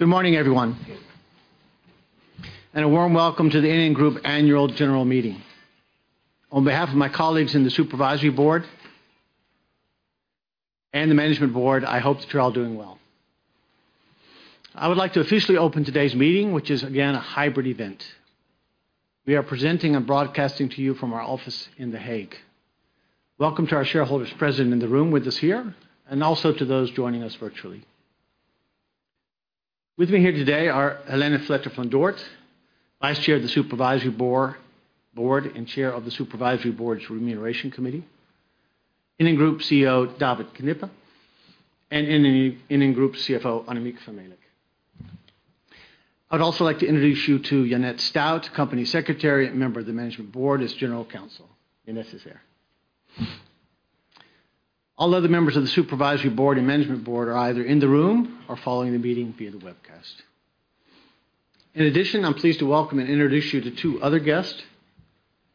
Good morning, everyone, and a warm welcome to the NN Group Annual General Meeting. On behalf of my colleagues in the Supervisory Board and the Management Board, I hope that you're all doing well. I would like to officially open today's meeting, which is, again, a hybrid event. We are presenting and broadcasting to you from our office in The Hague. Welcome to our shareholders present in the room with us here, and also to those joining us virtually. With me here today are Hélène Vletter-van Dort, Vice-Chair of the Supervisory Board, and Chair of the Supervisory Board's Remuneration Committee; NN Group CEO, David Knibbe; and NN Group CFO, Annemiek van Melick. I'd also like to introduce you to Janet Stuijt, Company Secretary and member of the Management Board as General Counsel. Janet is here. All other members of the Supervisory Board and Management Board are either in the room or following the meeting via the webcast. I'm pleased to welcome and introduce you to two other guests.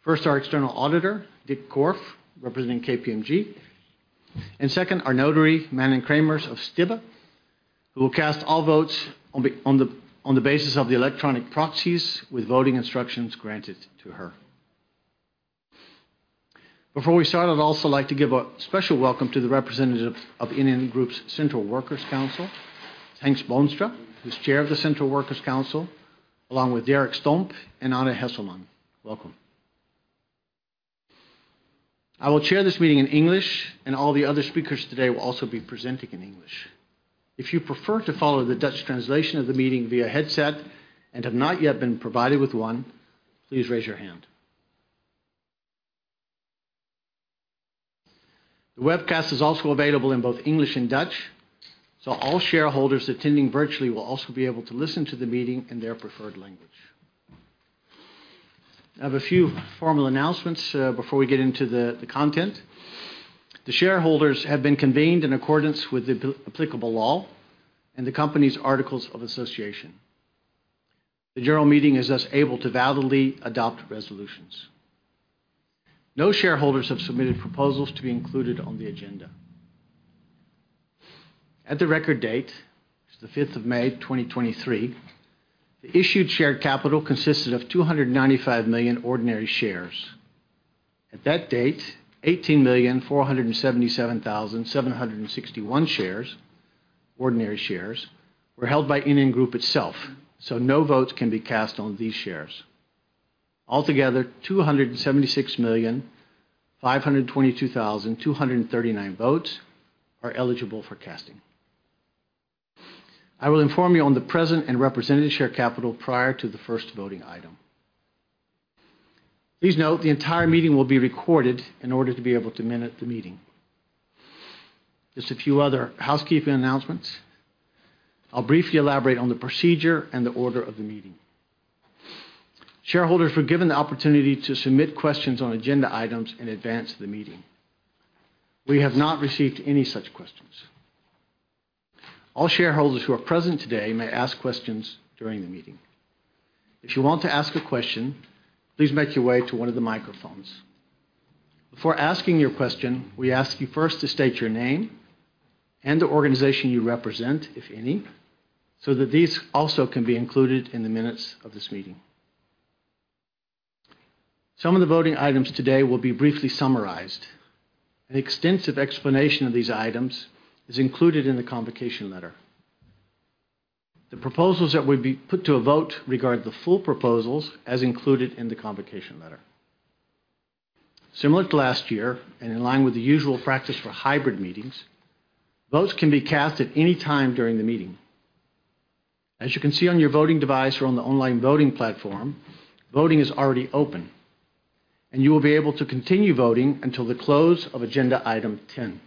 First, our external auditor, Dreek Korf, representing KPMG, and second, our notary, Manon Cremers of Stibbe, who will cast all votes on the basis of the electronic proxies with voting instructions granted to her. Before we start, I'd also like to give a special welcome to the representative of NN Group's Central Works Council, Henk Boonstra, who's Chair of the Central Works Council, along with Derrick Stomp and Anne Hesselman. Welcome. I will chair this meeting in English, all the other speakers today will also be presenting in English. If you prefer to follow the Dutch translation of the meeting via headset and have not yet been provided with one, please raise your hand. The webcast is also available in both English and Dutch, all shareholders attending virtually will also be able to listen to the meeting in their preferred language. I have a few formal announcements before we get into the content. The shareholders have been convened in accordance with the applicable law and the company's articles of association. The general meeting is thus able to validly adopt resolutions. No shareholders have submitted proposals to be included on the agenda. At the record date, which is the 5th of May, 2023, the issued shared capital consisted of 295 million ordinary shares. At that date, 18,477,761 shares, ordinary shares, were held by NN Group itself, so no votes can be cast on these shares. Altogether, 276,522,239 votes are eligible for casting. I will inform you on the present and representative share capital prior to the first voting item. Please note, the entire meeting will be recorded in order to be able to minute the meeting. Just a few other housekeeping announcements. I'll briefly elaborate on the procedure and the order of the meeting. Shareholders were given the opportunity to submit questions on agenda items in advance of the meeting. We have not received any such questions. All shareholders who are present today may ask questions during the meeting. If you want to ask a question, please make your way to one of the microphones. Before asking your question, we ask you first to state your name and the organization you represent, if any, so that these also can be included in the minutes of this meeting. Some of the voting items today will be briefly summarized. An extensive explanation of these items is included in the convocation letter. The proposals that would be put to a vote regard the full proposals as included in the convocation letter. Similar to last year, and in line with the usual practice for hybrid meetings, votes can be cast at any time during the meeting. As you can see on your voting device or on the online voting platform, voting is already open, and you will be able to continue voting until the close of agenda item 10,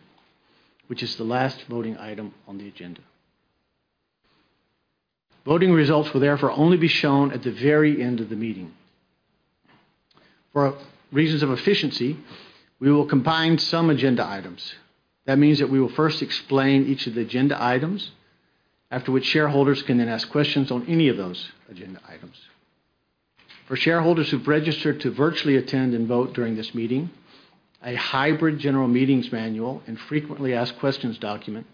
which is the last voting item on the agenda. Voting results will therefore only be shown at the very end of the meeting. For reasons of efficiency, we will combine some agenda items. That means that we will first explain each of the agenda items, after which shareholders can then ask questions on any of those agenda items. For shareholders who've registered to virtually attend and vote during this meeting, a hybrid general meetings manual and frequently asked questions document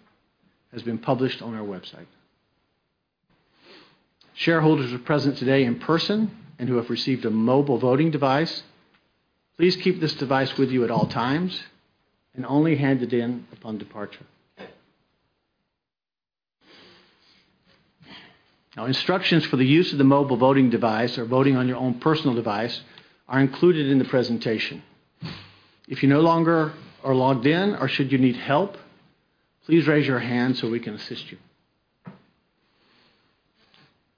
has been published on our website. Shareholders who are present today in person and who have received a mobile voting device, please keep this device with you at all times and only hand it in upon departure. Instructions for the use of the mobile voting device or voting on your own personal device are included in the presentation. If you no longer are logged in or should you need help, please raise your hand so we can assist you.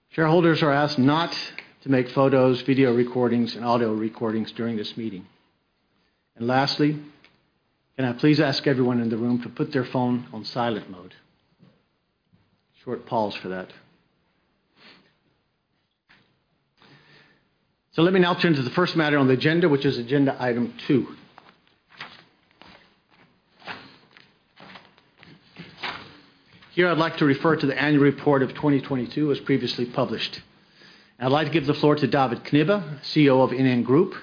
Shareholders are asked not to make photos, video recordings, and audio recordings during this meeting. Lastly, can I please ask everyone in the room to put their phone on silent mode? Short pause for that. Let me now turn to the first matter on the agenda, which is agenda item 2. Here, I'd like to refer to the annual report of 2022, as previously published. I'd like to give the floor to David Knibbe, CEO of NN Group.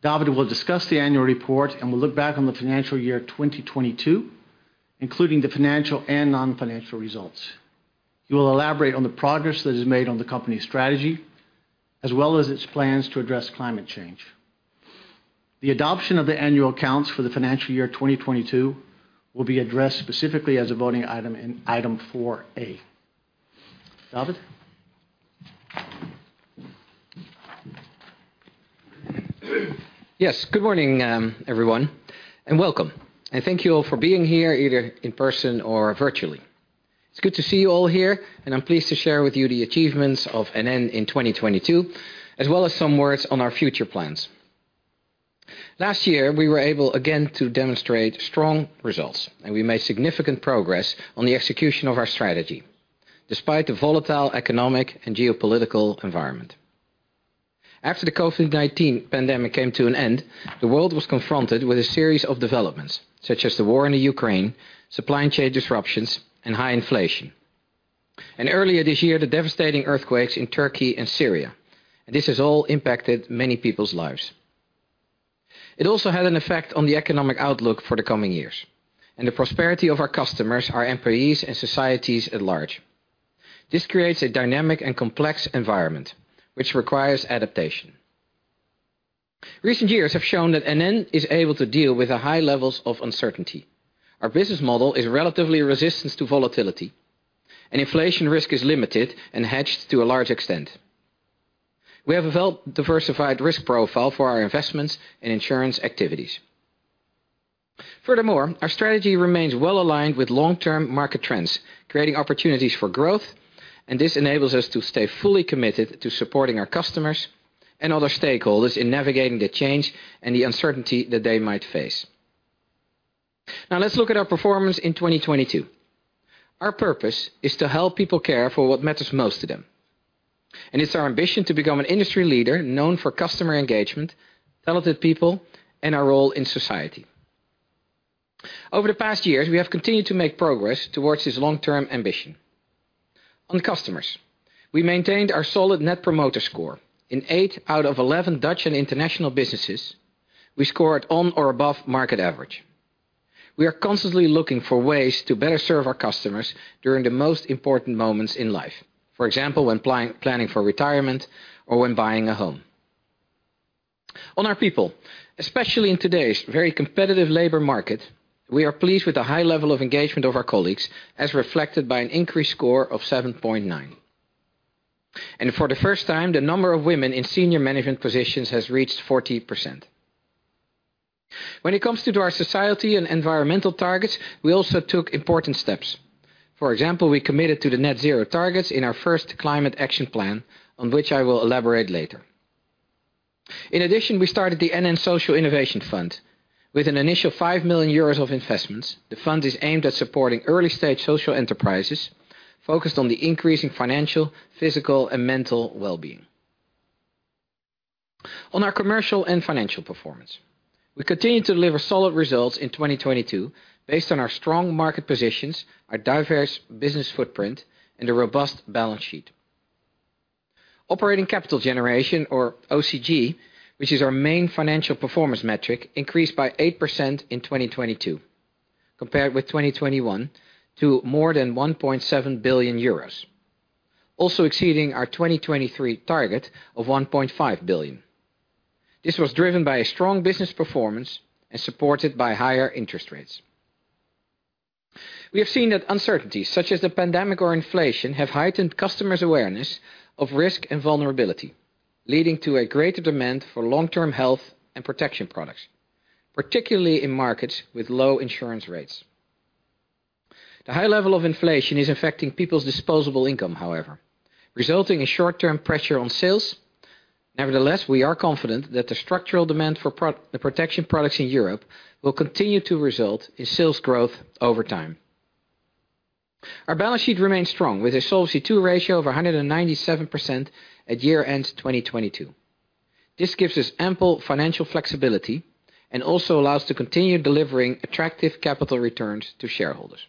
David will discuss the annual report, and will look back on the financial year 2022, including the financial and non-financial results. He will elaborate on the progress that is made on the company's strategy, as well as its plans to address climate change. The adoption of the annual accounts for the financial year 2022, will be addressed specifically as a voting item in item 4A. David? Yes. Good morning, everyone, and welcome. I thank you all for being here, either in person or virtually. It's good to see you all here, and I'm pleased to share with you the achievements of NN in 2022, as well as some words on our future plans. Last year, we were able again to demonstrate strong results, and we made significant progress on the execution of our strategy, despite the volatile economic and geopolitical environment. After the COVID-19 pandemic came to an end, the world was confronted with a series of developments, such as the war in the Ukraine, supply chain disruptions, and high inflation. Earlier this year, the devastating earthquakes in Turkey and Syria, and this has all impacted many people's lives. It also had an effect on the economic outlook for the coming years and the prosperity of our customers, our employees, and societies at large. This creates a dynamic and complex environment which requires adaptation. Recent years have shown that NN Group is able to deal with the high levels of uncertainty. Our business model is relatively resistant to volatility, and inflation risk is limited and hedged to a large extent. We have a well-diversified risk profile for our investments in insurance activities. Furthermore, our strategy remains well aligned with long-term market trends, creating opportunities for growth, and this enables us to stay fully committed to supporting our customers and other stakeholders in navigating the change and the uncertainty that they might face. Now, let's look at our performance in 2022. Our purpose is to help people care for what matters most to them, and it's our ambition to become an industry leader known for customer engagement, talented people, and our role in society. Over the past years, we have continued to make progress towards this long-term ambition. On customers, we maintained our solid Net Promoter Score. In 8 out of 11 Dutch and international businesses, we scored on or above market average. We are constantly looking for ways to better serve our customers during the most important moments in life. For example, when planning for retirement or when buying a home. On our people, especially in today's very competitive labor market, we are pleased with the high level of engagement of our colleagues, as reflected by an increased score of 7.9. For the first time, the number of women in senior management positions has reached 40%. When it comes to our society and environmental targets, we also took important steps. For example, we committed to the net zero targets in our first Climate Action Plan, on which I will elaborate later. In addition, we started the NN Social Innovation Fund. With an initial 5 million euros of investments, the fund is aimed at supporting early-stage social enterprises focused on the increasing financial, physical, and mental well-being. On our commercial and financial performance, we continued to deliver solid results in 2022 based on our strong market positions, our diverse business footprint, and a robust balance sheet. Operating capital generation or OCG, which is our main financial performance metric, increased by 8% in 2022, compared with 2021, to more than 1.7 billion euros, also exceeding our 2023 target of 1.5 billion. This was driven by a strong business performance and supported by higher interest rates. We have seen that uncertainties such as the pandemic or inflation, have heightened customers' awareness of risk and vulnerability, leading to a greater demand for long-term health and protection products, particularly in markets with low insurance rates. The high level of inflation is affecting people's disposable income, however, resulting in short-term pressure on sales. Nevertheless, we are confident that the structural demand for the protection products in Europe will continue to result in sales growth over time. Our balance sheet remains strong, with a Solvency II ratio of 197% at year-end 2022. This gives us ample financial flexibility and also allows to continue delivering attractive capital returns to shareholders.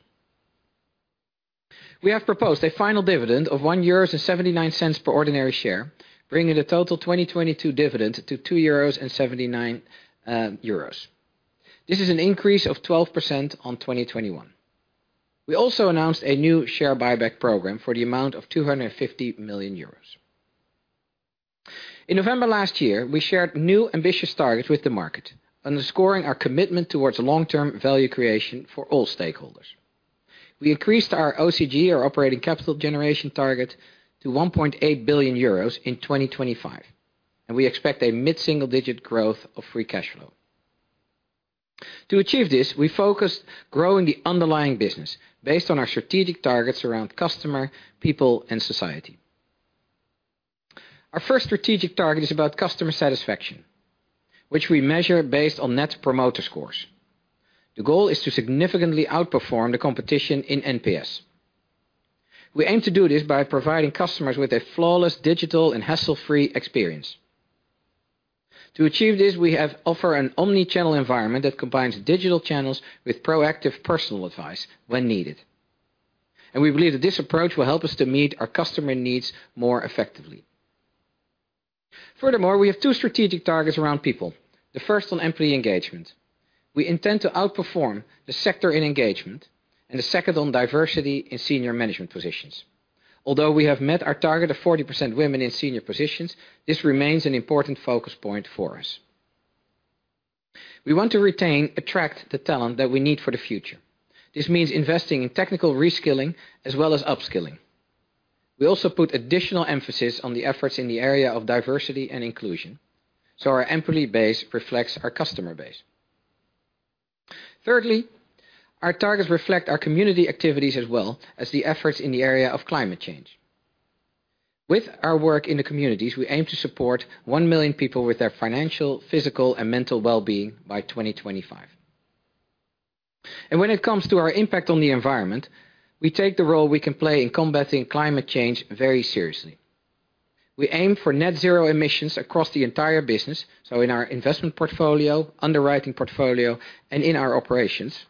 We have proposed a final dividend of 1.79 euros per ordinary share, bringing the total 2022 dividend to 2.79 euros. This is an increase of 12% on 2021. We also announced a new share buyback program for the amount of 250 million euros. In November last year, we shared new ambitious targets with the market, underscoring our commitment towards long-term value creation for all stakeholders. We increased our OCG, or operating capital generation, target to 1.8 billion euros in 2025, and we expect a mid-single-digit growth of free cash flow. To achieve this, we focused growing the underlying business based on our strategic targets around customer, people, and society. Our first strategic target is about customer satisfaction, which we measure based on Net Promoter Scores. The goal is to significantly outperform the competition in NPS. We aim to do this by providing customers with a flawless digital and hassle-free experience. To achieve this, we offer an omni-channel environment that combines digital channels with proactive personal advice when needed. We believe that this approach will help us to meet our customer needs more effectively. Furthermore, we have two strategic targets around people. The first on employee engagement. We intend to outperform the sector in engagement, and the second on diversity in senior management positions. Although we have met our target of 40% women in senior positions, this remains an important focus point for us. We want to retain, attract the talent that we need for the future. This means investing in technical reskilling as well as upskilling. We also put additional emphasis on the efforts in the area of diversity and inclusion, so our employee base reflects our customer base. Thirdly, our targets reflect our community activities as well as the efforts in the area of climate change. With our work in the communities, we aim to support 1 million people with their financial, physical, and mental well-being by 2025. When it comes to our impact on the environment, we take the role we can play in combating climate change very seriously. We aim for net zero emissions across the entire business, so in our investment portfolio, underwriting portfolio, and in our operations.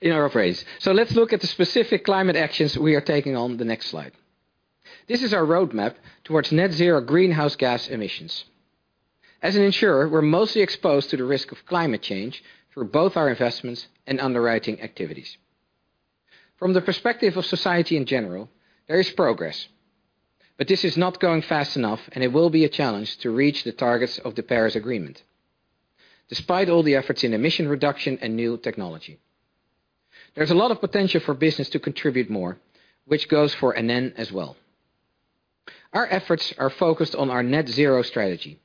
In our operations. Let's look at the specific climate actions we are taking on the next slide. This is our roadmap towards net zero greenhouse gas emissions. As an insurer, we're mostly exposed to the risk of climate change through both our investments and underwriting activities. From the perspective of society in general, there is progress. This is not going fast enough, and it will be a challenge to reach the targets of the Paris Agreement, despite all the efforts in emission reduction and new technology. There's a lot of potential for business to contribute more, which goes for NN as well. Our efforts are focused on our net zero strategy.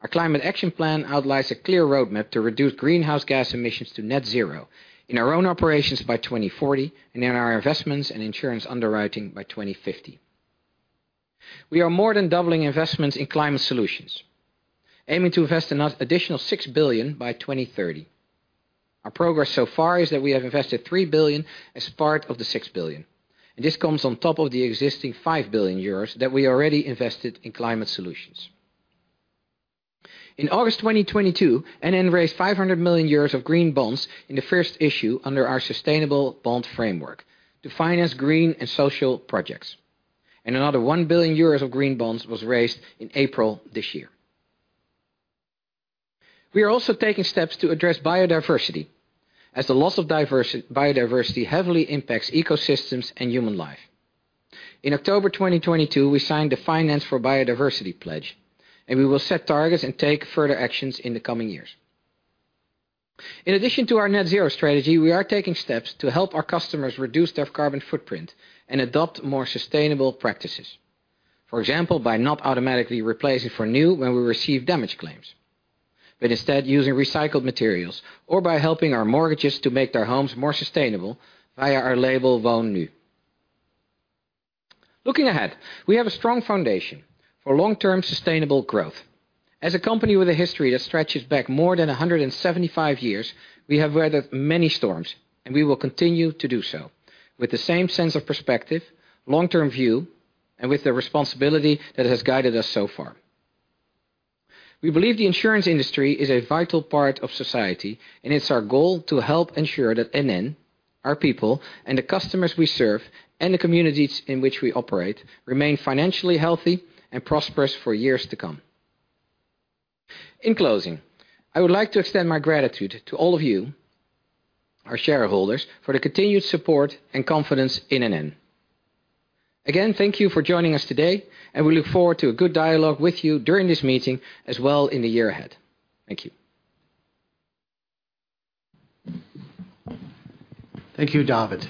Our climate action plan outlines a clear roadmap to reduce greenhouse gas emissions to net zero in our own operations by 2040. In our investments and insurance underwriting by 2050. We are more than doubling investments in climate solutions, aiming to invest an additional 6 billion by 2030. Our progress so far is that we have invested 3 billion as part of the 6 billion, and this comes on top of the existing 5 billion euros that we already invested in climate solutions. In August 2022, NN raised 500 million euros of green bonds in the first issue under our sustainable bond framework to finance green and social projects, and another 1 billion euros of green bonds was raised in April this year. We are also taking steps to address biodiversity, as the loss of biodiversity heavily impacts ecosystems and human life. In October 2022, we signed the Finance for Biodiversity Pledge, and we will set targets and take further actions in the coming years. In addition to our net zero strategy, we are taking steps to help our customers reduce their carbon footprint and adopt more sustainable practices. For example, by not automatically replacing for new when we receive damage claims, but instead using recycled materials, or by helping our mortgages to make their homes more sustainable via our label, Woonnu. Looking ahead, we have a strong foundation for long-term sustainable growth. As a company with a history that stretches back more than 175 years, we have weathered many storms, and we will continue to do so with the same sense of perspective, long-term view, and with the responsibility that has guided us so far. We believe the insurance industry is a vital part of society, and it's our goal to help ensure that NN, our people, and the customers we serve, and the communities in which we operate, remain financially healthy and prosperous for years to come. In closing, I would like to extend my gratitude to all of you, our shareholders, for the continued support and confidence in NN. Again, thank you for joining us today, and we look forward to a good dialogue with you during this meeting, as well in the year ahead. Thank you. Thank you, David.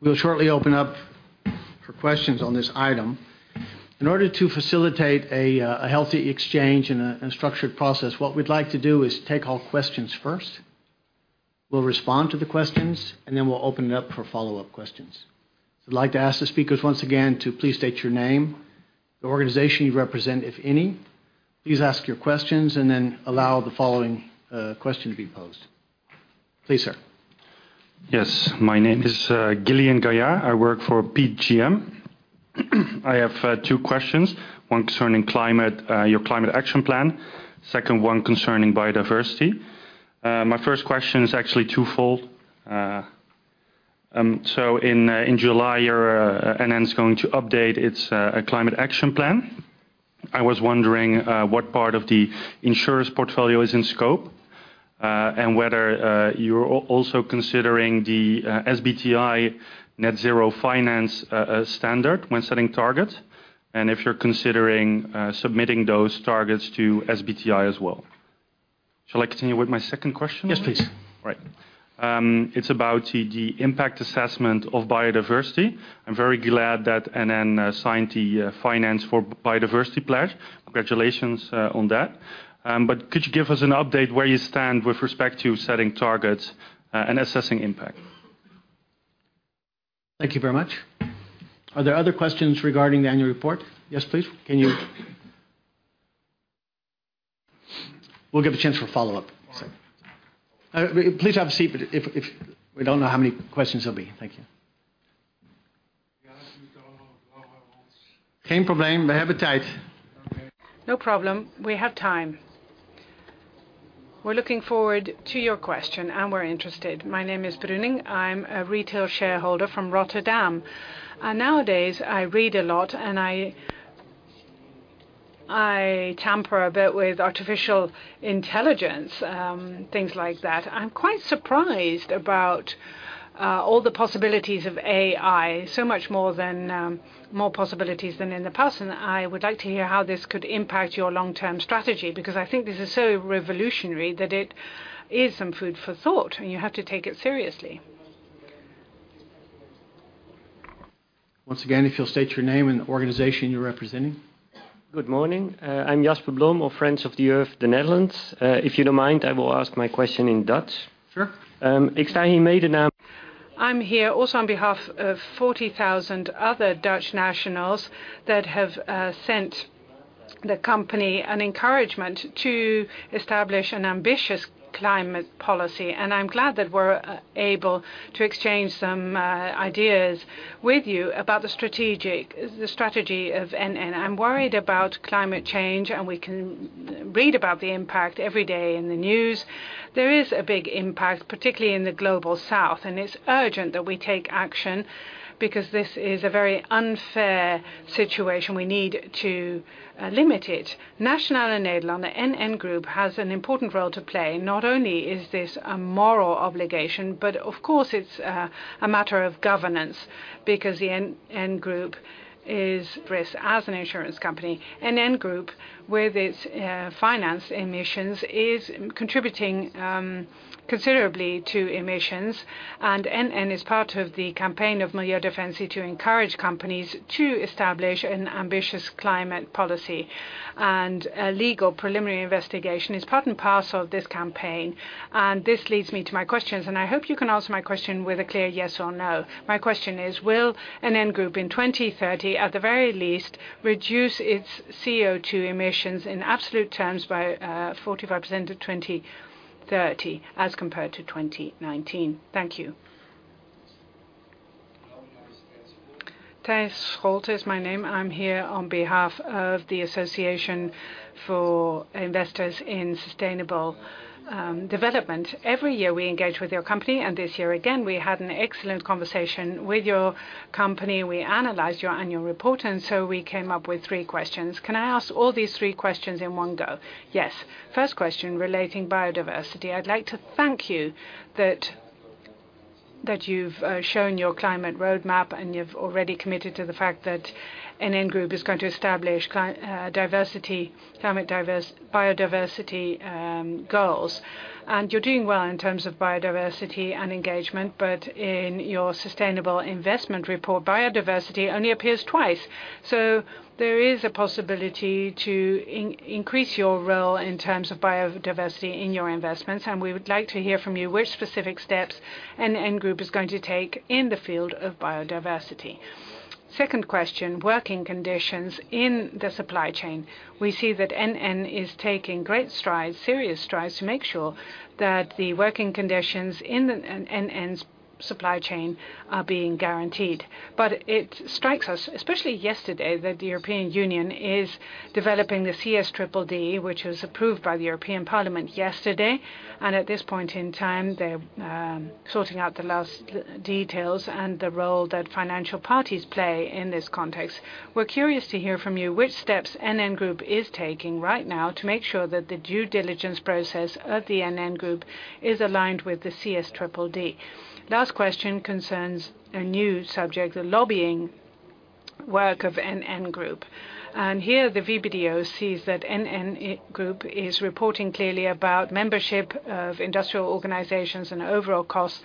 We'll shortly open up for questions on this item. In order to facilitate a healthy exchange and a structured process, what we'd like to do is take all questions first. We'll respond to the questions, and then we'll open it up for follow-up questions. I'd like to ask the speakers once again to please state your name, the organization you represent, if any. Please ask your questions, and then allow the following question to be posed. Please, sir. Yes, my name is Gillian Gaillard. I work for PGGM. I have two questions, one concerning climate, your climate action plan. Second one concerning biodiversity. My first question is actually twofold. In July, NN's going to update its climate action plan. I was wondering what part of the insurance portfolio is in scope, and whether you're also considering the SBTI net zero finance standard when setting targets, and if you're considering submitting those targets to SBTI as well? Shall I continue with my second question? Yes, please. Right. It's about the impact assessment of biodiversity. I'm very glad that NN signed the Finance for Biodiversity pledge. Congratulations on that. Could you give us an update where you stand with respect to setting targets and assessing impact? Thank you very much. Are there other questions regarding the annual report? Yes, please. We'll give a chance for follow-up. Please have a seat, but if we don't know how many questions there'll be. Thank you. No problem. We have time. We're looking forward to your question, and we're interested. My name is Bruning. I'm a retail shareholder from Rotterdam. Nowadays, I read a lot, and I tamper a bit with artificial intelligence, things like that. I'm quite surprised about all the possibilities of AI, so much more than more possibilities than in the past, and I would like to hear how this could impact your long-term strategy, because I think this is so revolutionary that it is some food for thought, and you have to take it seriously. Once again, if you'll state your name and the organization you're representing. Good morning. I'm Jasper Blom, of Friends of the Earth, the Netherlands. If you don't mind, I will ask my question in Dutch. Sure. I'm here also on behalf of 40,000 other Dutch nationals that have sent the company an encouragement to establish an ambitious climate policy. I'm glad that we're able to exchange some ideas with you about the strategic, the strategy of NN. I'm worried about climate change. We can read about the impact every day in the news. There is a big impact, particularly in the Global South. It's urgent that we take action because this is a very unfair situation. We need to limit it. Nationale-Nederland, the NN Group, has an important role to play. Not only is this a moral obligation, of course, it's a matter of governance, because the NN Group is risk as an insurance company. NN Group, with its finance emissions, is contributing considerably to emissions. NN is part of the campaign of Milieudefensie to encourage companies to establish an ambitious climate policy. A legal preliminary investigation is part and parcel of this campaign. This leads me to my questions. I hope you can answer my question with a clear yes or no. My question is, will NN Group, in 2030, at the very least, reduce its CO2 emissions in absolute terms by 45% of 2030 as compared to 2019? Thank you. Thijs Scholten is my name. I'm here on behalf of the Association for Investors in Sustainable Development. Every year, we engage with your company. This year, again, we had an excellent conversation with your company. We analyzed your annual report. We came up with 3 questions. Can I ask all these three questions in one go? Yes. First question, relating biodiversity. I'd like to thank you that you've shown your climate roadmap, and you've already committed to the fact that NN Group is going to establish biodiversity goals. You're doing well in terms of biodiversity and engagement, but in your sustainable investment report, biodiversity only appears twice. There is a possibility to increase your role in terms of biodiversity in your investments, and we would like to hear from you which specific steps NN Group is going to take in the field of biodiversity. Second question, working conditions in the supply chain. We see that NN is taking great strides, serious strides, to make sure that the working conditions in the NN's supply chain are being guaranteed. It strikes us, especially yesterday, that the European Union is developing the CSDDD, which was approved by the European Parliament yesterday, and at this point in time, they're sorting out the last details and the role that financial parties play in this context. We're curious to hear from you which steps NN Group is taking right now to make sure that the due diligence process of the NN Group is aligned with the CSDDD. Last question concerns a new subject, the lobbying work of NN Group. Here, the VBDO sees that NN Group is reporting clearly about membership of industrial organizations and overall costs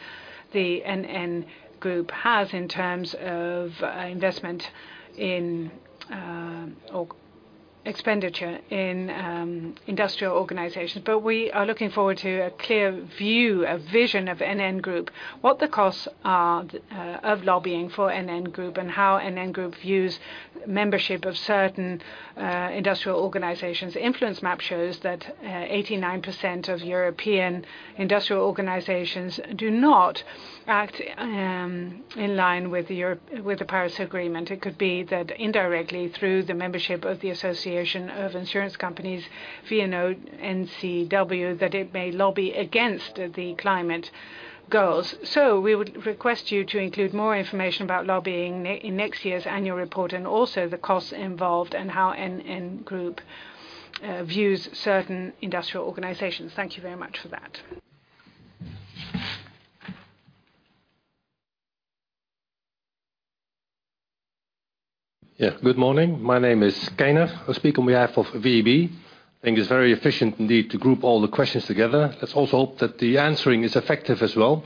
the NN Group has in terms of investment in or expenditure in industrial organizations. We are looking forward to a clear view, a vision of NN Group, what the costs are of lobbying for NN Group, and how NN Group views membership of certain industrial organizations. InfluenceMap shows that 89% of European industrial organizations do not act in line with the Europe, with the Paris Agreement. It could be that indirectly, through the membership of the Association of Insurance Companies, VNO-NCW, that it may lobby against the climate goals. We would request you to include more information about lobbying in next year's annual report, and also the costs involved and how NN Group views certain industrial organizations. Thank you very much for that. Yeah. Good morning. My name is Kaynef. I speak on behalf of VEB. I think it's very efficient indeed, to group all the questions together. Let's also hope that the answering is effective as well.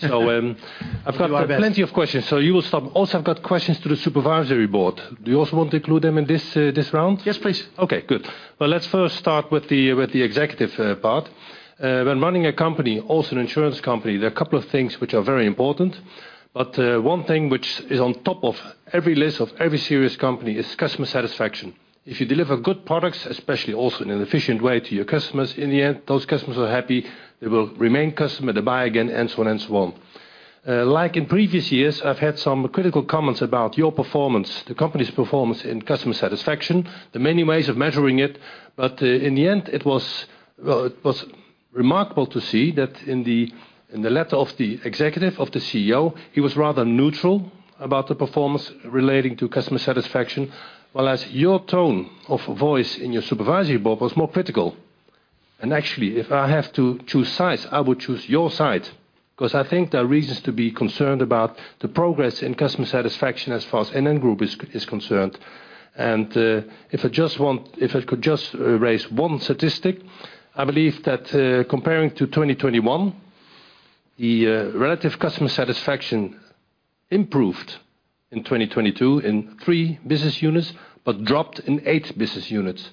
You are best. I've got plenty of questions, so you will stop. Also, I've got questions to the supervisory board. Do you also want to include them in this round? Yes, please. Okay, good. Well, let's first start with the executive part. When running a company, also an insurance company, there are a couple of things which are very important, one thing which is on top of every list of every serious company is customer satisfaction. If you deliver good products, especially also in an efficient way to your customers, in the end, those customers are happy, they will remain customer, they buy again, and so on and so on. Like in previous years, I've had some critical comments about your performance, the company's performance in customer satisfaction, the many ways of measuring it, in the end, well, it was remarkable to see that in the letter of the executive, of the CEO, he was rather neutral about the performance relating to customer satisfaction, well, as your tone of voice in your supervisory board was more critical. Actually, if I have to choose sides, I would choose your side, 'cause I think there are reasons to be concerned about the progress in customer satisfaction as far as NN Group is concerned. If I could just raise one statistic, I believe that, comparing to 2021, the relative customer satisfaction improved in 2022 in 3 business units, dropped in 8 business units.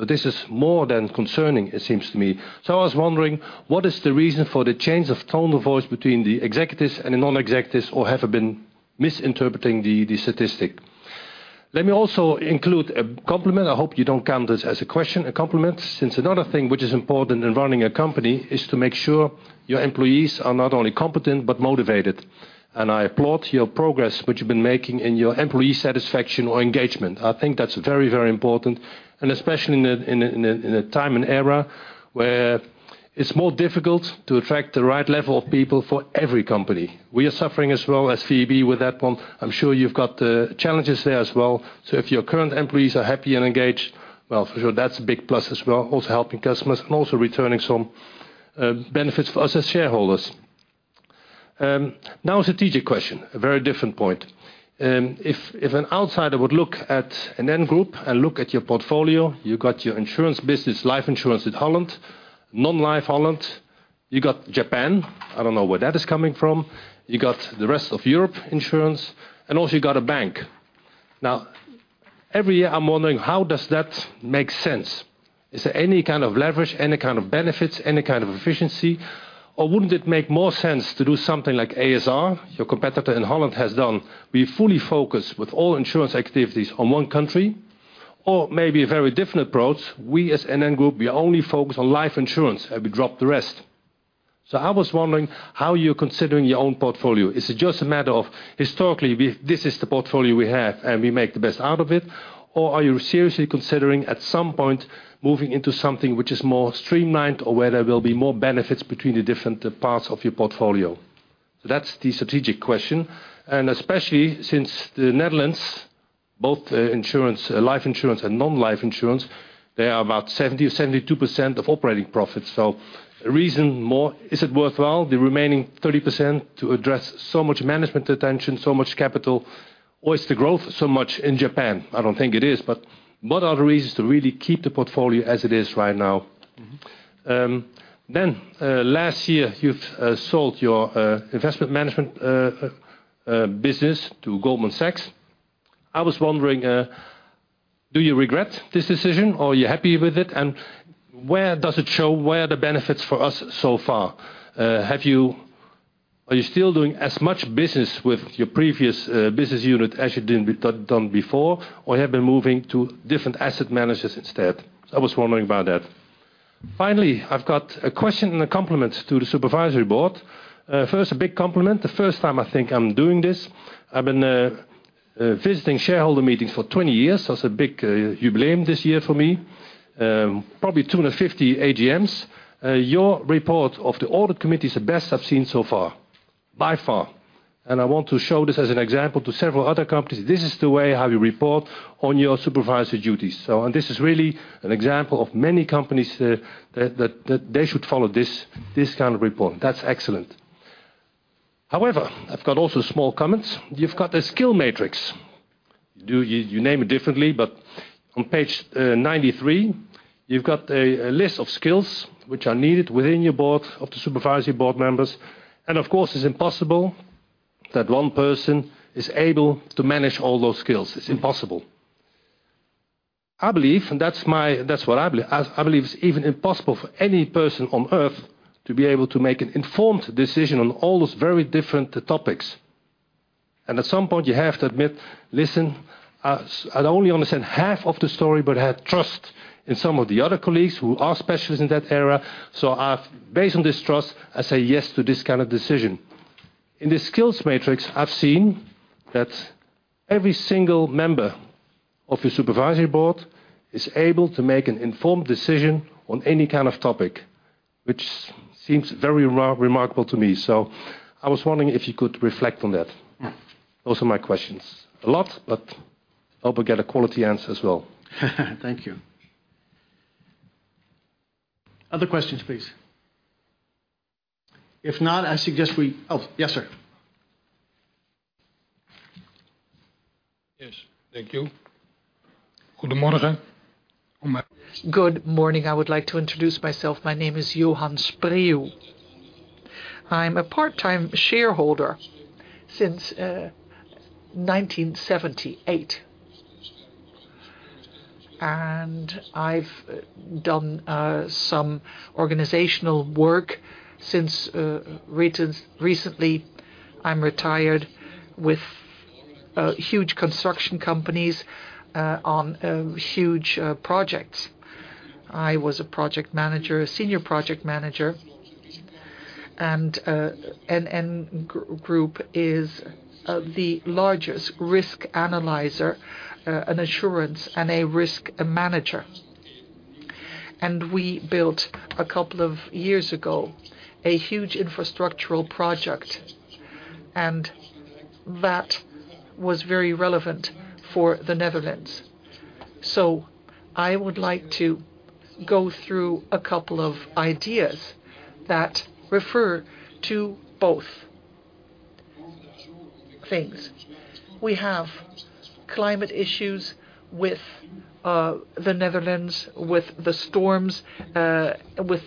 This is more than concerning, it seems to me. I was wondering, what is the reason for the change of tone of voice between the executives and the non-executives, or have I been misinterpreting the statistic? Let me also include a compliment. I hope you don't count this as a question, a compliment, since another thing which is important in running a company is to make sure your employees are not only competent, but motivated. I applaud your progress, which you've been making in your employee satisfaction or engagement. I think that's very important, especially in a time and era where it's more difficult to attract the right level of people for every company. We are suffering as well as VEB with that one. I'm sure you've got the challenges there as well. If your current employees are happy and engaged, for sure, that's a big plus as well, also helping customers and also returning some benefits for us as shareholders. Now, a strategic question, a very different point. If an outsider would look at NN Group and look at your portfolio, you got your insurance business, life insurance in Holland, non-life Holland, you got Japan, I don't know where that is coming from, you got the rest of Europe insurance, also you got a bank. Now, every year, I'm wondering, how does that make sense? Is there any kind of leverage, any kind of benefits, any kind of efficiency? Wouldn't it make more sense to do something like ASR, your competitor in Holland has done, be fully focused with all insurance activities on one country, or maybe a very different approach, we as NN Group, we are only focused on life insurance, and we drop the rest? I was wondering how you're considering your own portfolio. Is it just a matter of historically, this is the portfolio we have, and we make the best out of it, or are you seriously considering at some point moving into something which is more streamlined, or where there will be more benefits between the different parts of your portfolio? That's the strategic question. Especially since the Netherlands, both insurance, life insurance and non-life insurance, they are about 70 to 72% of operating profits. A reason more, is it worthwhile, the remaining 30%, to address so much management attention, so much capital? Is the growth so much in Japan? I don't think it is, what are the reasons to really keep the portfolio as it is right now? Last year, you've sold your investment management business to Goldman Sachs. I was wondering, do you regret this decision, or are you happy with it? Where does it show, where are the benefits for us so far? Are you still doing as much business with your previous business unit as you did before, or have you been moving to different asset managers instead? I was wondering about that. Finally, I've got a question and a compliment to the Supervisory Board. First, a big compliment. The first time I think I'm doing this, I've been visiting shareholder meetings for 20 years, so it's a big jubilee this year for me, probably 250 AGMs. Your report of the audit committee is the best I've seen so far, by far. I want to show this as an example to several other companies. This is the way how you report on your supervisory duties. This is really an example of many companies that they should follow this kind of report. That's excellent. However, I've got also small comments. You've got a skill matrix. You name it differently, but on page 93, you've got a list of skills which are needed within your board, of the supervisory board members. Of course, it's impossible that one person is able to manage all those skills. It's impossible. I believe, that's what I believe, I believe it's even impossible for any person on Earth to be able to make an informed decision on all those very different topics. At some point, you have to admit, listen, I only understand half of the story, but I have trust in some of the other colleagues who are specialists in that area. Based on this trust, I say yes to this kind of decision. In the skills matrix, I've seen that every single member of the Supervisory Board is able to make an informed decision on any kind of topic, which seems very remarkable to me. I was wondering if you could reflect on that. Those are my questions. A lot. Hope I get a quality answer as well. Thank you. Other questions, please? If not, I suggest we... Oh, yes, sir. Yes, thank you. Good morning, good morning. I would like to introduce myself. My name is Johan Spreeuw. I'm a part-time shareholder since 1978. I've done some organizational work since recent, recently. I'm retired with huge construction companies on huge projects. I was a project manager, a senior project manager. NN Group is the largest risk analyzer and assurance, and a risk manager. We built, a couple of years ago, a huge infrastructural project, and that was very relevant for the Netherlands. I would like to go through a couple of ideas that refer to both things. We have climate issues with the Netherlands, with the storms, with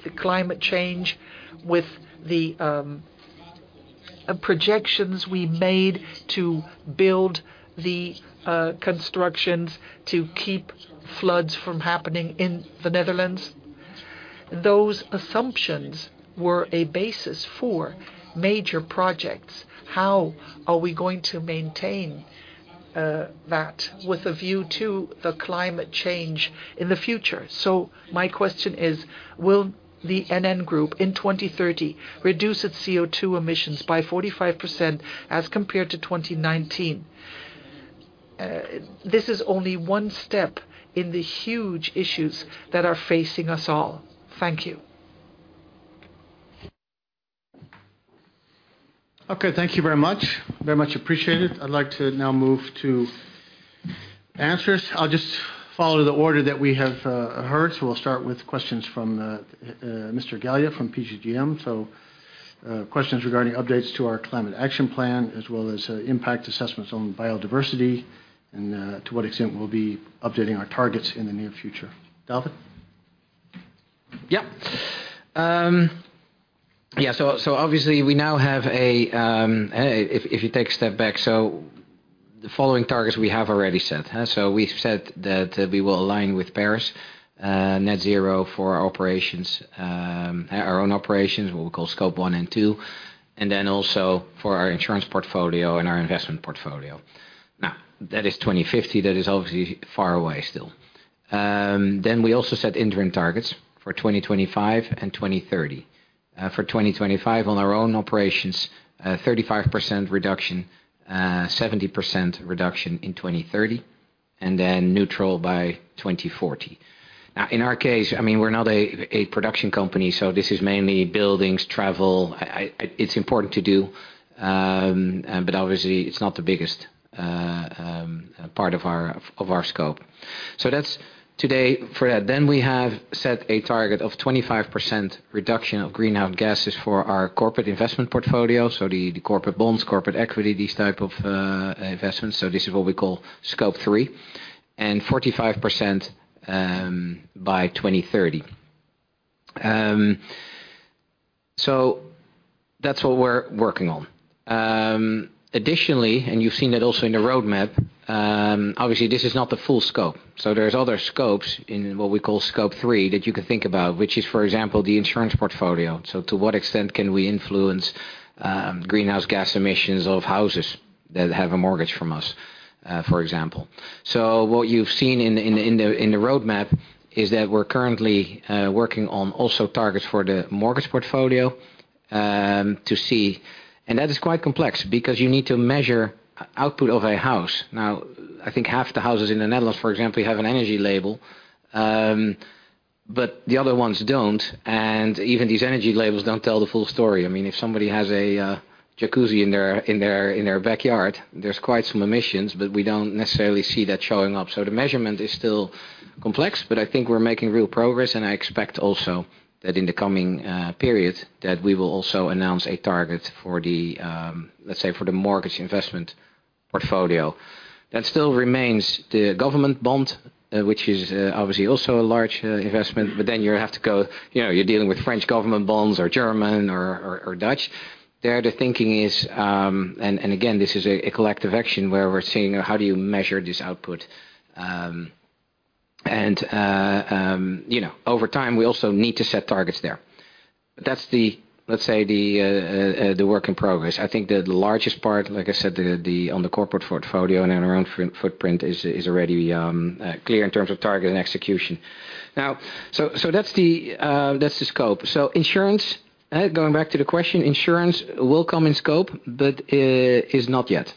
the climate change, with the projections we made to build the constructions to keep floods from happening in the Netherlands. Those assumptions were a basis for major projects. How are we going to maintain that with a view to the climate change in the future? My question is: will the NN Group, in 2030, reduce its CO2 emissions by 45% as compared to 2019? This is only one step in the huge issues that are facing us all. Thank you. Okay, thank you very much. Very much appreciated. I'd like to now move to answers. I'll just follow the order that we have heard, so we'll start with questions from Mr. Gaillard from PGGM. Questions regarding updates to our climate action plan, as well as impact assessments on biodiversity, and to what extent we'll be updating our targets in the near future. David? Obviously we now have if you take a step back, so the following targets we have already set, huh? We've said that we will align with Paris, net zero for our operations, our own operations, what we call Scope 1 and 2, and then also for our insurance portfolio and our investment portfolio. That is 2050, that is obviously far away still. We also set interim targets for 2025 and 2030. For 2025, on our own operations, 35% reduction, 70% reduction in 2030, and then neutral by 2040. In our case, I mean, we're not a production company, so this is mainly buildings, travel. It's important to do, but obviously it's not the biggest part of our scope. That's today for that. We have set a target of 25% reduction of greenhouse gases for our corporate investment portfolio, so the corporate bonds, corporate equity, these type of investments, this is what we call Scope 3, and 45% by 2030. That's what we're working on. Additionally, you've seen that also in the roadmap, obviously, this is not the full scope. There's other scopes in what we call Scope 3, that you can think about, which is, for example, the insurance portfolio. To what extent can we influence greenhouse gas emissions of houses that have a mortgage from us, for example? What you've seen in the roadmap is that we're currently working on also targets for the mortgage portfolio to see. That is quite complex because you need to measure output of a house. I think half the houses in the Netherlands, for example, have an energy label, but the other ones don't, and even these energy labels don't tell the full story. I mean, if somebody has a jacuzzi in their backyard, there's quite some emissions, but we don't necessarily see that showing up. The measurement is still complex, but I think we're making real progress, and I expect also that in the coming period, that we will also announce a target for the, let's say, for the mortgage investment portfolio. That still remains the government bond, which is obviously also a large investment. Then you have to go, you know, you're dealing with French government bonds or German or Dutch. There, the thinking is, and again, this is a collective action where we're seeing: How do you measure this output? And, you know, over time, we also need to set targets there. That's the, let's say, the work in progress. I think the largest part, like I said, the, on the corporate portfolio and around footprint is already clear in terms of target and execution. Now, that's the scope. Insurance, going back to the question, insurance will come in scope but is not yet.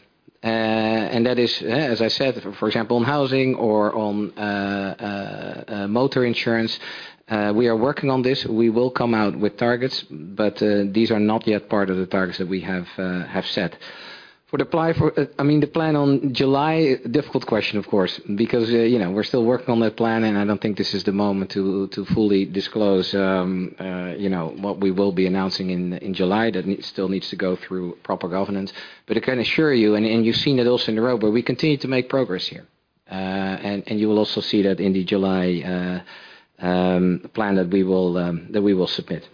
That is, as I said, for example, on housing or on motor insurance, we are working on this. We will come out with targets, but these are not yet part of the targets that we have set. I mean, the plan on July, difficult question, of course, because, you know, we're still working on the plan, and I don't think this is the moment to fully disclose, you know, what we will be announcing in July. That still needs to go through proper governance. I can assure you, and you've seen it also in the roadmap, we continue to make progress here. You will also see that in the July plan that we will that we will submit.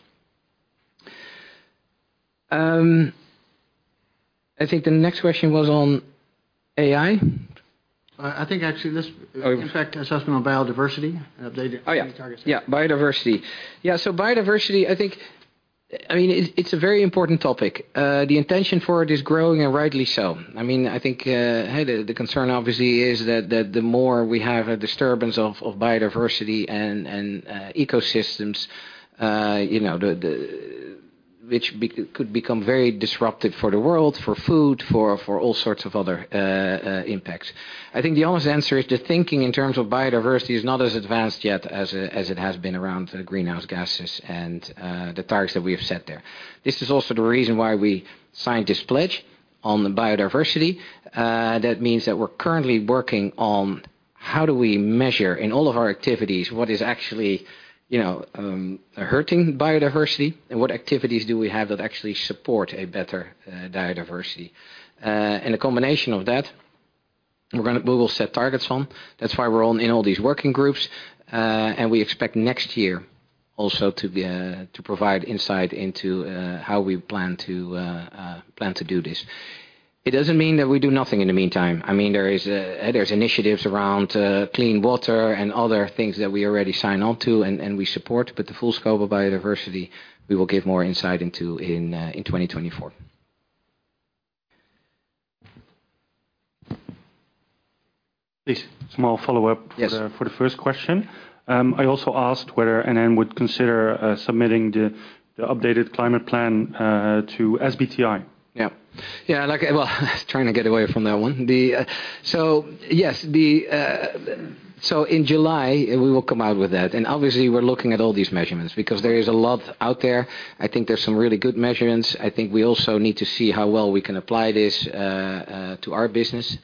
I think the next question was on AI? I think actually,... In fact, assessment on biodiversity. Oh, yeah. Target set. Yeah, biodiversity. Yeah, biodiversity, I think, I mean, it's a very important topic. The intention for it is growing, and rightly so. I mean, I think, hey, the concern obviously is that the more we have a disturbance of biodiversity and ecosystems, you know, could become very disruptive for the world, for food, for all sorts of other impacts. I think the honest answer is the thinking in terms of biodiversity is not as advanced yet as it has been around greenhouse gases and the targets that we have set there. This is also the reason why we signed this pledge on the biodiversity. That means that we're currently working on how do we measure in all of our activities, what is actually, you know, hurting biodiversity, and what activities do we have that actually support a better biodiversity? A combination of that, we will set targets on. That's why we're on in all these working groups, and we expect next year also to be to provide insight into how we plan to plan to do this. It doesn't mean that we do nothing in the meantime. I mean, there is there's initiatives around clean water and other things that we already signed on to, and we support, but the full scope of biodiversity, we will give more insight into in 2024. Please, small follow-up. Yes. for the first question. I also asked whether NN would consider submitting the updated climate plan to SBTI? Yeah. Yeah, like, well, trying to get away from that one. Yes, in July, we will come out with that, and obviously, we're looking at all these measurements because there is a lot out there. I think there's some really good measurements. I think we also need to see how well we can apply this to our business.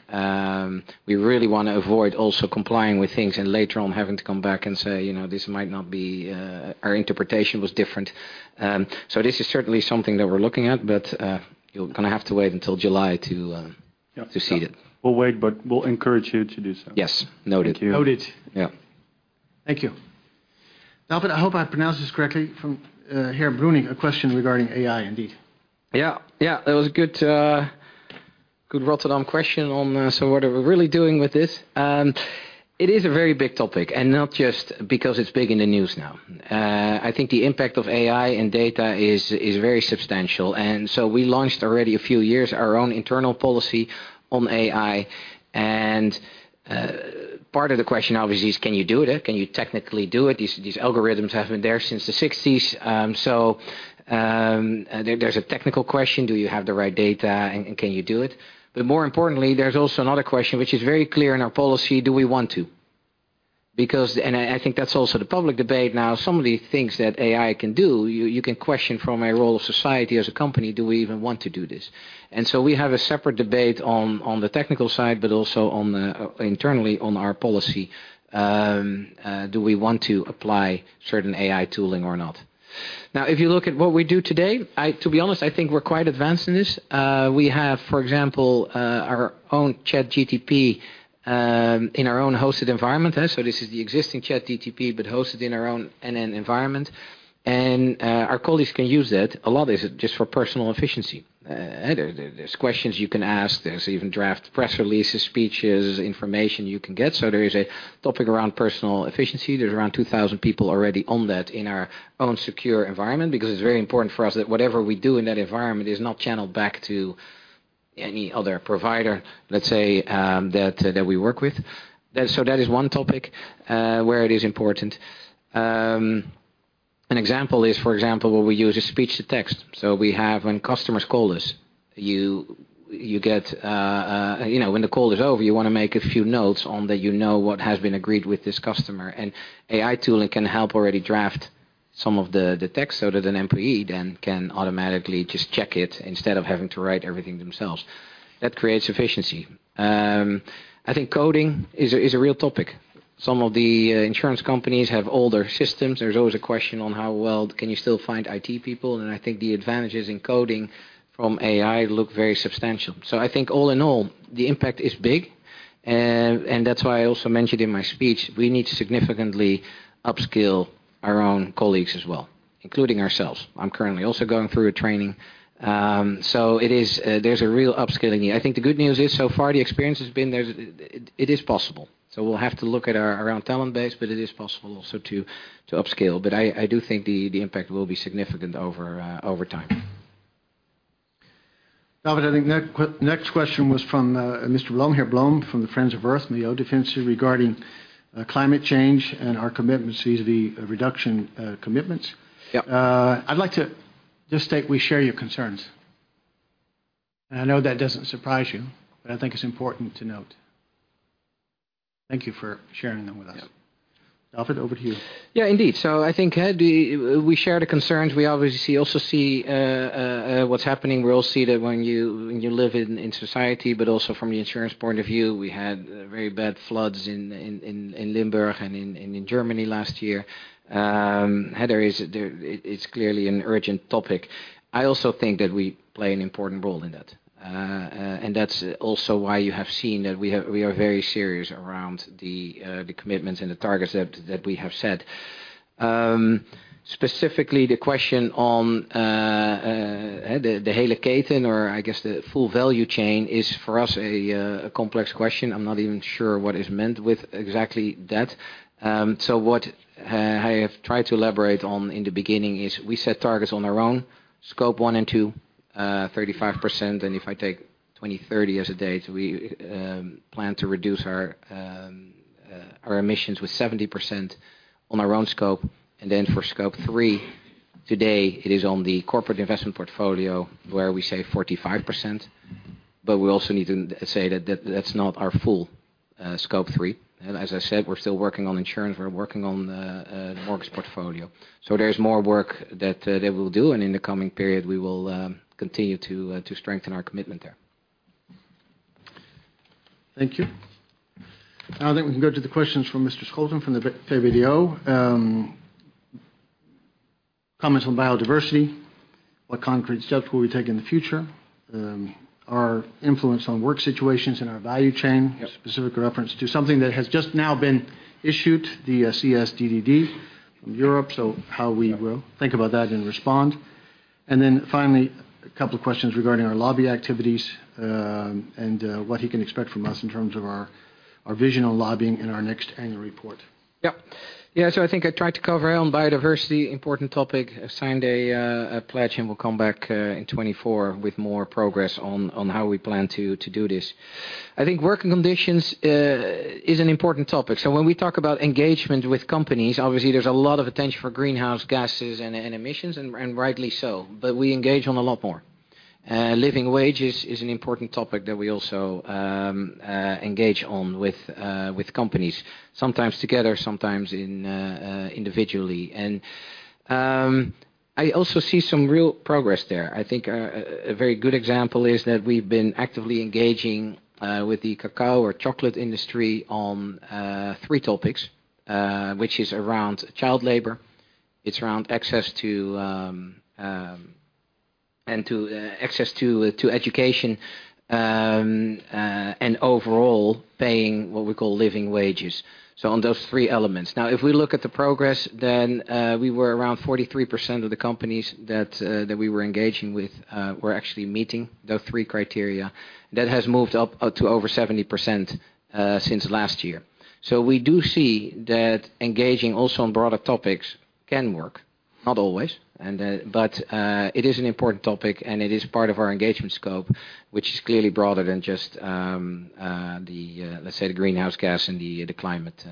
We really wanna avoid also complying with things and later on, having to come back and say: You know, this might not be, our interpretation was different. This is certainly something that we're looking at, but you're gonna have to wait until July to- Yeah. to see it. We'll wait, but we'll encourage you to do so. Yes. Noted. Thank you. Noted. Yeah. Thank you. David, I hope I pronounced this correctly, from, here, Bruning, a question regarding AI, indeed. Yeah. Yeah, that was a good Rotterdam question on, so what are we really doing with this? It is a very big topic, and not just because it's big in the news now. I think the impact of AI and data is very substantial, and so we launched already a few years, our own internal policy on AI. Part of the question obviously, is can you do it? Can you technically do it? These algorithms have been there since the 60s. There's a technical question: Do you have the right data, and can you do it? More importantly, there's also another question, which is very clear in our policy: Do we want to? Because... I think that's also the public debate now. Some of the things that AI can do, you can question from a role of society as a company, do we even want to do this? We have a separate debate on the technical side, but also internally on our policy. Do we want to apply certain AI tooling or not? If you look at what we do today, to be honest, I think we're quite advanced in this. We have, for example, our own ChatGPT in our own hosted environment, eh? This is the existing ChatGPT, but hosted in our own NN environment. Our colleagues can use that. A lot is just for personal efficiency. There's questions you can ask. There's even draft press releases, speeches, information you can get. There is a topic around personal efficiency. There's around 2,000 people already on that in our own secure environment, because it's very important for us that whatever we do in that environment is not channeled back to any other provider, let's say, that we work with. That is one topic where it is important. An example is, for example, where we use a speech-to-text. When customers call us, you get You know, when the call is over, you wanna make a few notes on that you know what has been agreed with this customer, AI tooling can help already draft some of the text so that an employee then can automatically just check it instead of having to write everything themselves. That creates efficiency. I think coding is a real topic. Some of the insurance companies have older systems. There's always a question on how well can you still find IT people. I think the advantages in coding from AI look very substantial. I think all in all, the impact is big. That's why I also mentioned in my speech, we need to significantly upskill our own colleagues as well, including ourselves. I'm currently also going through a training. There's a real upskilling here. I think the good news is so far, the experience has been it is possible. We'll have to look at our around talent base, but it is possible also to upskill. I do think the impact will be significant over over time. David, I think next question was from Mr. Blom, here, Blom, from the Friends of the Earth, from Milieudefensie, regarding climate change and our commitment to the reduction commitments. Yeah. I'd like to just state we share your concerns. I know that doesn't surprise you, but I think it's important to note. Thank you for sharing them with us. Yeah. David, over to you. Indeed. I think we share the concerns. We obviously also see what's happening. We all see that when you live in society, but also from the insurance point of view, we had very bad floods in Limburg and in Germany last year. There is. It is clearly an urgent topic. I also think that we play an important role in that. That's also why you have seen that we are very serious around the commitments and the targets that we have set. Specifically, the question on the hele keten, or I guess, the full value chain, is for us, a complex question. I'm not even sure what is meant with exactly that. What I have tried to elaborate on in the beginning is we set targets on our own, Scope 1 and 2, 35%, if I take 2030 as a date, we plan to reduce our emissions with 70% on our own scope. For Scope 3, today, it is on the corporate investment portfolio, where we save 45%. We also need to say that's not our full Scope 3. As I said, we're still working on insurance, we're working on the mortgage portfolio. There's more work that we'll do, and in the coming period, we will continue to strengthen our commitment there. Thank you. I think we can go to the questions from Mr. Scholten, from the VBDO. Comments on biodiversity. What concrete steps will we take in the future? Our influence on work situations and our value chain. Yep. -specific reference to something that has just now been issued, the, CSDDD from Europe, so how we will think about that and respond. Finally, a couple of questions regarding our lobby activities, and what he can expect from us in terms of our vision on lobbying in our next annual report. Yep. Yeah. I think I tried to cover on biodiversity, important topic. We'll come back in 2024 with more progress on how we plan to do this. I think working conditions is an important topic. When we talk about engagement with companies, obviously, there's a lot of attention for greenhouse gases and emissions, and rightly so. We engage on a lot more. Living wages is an important topic that we also engage on with companies, sometimes together, sometimes individually. I also see some real progress there. I think a very good example is that we've been actively engaging with the cacao or chocolate industry on three topics, which is around child labor, it's around access to... to access to education, and overall, paying what we call living wages, on those 3 elements. If we look at the progress, then, we were around 43% of the companies that we were engaging with, were actually meeting the 3 criteria. That has moved up to over 70% since last year. We do see that engaging also on broader topics can work, not always, but it is an important topic, and it is part of our engagement scope, which is clearly broader than just the, let's say, the greenhouse gas and the climate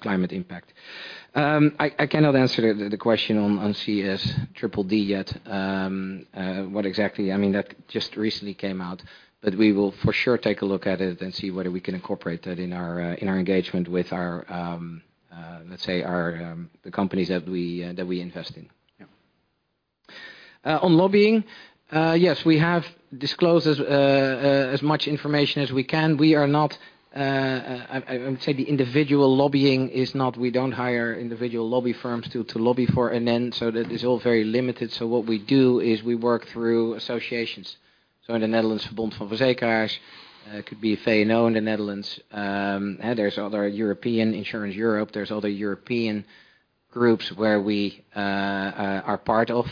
climate impact. I cannot answer the question on CSDDD yet. What exactly-- I mean, that just recently came out. We will for sure, take a look at it and see whether we can incorporate that in our engagement with our, let's say our, the companies that we invest in. Yeah. On lobbying, yes, we have disclosed as much information as we can. We are not, I would say, the individual lobbying is not-- We don't hire individual lobby firms to lobby for NN, so that is all very limited. What we do is we work through associations. In the Netherlands, Verbond van Verzekeraars, it could be VNO-NCW in the Netherlands, and there's other European, Insurance Europe. There's other European groups where we are part of.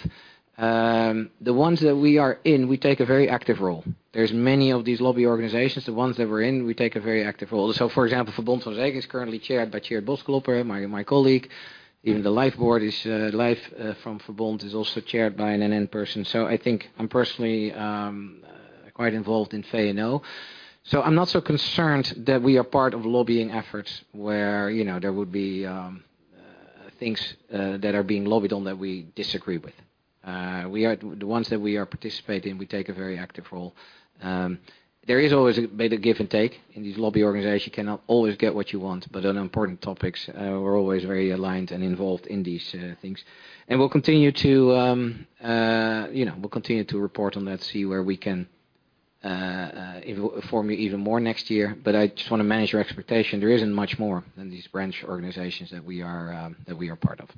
The ones that we are in, we take a very active role. There's many of these lobby organizations, the ones that we're in, we take a very active role. For example, Verbond van Verzekeraars is currently chaired by Tjeerd Bosklopper, my colleague. Even the Life board is Life from Verbond, is also chaired by an NN person. I think I'm personally quite involved in VNO-NCW. I'm not so concerned that we are part of lobbying efforts where, you know, there would be things that are being lobbied on that we disagree with. The ones that we are participating, we take a very active role. There is always a bit of give and take in these lobby organizations. You cannot always get what you want, but on important topics, we're always very aligned and involved in these things. We'll continue to, you know, we'll continue to report on that, see where we can inform you even more next year. I just want to manage your expectation. There isn't much more than these branch organizations that we are that we are part of.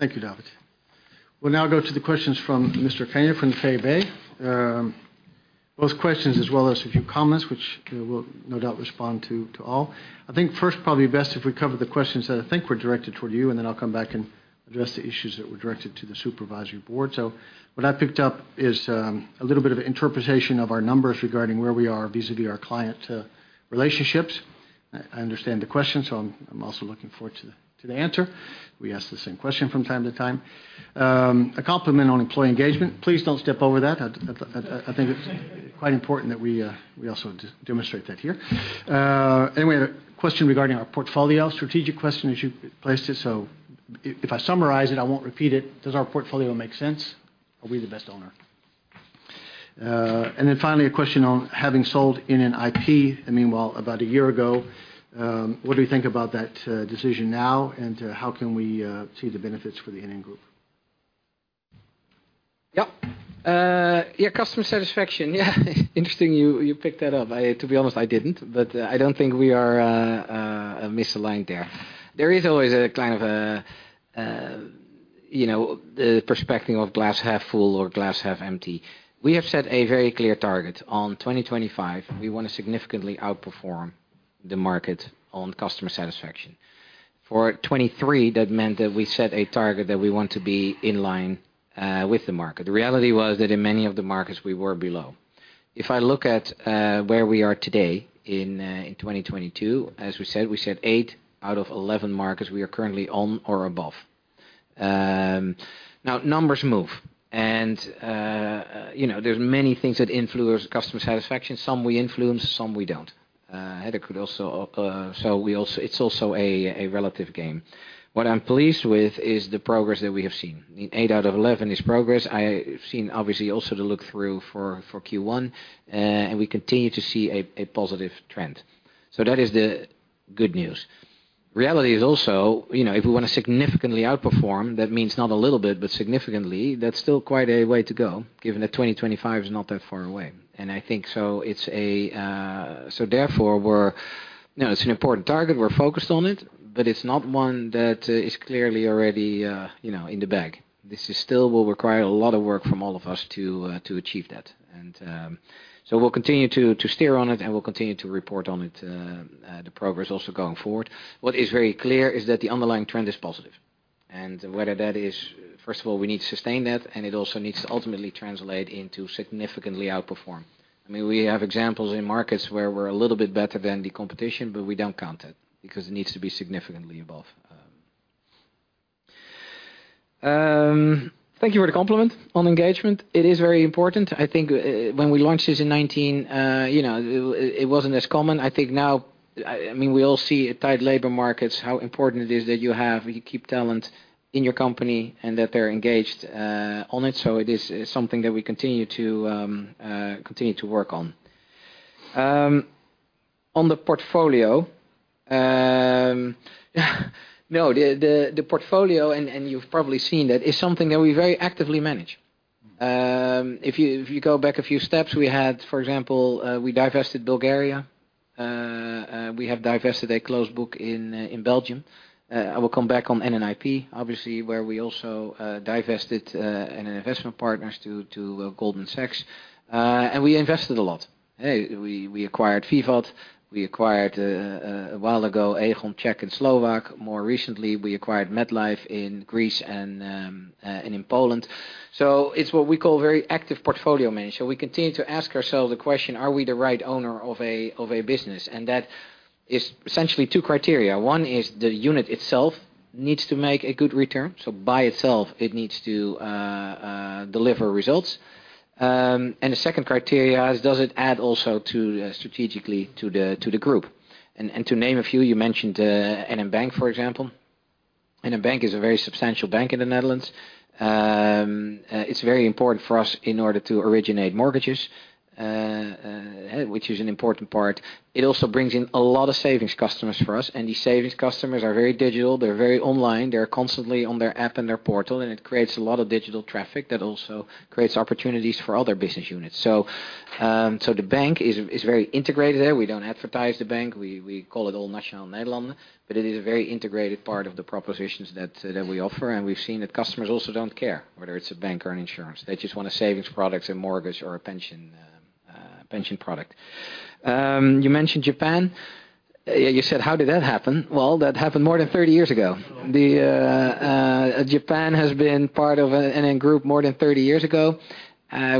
Thank you, David. We'll now go to the questions from Mr. Kienia, from the FEBE. Those questions, as well as a few comments, which we'll no doubt respond to all. I think first, probably best if we cover the questions that I think were directed toward you, and then I'll come back and address the issues that were directed to the supervisory board. What I picked up is a little bit of interpretation of our numbers regarding where we are vis-à-vis our client relationships. I understand the question, so I'm also looking forward to the answer. We ask the same question from time to time. A compliment on employee engagement. Please don't step over that. I think it's quite important that we also demonstrate that here. Anyway, a question regarding our portfolio, strategic question as you placed it. If I summarize it, I won't repeat it: Does our portfolio make sense? Are we the best owner? Finally, a question on having sold NN IP, and meanwhile, about a year ago, what do we think about that decision now, and how can we see the benefits for the NN Group? Yep. Yeah, customer satisfaction. Yeah, interesting you picked that up. I, to be honest, I didn't, but I don't think we are misaligned there. There is always a kind of a, you know, the perspective of glass half full or glass half empty. We have set a very clear target on 2025. We want to significantly outperform the market on customer satisfaction. For 2023, that meant that we set a target that we want to be in line with the market. The reality was that in many of the markets, we were below. If I look at where we are today in 2022, as we said, we said 8 out of 11 markets, we are currently on or above. Now, numbers move, and, you know, there's many things that influence customer satisfaction. Some we influence, some we don't. Hedda could also. It's also a relative game. What I'm pleased with is the progress that we have seen. In 8 out of 11 is progress. I've seen, obviously, also the look through for Q1, and we continue to see a positive trend. That is the good news. Reality is also, you know, if we want to significantly outperform, that means not a little bit, but significantly, that's still quite a way to go, given that 2025 is not that far away. I think it's a. Therefore, we're, you know, it's an important target. We're focused on it, but it's not one that is clearly already, you know, in the bag. This is still will require a lot of work from all of us to achieve that. we'll continue to steer on it, and we'll continue to report on it, the progress also going forward. What is very clear is that the underlying trend is positive, and whether that is, first of all, we need to sustain that, and it also needs to ultimately translate into significantly outperform. I mean, we have examples in markets where we're a little bit better than the competition, but we don't count it because it needs to be significantly above. Thank you for the compliment on engagement. It is very important. I think, when we launched this in 19, you know, it wasn't as common. I think now, I mean, we all see tight labor markets, how important it is that you keep talent in your company, and that they're engaged on it. It is something that we continue to work on. On the portfolio, no, the portfolio, and you've probably seen it, is something that we very actively manage. If you go back a few steps, we had, for example, we divested Bulgaria, we have divested a closed book in Belgium. I will come back on NN IP, obviously, where we also divested an investment partners to Goldman Sachs, and we invested a lot. Hey, we acquired Vivat, we acquired a while ago, Aegon Czech and Slovak. More recently, we acquired MetLife in Greece and in Poland. It's what we call very active portfolio management. We continue to ask ourselves the question: Are we the right owner of a business? That is essentially two criteria. One is the unit itself needs to make a good return, so by itself, it needs to deliver results. The second criteria is, does it add also to, strategically to the group? To name a few, you mentioned NN Bank, for example. NN Bank is a very substantial bank in the Netherlands. It's very important for us in order to originate mortgages, which is an important part. It also brings in a lot of savings customers for us, and these savings customers are very digital, they're very online, they're constantly on their app and their portal, and it creates a lot of digital traffic that also creates opportunities for other business units. The bank is very integrated there. We don't advertise the bank. We call it all Nationale-Nederlanden, but it is a very integrated part of the propositions that we offer, and we've seen that customers also don't care whether it's a bank or an insurance. They just want a savings product, a mortgage, or a pension product. You mentioned Japan. You said, "How did that happen?" Well, that happened more than 30 years ago. Japan has been part of NN Group more than 30 years ago.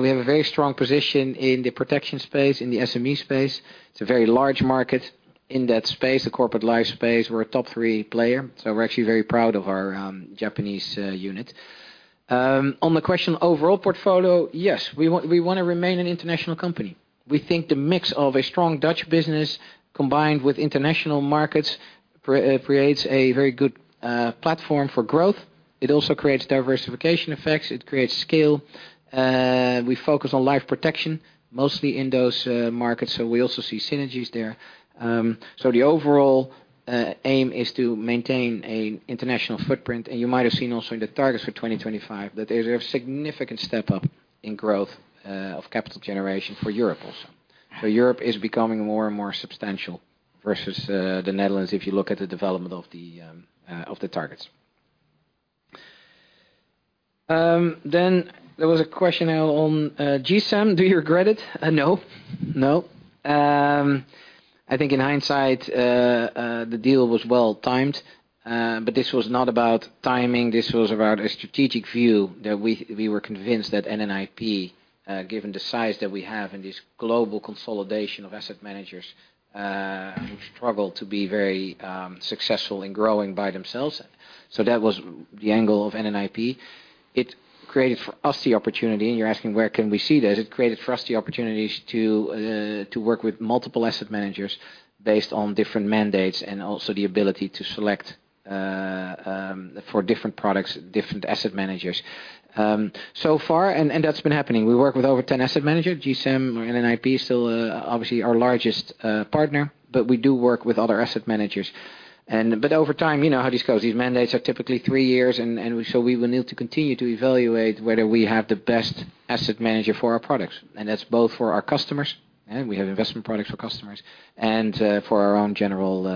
We have a very strong position in the protection space, in the SME space. It's a very large market in that space, the corporate life space. We're a top three player, so we're actually very proud of our Japanese unit. On the question, overall portfolio, yes, we wanna remain an international company. We think the mix of a strong Dutch business combined with international markets creates a very good platform for growth. It also creates diversification effects, it creates scale. We focus on life protection, mostly in those markets, so we also see synergies there. So the overall aim is to maintain an international footprint, and you might have seen also in the targets for 2025, that there's a significant step up in growth of capital generation for Europe also. Europe is becoming more and more substantial versus the Netherlands, if you look at the development of the targets. There was a question now on GSAM: Do you regret it? No, no. I think in hindsight, the deal was well-timed, this was not about timing. This was about a strategic view, that we were convinced that NN IP, given the size that we have in this global consolidation of asset managers, who struggle to be very successful in growing by themselves. That was the angle of NN IP. It created for us the opportunity, you're asking: Where can we see that? It created for us the opportunities to work with multiple asset managers based on different mandates, and also the ability to select for different products, different asset managers. So far, and that's been happening. We work with over 10 asset managers. GSAM or NN IP is still obviously our largest partner, but we do work with other asset managers. But over time, you know how this goes. These mandates are typically 3 years, and so we will need to continue to evaluate whether we have the best asset manager for our products, and that's both for our customers, and we have investment products for customers, and for our own general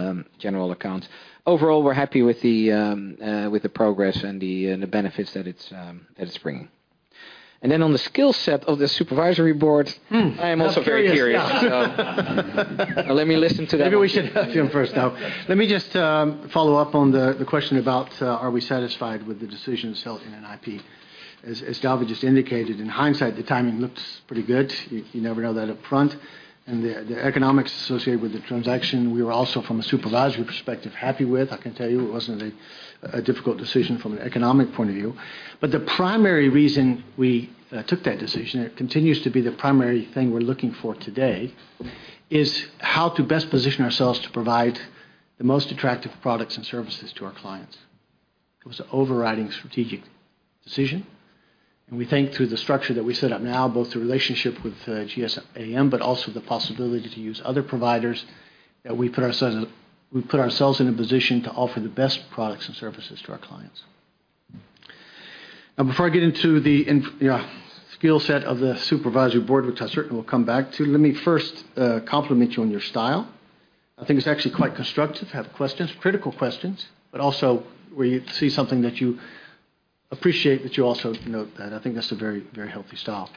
accounts. Overall, we're happy with the progress and the benefits that it's bringing. On the skill set of the supervisory board, I am also very curious. Let me listen to that. Maybe we should ask him first. Let me just follow up on the question about are we satisfied with the decisions held in NN IP? As David just indicated, in hindsight, the timing looks pretty good. You never know that upfront. The economics associated with the transaction, we were also, from a supervisory perspective, happy with. I can tell you it wasn't a difficult decision from an economic point of view. The primary reason we took that decision, and it continues to be the primary thing we're looking for today, is how to best position ourselves to provide the most attractive products and services to our clients. It was an overriding strategic decision. We think through the structure that we set up now, both the relationship with GSAM, but also the possibility to use other providers, that we put ourselves in a position to offer the best products and services to our clients. Before I get into the skill set of the supervisory board, which I certainly will come back to, let me first compliment you on your style. I think it's actually quite constructive to have questions, critical questions, but also where you see something that you appreciate, that you also note that. I think that's a very, very healthy style.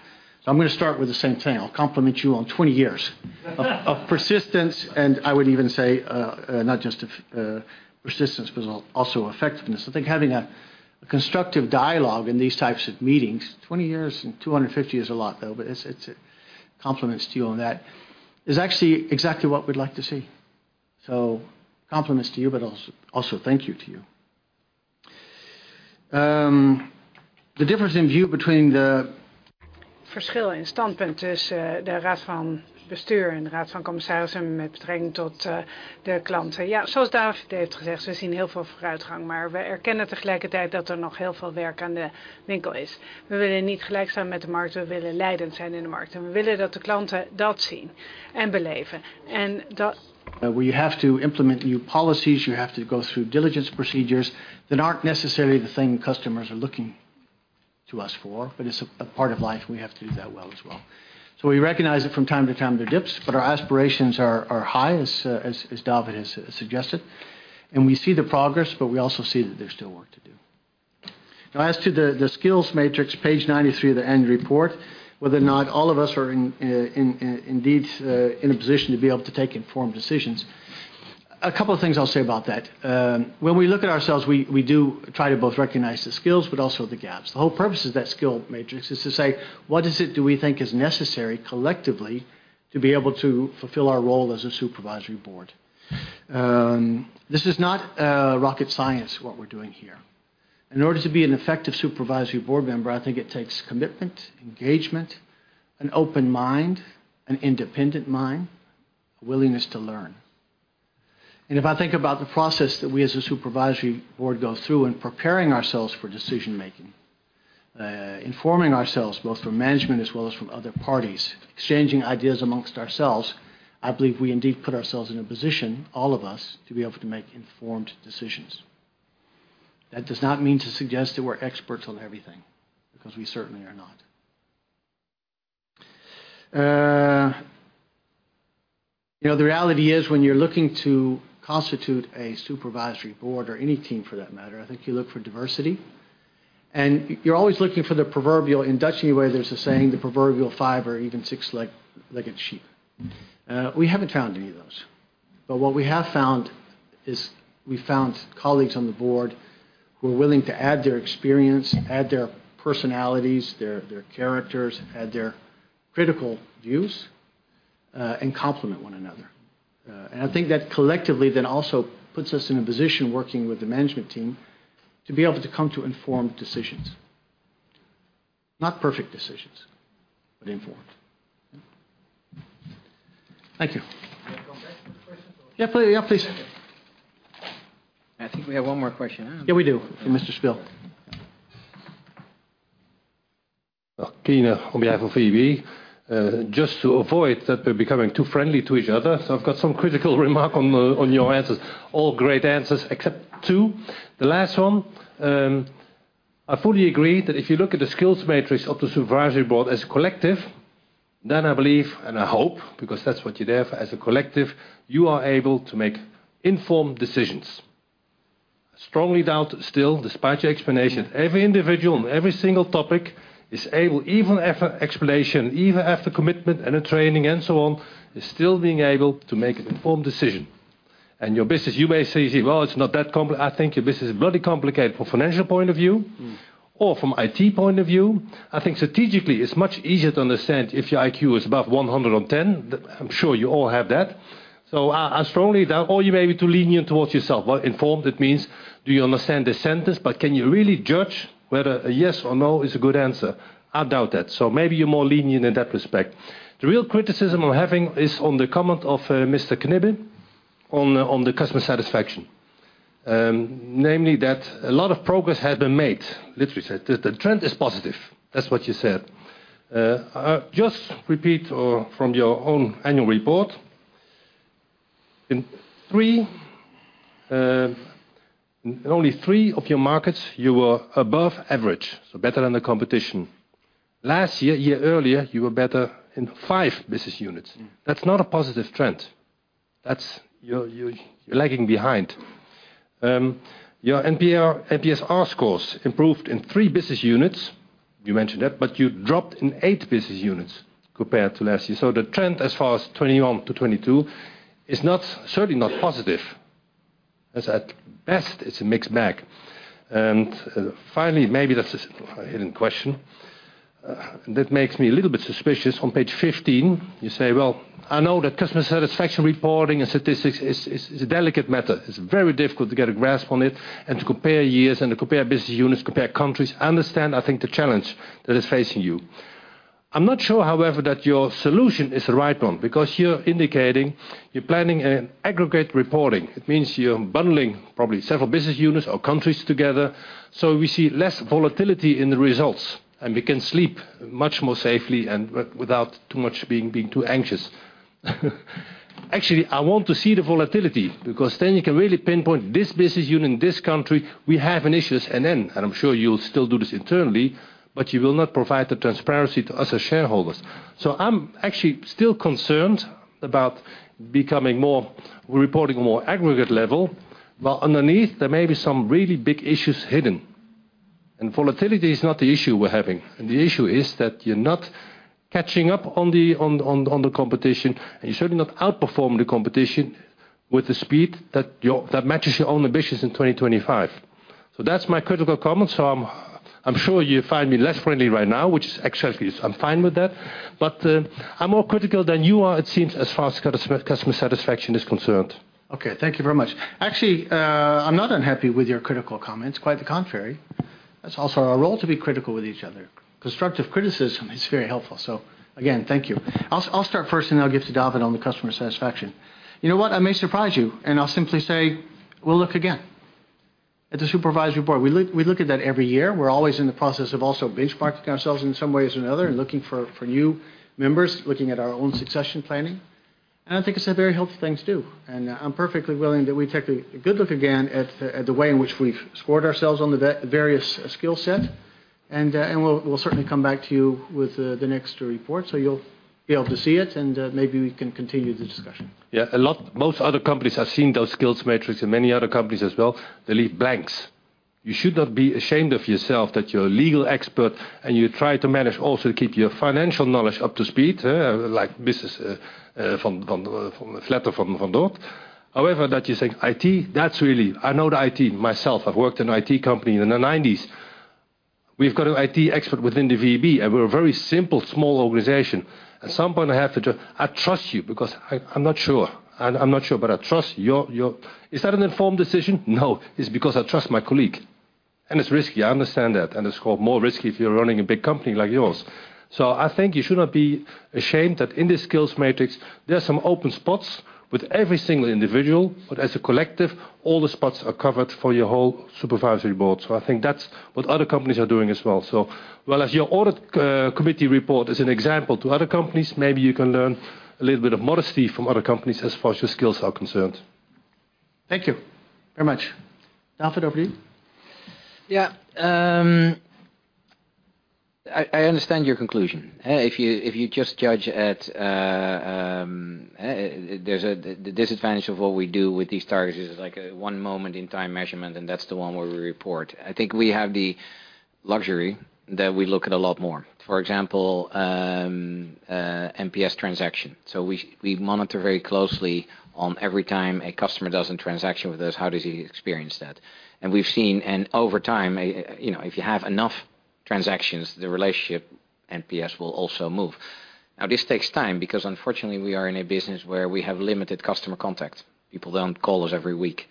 I'm going to start with the same thing. I'll compliment you on 20 years of persistence, and I would even say not just of persistence, but also effectiveness. I think having a constructive dialogue in these types of meetings, 20 years and 250 is a lot, though, but it's a compliments to you on that. Is actually exactly what we'd like to see. Compliments to you, but also thank you to you. The difference in view between Difference in standpoint is the Raad van Bestuur and the Raad van Commissarissen and with bringing to the client. As David has said, we've seen a lot of progress, but we also acknowledge that there is still a lot of work to be done. We do not want to be equal to the market. We want to be leading in the market, and we want our customers to see and experience that. We have to implement new policies. You have to go through diligence procedures that aren't necessarily the thing customers are looking to us for, but it's a part of life, and we have to do that well as well. We recognize that from time to time, there are dips, but our aspirations are high, as David has suggested, and we see the progress, but we also see that there's still work to do. As to the skills matrix, page 93 of the end report, whether or not all of us are in indeed in a position to be able to take informed decisions. A couple of things I'll say about that. When we look at ourselves, we do try to both recognize the skills but also the gaps. The whole purpose of that skill matrix is to say: what is it do we think is necessary, collectively, to be able to fulfill our role as a supervisory board? This is not rocket science, what we're doing here. In order to be an effective supervisory board member, I think it takes commitment, engagement, an open mind, an independent mind, a willingness to learn. If I think about the process that we, as a supervisory board, go through in preparing ourselves for decision-making, informing ourselves, both from management as well as from other parties, exchanging ideas amongst ourselves, I believe we indeed put ourselves in a position, all of us, to be able to make informed decisions. That does not mean to suggest that we're experts on everything, because we certainly are not. you know, the reality is when you're looking to constitute a supervisory board or any team for that matter, I think you look for diversity, and you're always looking for the proverbial... In Dutch, anyway, there's a saying, the proverbial five or even six-legged sheep. We haven't found any of those, but what we have found is we found colleagues on the board who are willing to add their experience, add their personalities, their characters, add their critical views, and complement one another. I think that collectively, then, also puts us in a position, working with the management team, to be able to come to informed decisions. Not perfect decisions, but informed. Thank you. Can I come back to the question? Yeah, please. I think we have one more question. Yeah, we do. From Mr. Spill. Well, Kienia, on behalf of EB, just to avoid that, we're becoming too friendly to each other. I've got some critical remark on your answers. All great answers, except 2. The last one, I fully agree that if you look at the skills matrix of the supervisory board as a collective, I believe, and I hope, because that's what you have as a collective, you are able to make informed decisions. Strongly doubt, still, despite your explanation, every individual on every single topic is able, even after explanation, even after commitment and a training and so on, is still being able to make an informed decision. Your business, you may say, "Well, it's not that complex." I think your business is bloody complicated from financial point of view... -or from IT point of view. I think strategically, it's much easier to understand if your IQ is above 110. I'm sure you all have that. I strongly doubt, or you may be too lenient towards yourself. Well, informed, it means, do you understand the sentence, but can you really judge whether a yes or no is a good answer? I doubt that. Maybe you're more lenient in that respect. The real criticism I'm having is on the comment of Mr. Knibbe on the customer satisfaction. Namely, that a lot of progress had been made. Literally said, "The, the trend is positive." That's what you said. I just repeat or from your own annual report, in 3, only 3 of your markets, you were above average, so better than the competition. Last year, a year earlier, you were better in five business units. That's you're lagging behind. Your NPR, NPSR scores improved in three business units. You mentioned that, but you dropped in eight business units compared to last year. The trend as far as 2021 to 2022 is not, certainly not positive. It's at best, it's a mixed bag. Finally, maybe that's a hidden question that makes me a little bit suspicious. On page 15, you say, well, I know that customer satisfaction reporting and statistics is a delicate matter. It's very difficult to get a grasp on it and to compare years and to compare business units, compare countries. I understand, I think, the challenge that is facing you. I'm not sure, however, that your solution is the right one, because you're indicating you're planning an aggregate reporting. It means you're bundling probably several business units or countries together, so we see less volatility in the results, and we can sleep much more safely and without too much being too anxious. Actually, I want to see the volatility, because then you can really pinpoint this business unit in this country, we have an issues, and then... I'm sure you'll still do this internally, but you will not provide the transparency to us as shareholders. I'm actually still concerned about becoming reporting more aggregate level. Underneath, there may be some really big issues hidden. Volatility is not the issue we're having. The issue is that you're not catching up on the competition, and you're certainly not outperforming the competition with the speed that your, that matches your own ambitions in 2025. That's my critical comment. I'm sure you find me less friendly right now, which is actually, I'm fine with that. I'm more critical than you are, it seems, as far as customer satisfaction is concerned. Okay, thank you very much. Actually, I'm not unhappy with your critical comments. Quite the contrary. That's also our role, to be critical with each other. Constructive criticism is very helpful. Again, thank you. I'll start first, and then I'll get to David on the customer satisfaction. You know what? I may surprise you, and I'll simply say, we'll look again. At the Supervisory Board, we look at that every year. We're always in the process of also benchmarking ourselves in some way or another, and looking for new members, looking at our own succession planning. I think it's a very healthy thing to do, and I'm perfectly willing that we take a good look again at the way in which we've scored ourselves on the various skill set. We'll certainly come back to you with the next report, so you'll be able to see it, and maybe we can continue the discussion. Yeah, most other companies have seen those skills metrics, and many other companies as well, they leave blanks. You should not be ashamed of yourself that you're a legal expert and you try to manage also to keep your financial knowledge up to speed, like business, from Vletter-van Dort. However, that you think IT, that's really... I know the IT myself. I've worked in IT company in the nineties. We've got an IT expert within the VEB, and we're a very simple, small organization. At some point, I have to just, I trust you because I'm not sure. I'm not sure, but I trust your. Is that an informed decision? No, it's because I trust my colleague, and it's risky, I understand that, and it's called more risky if you're running a big company like yours. I think you should not be ashamed that in this skills matrix, there are some open spots with every single individual, but as a collective, all the spots are covered for your whole Supervisory Board. I think that's what other companies are doing as well. While as your Audit Committee report is an example to other companies, maybe you can learn a little bit of modesty from other companies as far as your skills are concerned. Thank you very much. David, over to you. Yeah, I understand your conclusion. If you just judge at, there's a, the disadvantage of what we do with these targets is like a one moment in time measurement, and that's the one where we report. I think we have the luxury that we look at a lot more. For example, NPS transaction. We monitor very closely on every time a customer does a transaction with us, how does he experience that? We've seen... Over time, you know, if you have enough transactions, the relationship, NPS will also move. This takes time because unfortunately, we are in a business where we have limited customer contact. People don't call us every week.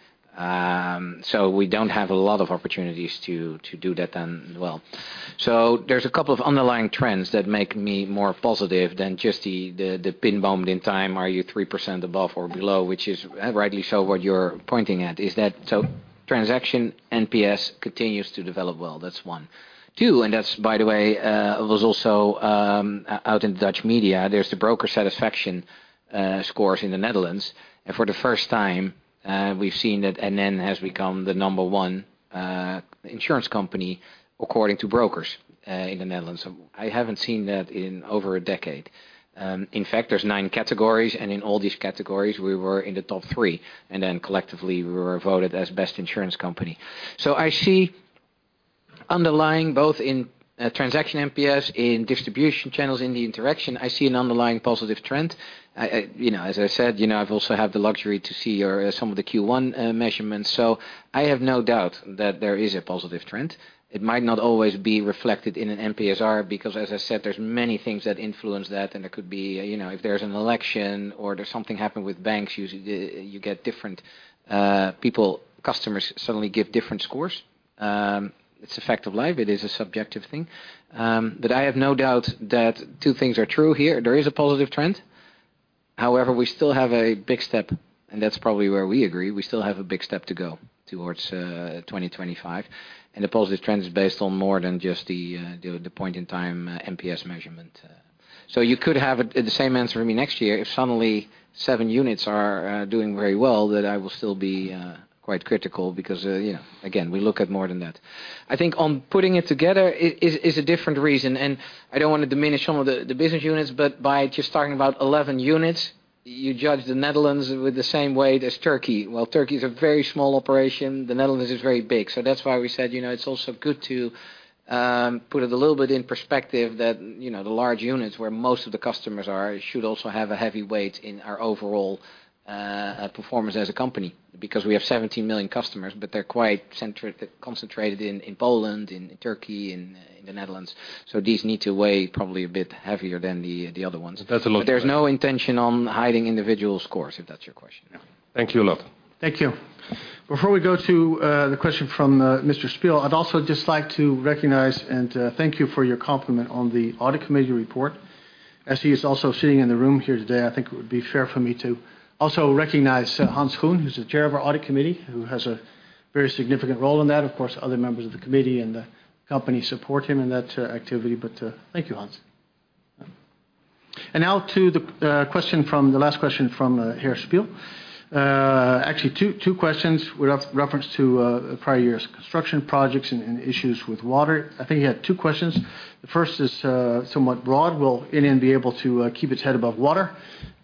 We don't have a lot of opportunities to do that then well. There's a couple of underlying trends that make me more positive than just the pin bombed in time, are you 3% above or below, which is rightly so, what you're pointing at, is that transaction NPS continues to develop well. That's 1. 2, by the way, it was also out in Dutch media. There's the broker satisfaction scores in the Netherlands. For the first time, we've seen that NN has become the number 1 insurance company, according to brokers, in the Netherlands. I haven't seen that in over a decade. In fact, there's 9 categories, and in all these categories, we were in the top 3, and then collectively, we were voted as best insurance company. I see underlying, both in transaction NPS, in distribution channels, in the interaction, I see an underlying positive trend. I, you know, as I said, you know, I've also had the luxury to see your, some of the Q1 measurements, so I have no doubt that there is a positive trend. It might not always be reflected in an NPSR, because, as I said, there's many things that influence that, and it could be, you know, if there's an election or there's something happened with banks, usually you get different people, customers suddenly give different scores. It's a fact of life. It is a subjective thing. I have no doubt that two things are true here. There is a positive trend. We still have a big step, and that's probably where we agree, we still have a big step to go towards 2025, and the positive trend is based on more than just the point in time NPS measurement. You could have the same answer for me next year, if suddenly 7 units are doing very well, that I will still be quite critical, because, you know, again, we look at more than that. I think on putting it together, it is a different reason, and I don't want to diminish some of the business units, but by just talking about 11 units, you judge the Netherlands with the same weight as Turkey. Turkey is a very small operation, the Netherlands is very big. That's why we said, you know, it's also good to put it a little bit in perspective that, you know, the large units, where most of the customers are, should also have a heavy weight in our overall performance as a company. We have 17 million customers, but they're quite concentrated in Poland, in Turkey, in the Netherlands. These need to weigh probably a bit heavier than the other ones. That's a lot. There's no intention on hiding individual scores, if that's your question. Thank you a lot. Thank you. Before we go to the question from Mr. Spiel, I'd also just like to recognize and thank you for your compliment on the Audit Committee report. As he is also sitting in the room here today, I think it would be fair for me to also recognize Hans Schoen, who's the Chair of our Audit Committee, who has a very significant role in that. Of course, other members of the committee and the company support him in that activity. Thank you, Hans. Now to the last question from Herr Spiel. Actually, two questions with reference to prior years' construction projects and issues with water. I think he had two questions. The first is somewhat broad: Will NN be able to keep its head above water,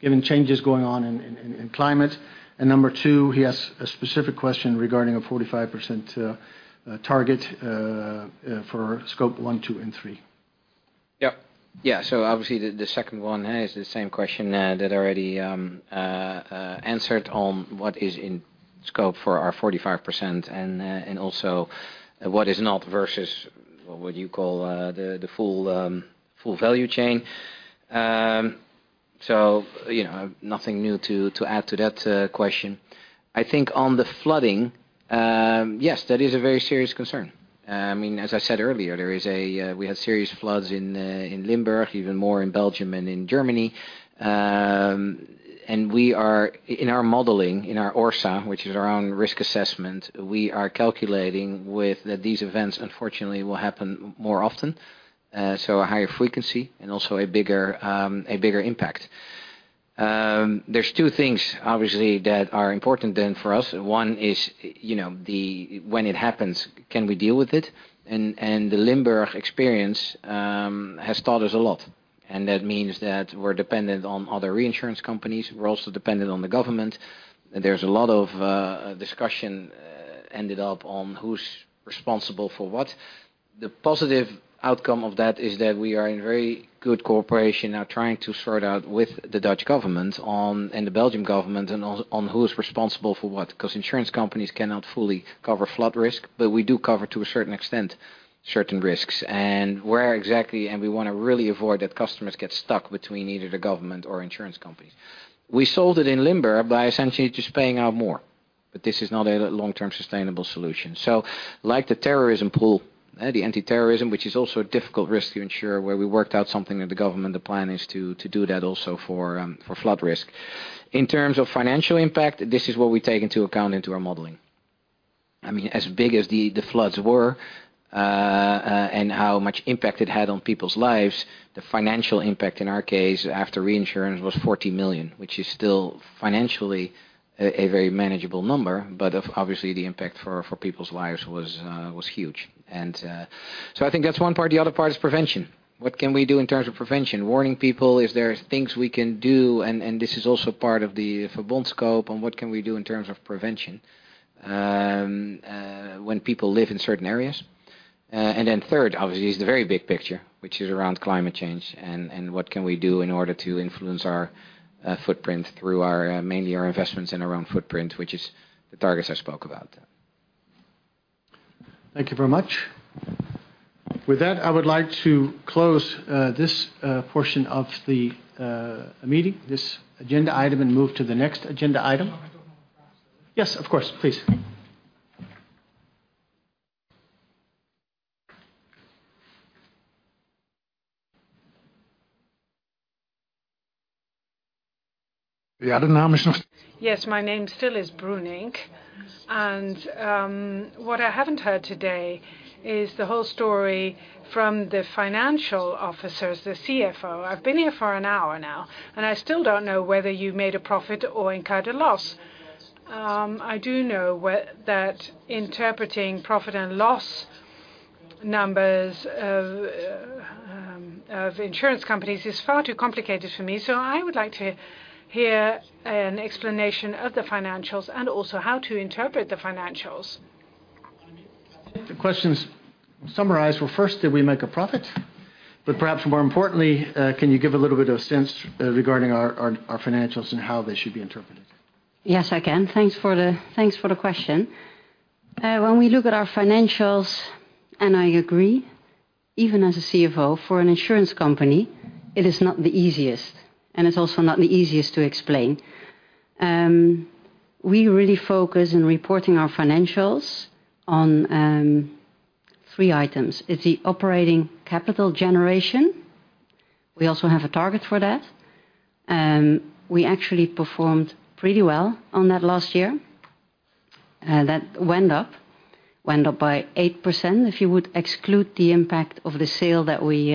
given changes going on in climate? Number two, he has a specific question regarding a 45% target for Scope one, two, and three. Yep. Yeah, obviously, the second one is the same question that already answered on what is in scope for our 45%, and also what is not, versus what you call the full value chain. You know, nothing new to add to that question. I think on the flooding, yes, that is a very serious concern. I mean, as I said earlier, there is a. We had serious floods in Limburg, even more in Belgium than in Germany. We are in our modeling, in our ORSA, which is our own risk assessment, we are calculating that these events, unfortunately, will happen more often, so a higher frequency and also a bigger impact. There's two things, obviously, that are important then for us. One is, you know, the... When it happens, can we deal with it? The Limburg experience has taught us a lot, and that means that we're dependent on other reinsurance companies. We're also dependent on the government, and there's a lot of discussion ended up on who's responsible for what. The positive outcome of that is that we are in very good cooperation, now trying to sort out with the Dutch government on, and the Belgian government, on who's responsible for what. 'Cause insurance companies cannot fully cover flood risk, but we do cover, to a certain extent, certain risks. Where exactly, and we want to really avoid that customers get stuck between either the government or insurance companies. We solved it in Limburg by essentially just paying out more, but this is not a long-term sustainable solution. Like the terrorism pool, the anti-terrorism, which is also a difficult risk to insure, where we worked out something with the government, the plan is to do that also for flood risk. In terms of financial impact, this is what we take into account into our modeling. I mean, as big as the floods were and how much impact it had on people's lives, the financial impact in our case, after reinsurance, was 40 million, which is still financially a very manageable number. Obviously, the impact for people's lives was huge. I think that's one part. The other part is prevention. What can we do in terms of prevention? Warning people, is there things we can do? This is also part of the Verbond scope, on what can we do in terms of prevention, when people live in certain areas. Then third, obviously, is the very big picture, which is around climate change, and what can we do in order to influence our footprint through our mainly our investments in our own footprint, which is the targets I spoke about. Thank you very much. With that, I would like to close this portion of the meeting, this agenda item, and move to the next agenda item. Yes, of course. Please. Yes, my name still is Knibbe. What I haven't heard today is the whole story from the financial officers, the CFO. I've been here for an hour now, and I still don't know whether you made a profit or incurred a loss. I do know that interpreting profit and loss numbers of insurance companies is far too complicated for me, so I would like to hear an explanation of the financials and also how to interpret the financials. The questions summarized were, first, did we make a profit? Perhaps more importantly, can you give a little bit of sense regarding our financials and how they should be interpreted? Yes, I can. Thanks for the question. When we look at our financials, and I agree, even as a CFO for an insurance company, it is not the easiest, and it's also not the easiest to explain. We really focus in reporting our financials on three items. It's the operating capital generation. We also have a target for that, and we actually performed pretty well on that last year. That went up by 8%. If you would exclude the impact of the sale that we,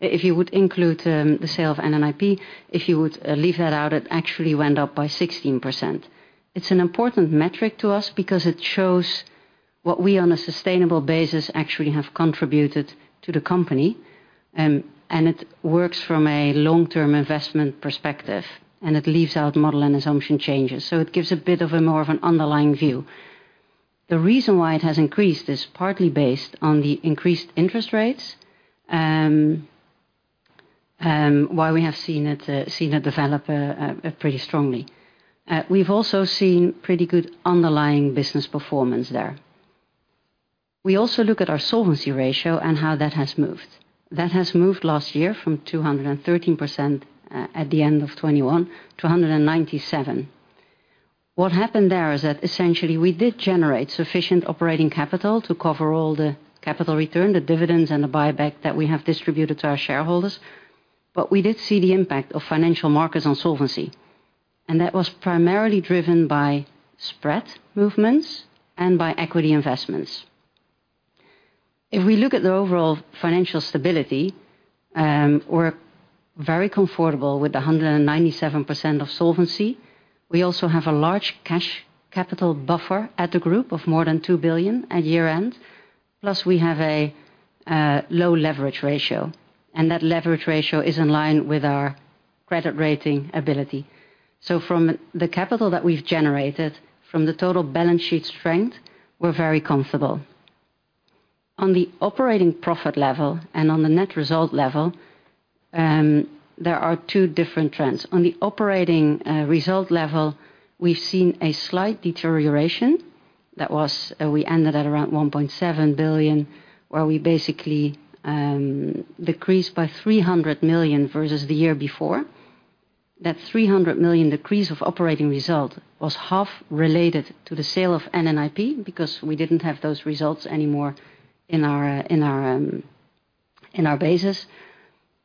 if you would include the sale of NN IP, if you would leave that out, it actually went up by 16%. It's an important metric to us because it shows what we, on a sustainable basis, actually have contributed to the company. It works from a long-term investment perspective, and it leaves out model and assumption changes, so it gives a bit of a more of an underlying view. The reason why it has increased is partly based on the increased interest rates, why we have seen it develop pretty strongly. We've also seen pretty good underlying business performance there. We also look at our solvency ratio and how that has moved. That has moved last year from 213% at the end of 2021, to 197%. What happened there is that essentially we did generate sufficient operating capital to cover all the capital return, the dividends, and the buyback that we have distributed to our shareholders, but we did see the impact of financial markets on solvency, and that was primarily driven by spread movements and by equity investments. If we look at the overall financial stability, we're very comfortable with the 197% of solvency. We also have a large cash capital buffer at the group of more than 2 billion at year-end, plus we have a low leverage ratio, and that leverage ratio is in line with our credit rating ability. From the capital that we've generated, from the total balance sheet strength, we're very comfortable. On the operating profit level and on the net result level, there are two different trends. On the operating result level, we've seen a slight deterioration. That was, we ended at around 1.7 billion, where we basically decreased by 300 million versus the year before. That 300 million decrease of operating result was half related to the sale of NN IP, because we didn't have those results anymore in our in our basis,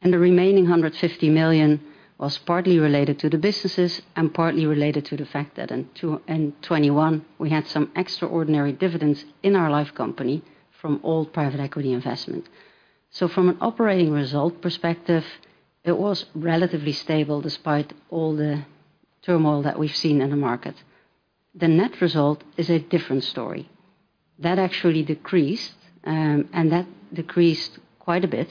and the remaining 150 million was partly related to the businesses and partly related to the fact that in 2021, we had some extraordinary dividends in our life company from all private equity investment. From an operating result perspective, it was relatively stable despite all the turmoil that we've seen in the market. The net result is a different story. That actually decreased, that decreased quite a bit.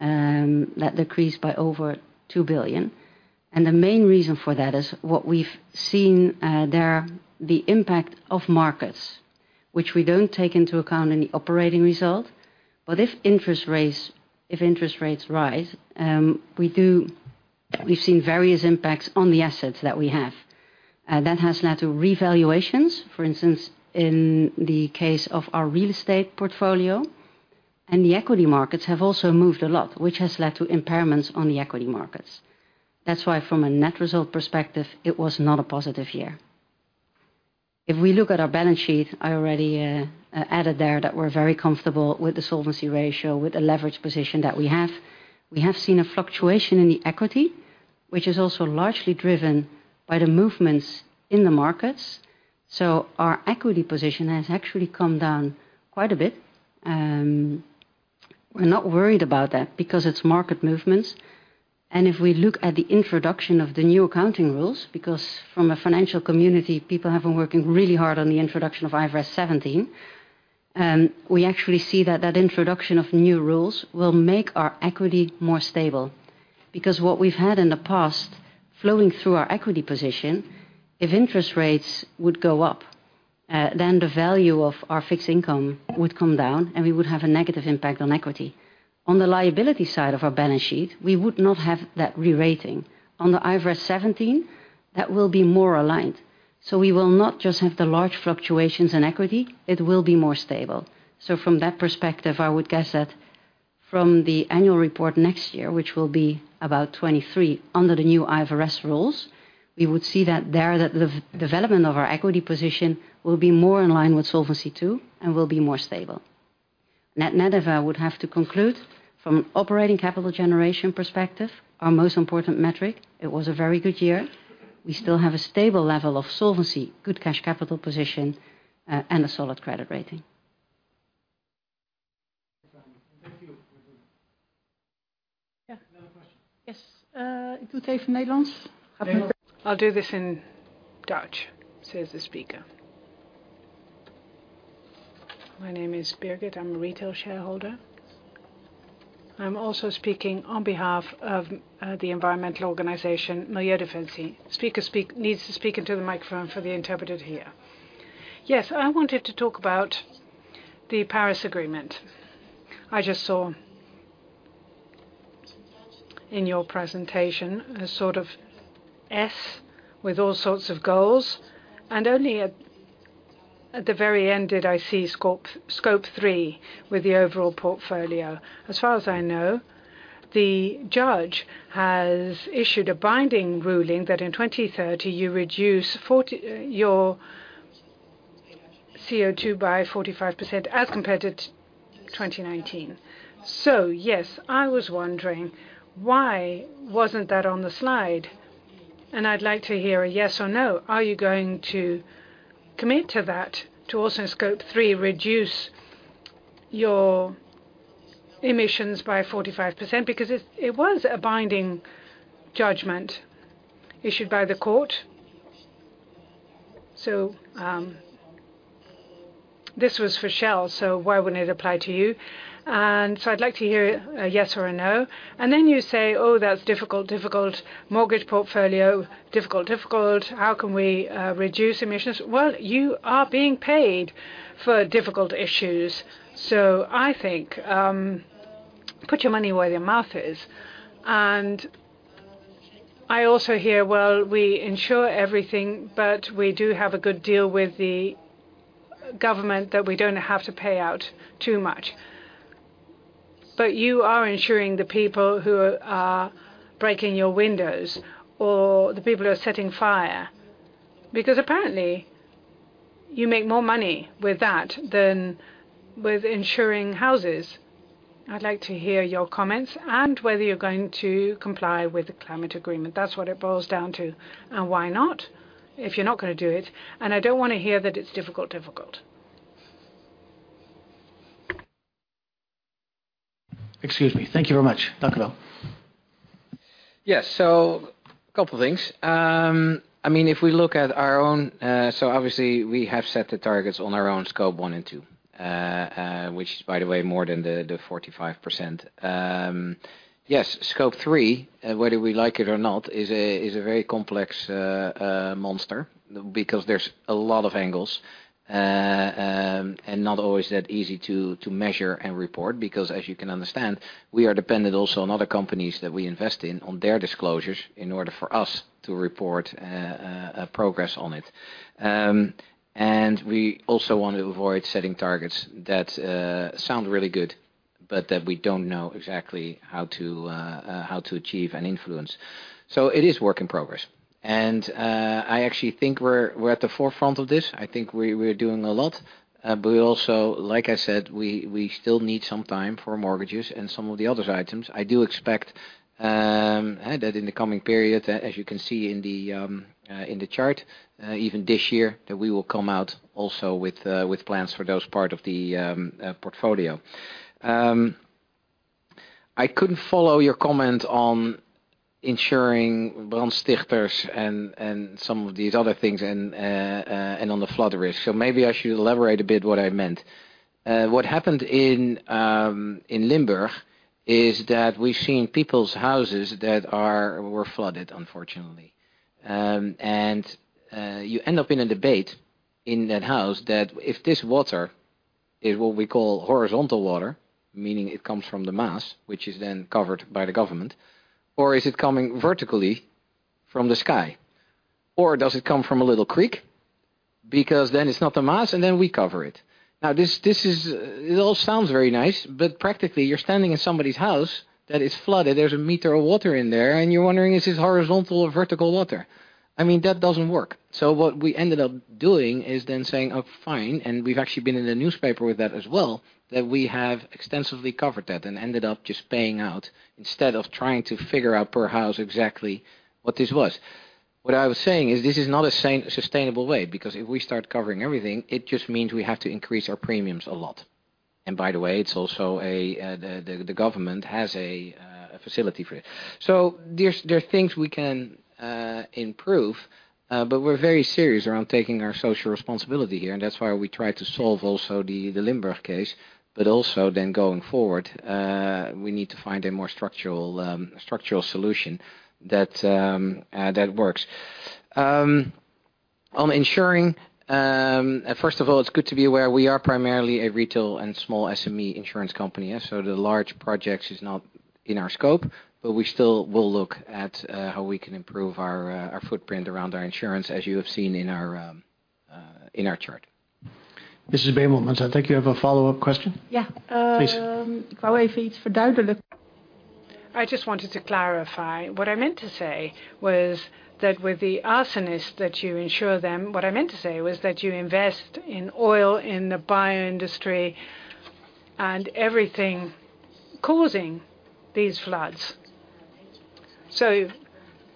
That decreased by over 2 billion, the main reason for that is what we've seen there, the impact of markets, which we don't take into account in the operating result. If interest rates, if interest rates rise, we've seen various impacts on the assets that we have. That has led to revaluations, for instance, in the case of our real estate portfolio, and the equity markets have also moved a lot, which has led to impairments on the equity markets. From a net result perspective, it was not a positive year. If we look at our balance sheet, I already added there that we're very comfortable with the solvency ratio, with the leverage position that we have. We have seen a fluctuation in the equity, which is also largely driven by the movements in the markets. Our equity position has actually come down quite a bit. We're not worried about that because it's market movements. If we look at the introduction of the new accounting rules, because from a financial community, people have been working really hard on the introduction of IFRS 17, we actually see that that introduction of new rules will make our equity more stable. What we've had in the past, flowing through our equity position, if interest rates would go up, then the value of our fixed income would come down, and we would have a negative impact on equity. On the liability side of our balance sheet, we would not have that re-rating. On the IFRS 17, that will be more aligned. We will not just have the large fluctuations in equity, it will be more stable. From that perspective, I would guess that from the annual report next year, which will be about 2023, under the new IFRS rules, we would see that the development of our equity position will be more in line with Solvency II and will be more stable. Net, net, I would have to conclude from operating capital generation perspective, our most important metric, it was a very good year. We still have a stable level of Solvency, good cash capital position, and a solid credit rating. Thank you. Yeah. Another question? Yes. I'll do this in Dutch," says the speaker. "My name is Birgit, I'm a retail shareholder. I'm also speaking on behalf of the environmental organization, Milieudefensie." Speaker needs to speak into the microphone for the interpreter here. I wanted to talk about the Paris Agreement. I just saw in your presentation a sort of S with all sorts of goals, and only at the very end did I see Scope 3 with the overall portfolio. As far as I know, the judge has issued a binding ruling that in 2030, you reduce your CO2 by 45% as compared to 2019. I was wondering, why wasn't that on the slide? I'd like to hear a yes or no. Are you going to commit to that, to also Scope 3, reduce your emissions by 45%? Because it was a binding judgment issued by the court. This was for Shell, so why wouldn't it apply to you? I'd like to hear a yes or a no. You say: Oh, that's difficult. Mortgage portfolio, difficult. How can we reduce emissions? Well, you are being paid for difficult issues, so I think, put your money where your mouth is. I also hear, well, we insure everything, but we do have a good deal with the government that we don't have to pay out too much. You are insuring the people who are breaking your windows or the people who are setting fire, because apparently you make more money with that than with insuring houses. I'd like to hear your comments and whether you're going to comply with the climate agreement. That's what it boils down to. Why not, if you're not going to do it? I don't want to hear that it's difficult. Excuse me. Thank you very much. Thank you, though. Couple things. I mean, if we look at our own. Obviously, we have set the targets on our own Scope one and two, which is, by the way, more than the 45%. Scope three, whether we like it or not, is a very complex monster because there's a lot of angles and not always that easy to measure and report. As you can understand, we are dependent also on other companies that we invest in, on their disclosures, in order for us to report a progress on it. We also want to avoid setting targets that sound really good, but that we don't know exactly how to achieve and influence. It is work in progress. I actually think we're at the forefront of this. I think we're doing a lot. We also, like I said, we still need some time for mortgages and some of the other items. I do expect that in the coming period, as you can see in the chart, even this year, that we will come out also with plans for those part of the portfolio. I couldn't follow your comment on insuring brandstichters and some of these other things, and on the flood risk. Maybe I should elaborate a bit what I meant. What happened in Limburg, is that we've seen people's houses that were flooded, unfortunately. You end up in a debate in that house that if this water is what we call horizontal water, meaning it comes from the Maas, which is then covered by the government, or is it coming vertically from the sky? Does it come from a little creek? It's not the Maas, and then we cover it. This all sounds very nice, but practically, you're standing in somebody's house that is flooded. There's a meter of water in there, and you're wondering, is this horizontal or vertical water? I mean, that doesn't work. What we ended up doing is then saying, "Oh, fine," and we've actually been in the newspaper with that as well, that we have extensively covered that and ended up just paying out instead of trying to figure out per house exactly what this was. What I was saying is this is not a sustainable way, because if we start covering everything, it just means we have to increase our premiums a lot. By the way, it's also the government has a facility for it. There are things we can improve, but we're very serious around taking our social responsibility here, and that's why we try to solve also the Limburg case. Also going forward, we need to find a more structural solution that works. On insuring, first of all, it's good to be aware we are primarily a retail and small SME insurance company, yeah. The large projects is not in our scope, but we still will look at how we can improve our footprint around our insurance, as you have seen in our chart. This is Beirut. I think you have a follow-up question. Yeah. Please. I just wanted to clarify. What I meant to say was that with the arsonists, that you insure them, you invest in oil, in the bio industry, and everything causing these floods.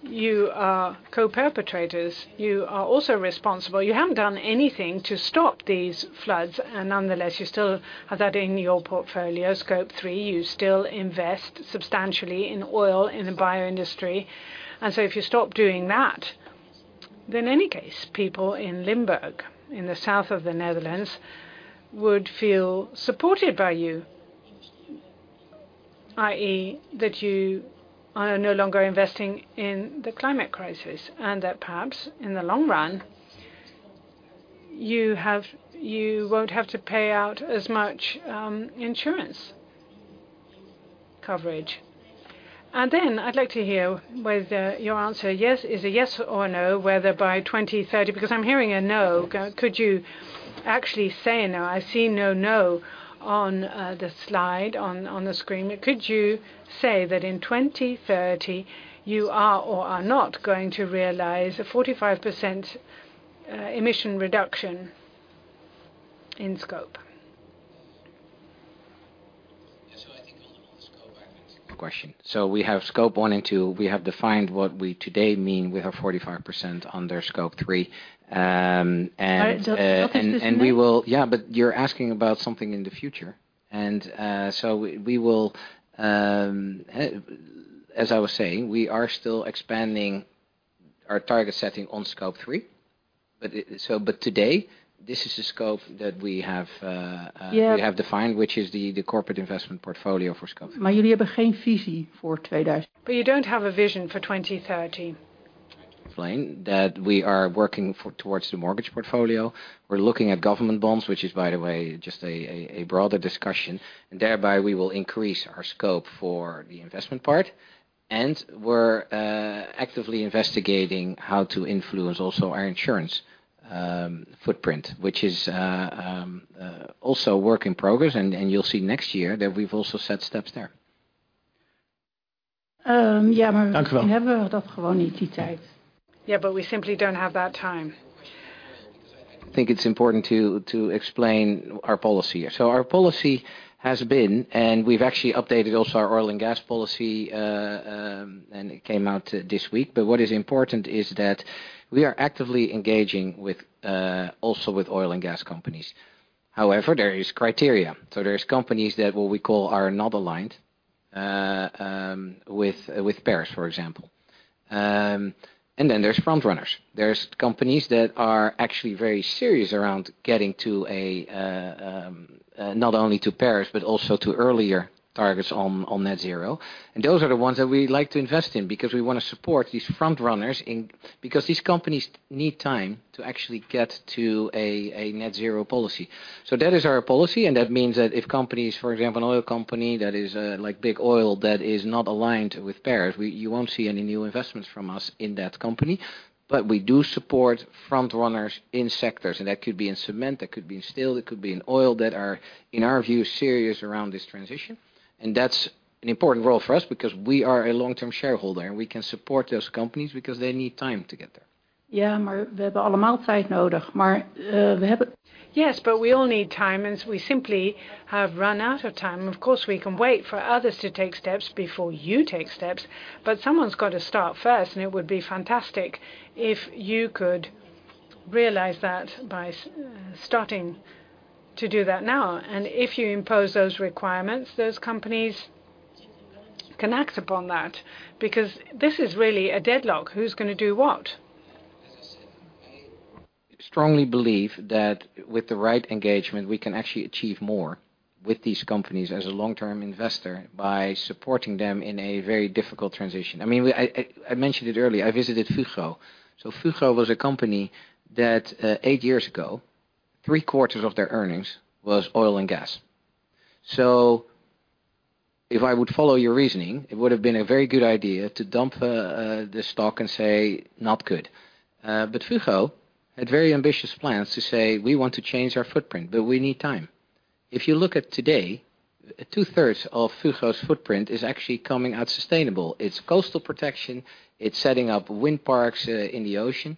You are co-perpetrators. You are also responsible. You haven't done anything to stop these floods, nonetheless, you still have that in your portfolio, Scope three. You still invest substantially in oil, in the bio industry. If you stop doing that, then any case, people in Limburg, in the south of the Netherlands, would feel supported by you. I.e., that you are no longer investing in the climate crisis, and that perhaps, in the long run, you won't have to pay out as much insurance coverage. Then I'd like to hear whether your answer is a yes or a no, whether by 2030. Because I'm hearing a no. Could you actually say a no? I see no on the slide on the screen. Could you say that in 2030, you are or are not going to realize a 45% emission reduction in scope?... scope question. We have Scope one and two, we have defined what we today mean. We have 45% under Scope 3. All right. Yeah, but you're asking about something in the future. As I was saying, we are still expanding our target setting on Scope 3. Today, this is the scope that we have. Yeah We have defined, which is the corporate investment portfolio for Scope. You don't have a vision for 2030. Explain that we are working for, towards the mortgage portfolio. We're looking at government bonds, which is, by the way, just a broader discussion, and thereby we will increase our scope for the investment part. We're actively investigating how to influence also our insurance footprint, which is also a work in progress. You'll see next year that we've also set steps there. Yeah. Thank you well. Yeah, we simply don't have that time. I think it's important to explain our policy. Our policy has been, and we've actually updated also our oil and gas policy, and it came out this week. What is important is that we are actively engaging with also with oil and gas companies. However, there is criteria. There's companies that what we call are not aligned with Paris, for example. Then there's front runners. There's companies that are actually very serious around getting to not only to Paris, but also to earlier targets on net zero. Those are the ones that we like to invest in, because we want to support these front runners in. These companies need time to actually get to a net zero policy. That is our policy, and that means that if companies, for example, an oil company that is like big oil, that is not aligned with Paris, you won't see any new investments from us in that company. We do support front runners in sectors, and that could be in cement, that could be in steel, it could be in oil, that are, in our view, serious around this transition. That's an important role for us because we are a long-term shareholder, and we can support those companies because they need time to get there. We all need time, and we simply have run out of time. Of course, we can wait for others to take steps before you take steps, but someone's got to start first, and it would be fantastic if you could realize that by starting to do that now. If you impose those requirements, those companies can act upon that, because this is really a deadlock. Who's going to do what? I strongly believe that with the right engagement, we can actually achieve more with these companies as a long-term investor by supporting them in a very difficult transition. I mean, I mentioned it earlier, I visited Fugro. Fugro was a company that eight years ago, three-quarters of their earnings was oil and gas. If I would follow your reasoning, it would have been a very good idea to dump the stock and say, "Not good." Fugro had very ambitious plans to say: We want to change our footprint, but we need time. If you look at today, two-thirds of Fugro's footprint is actually coming out sustainable. It's coastal protection, it's setting up wind parks in the ocean.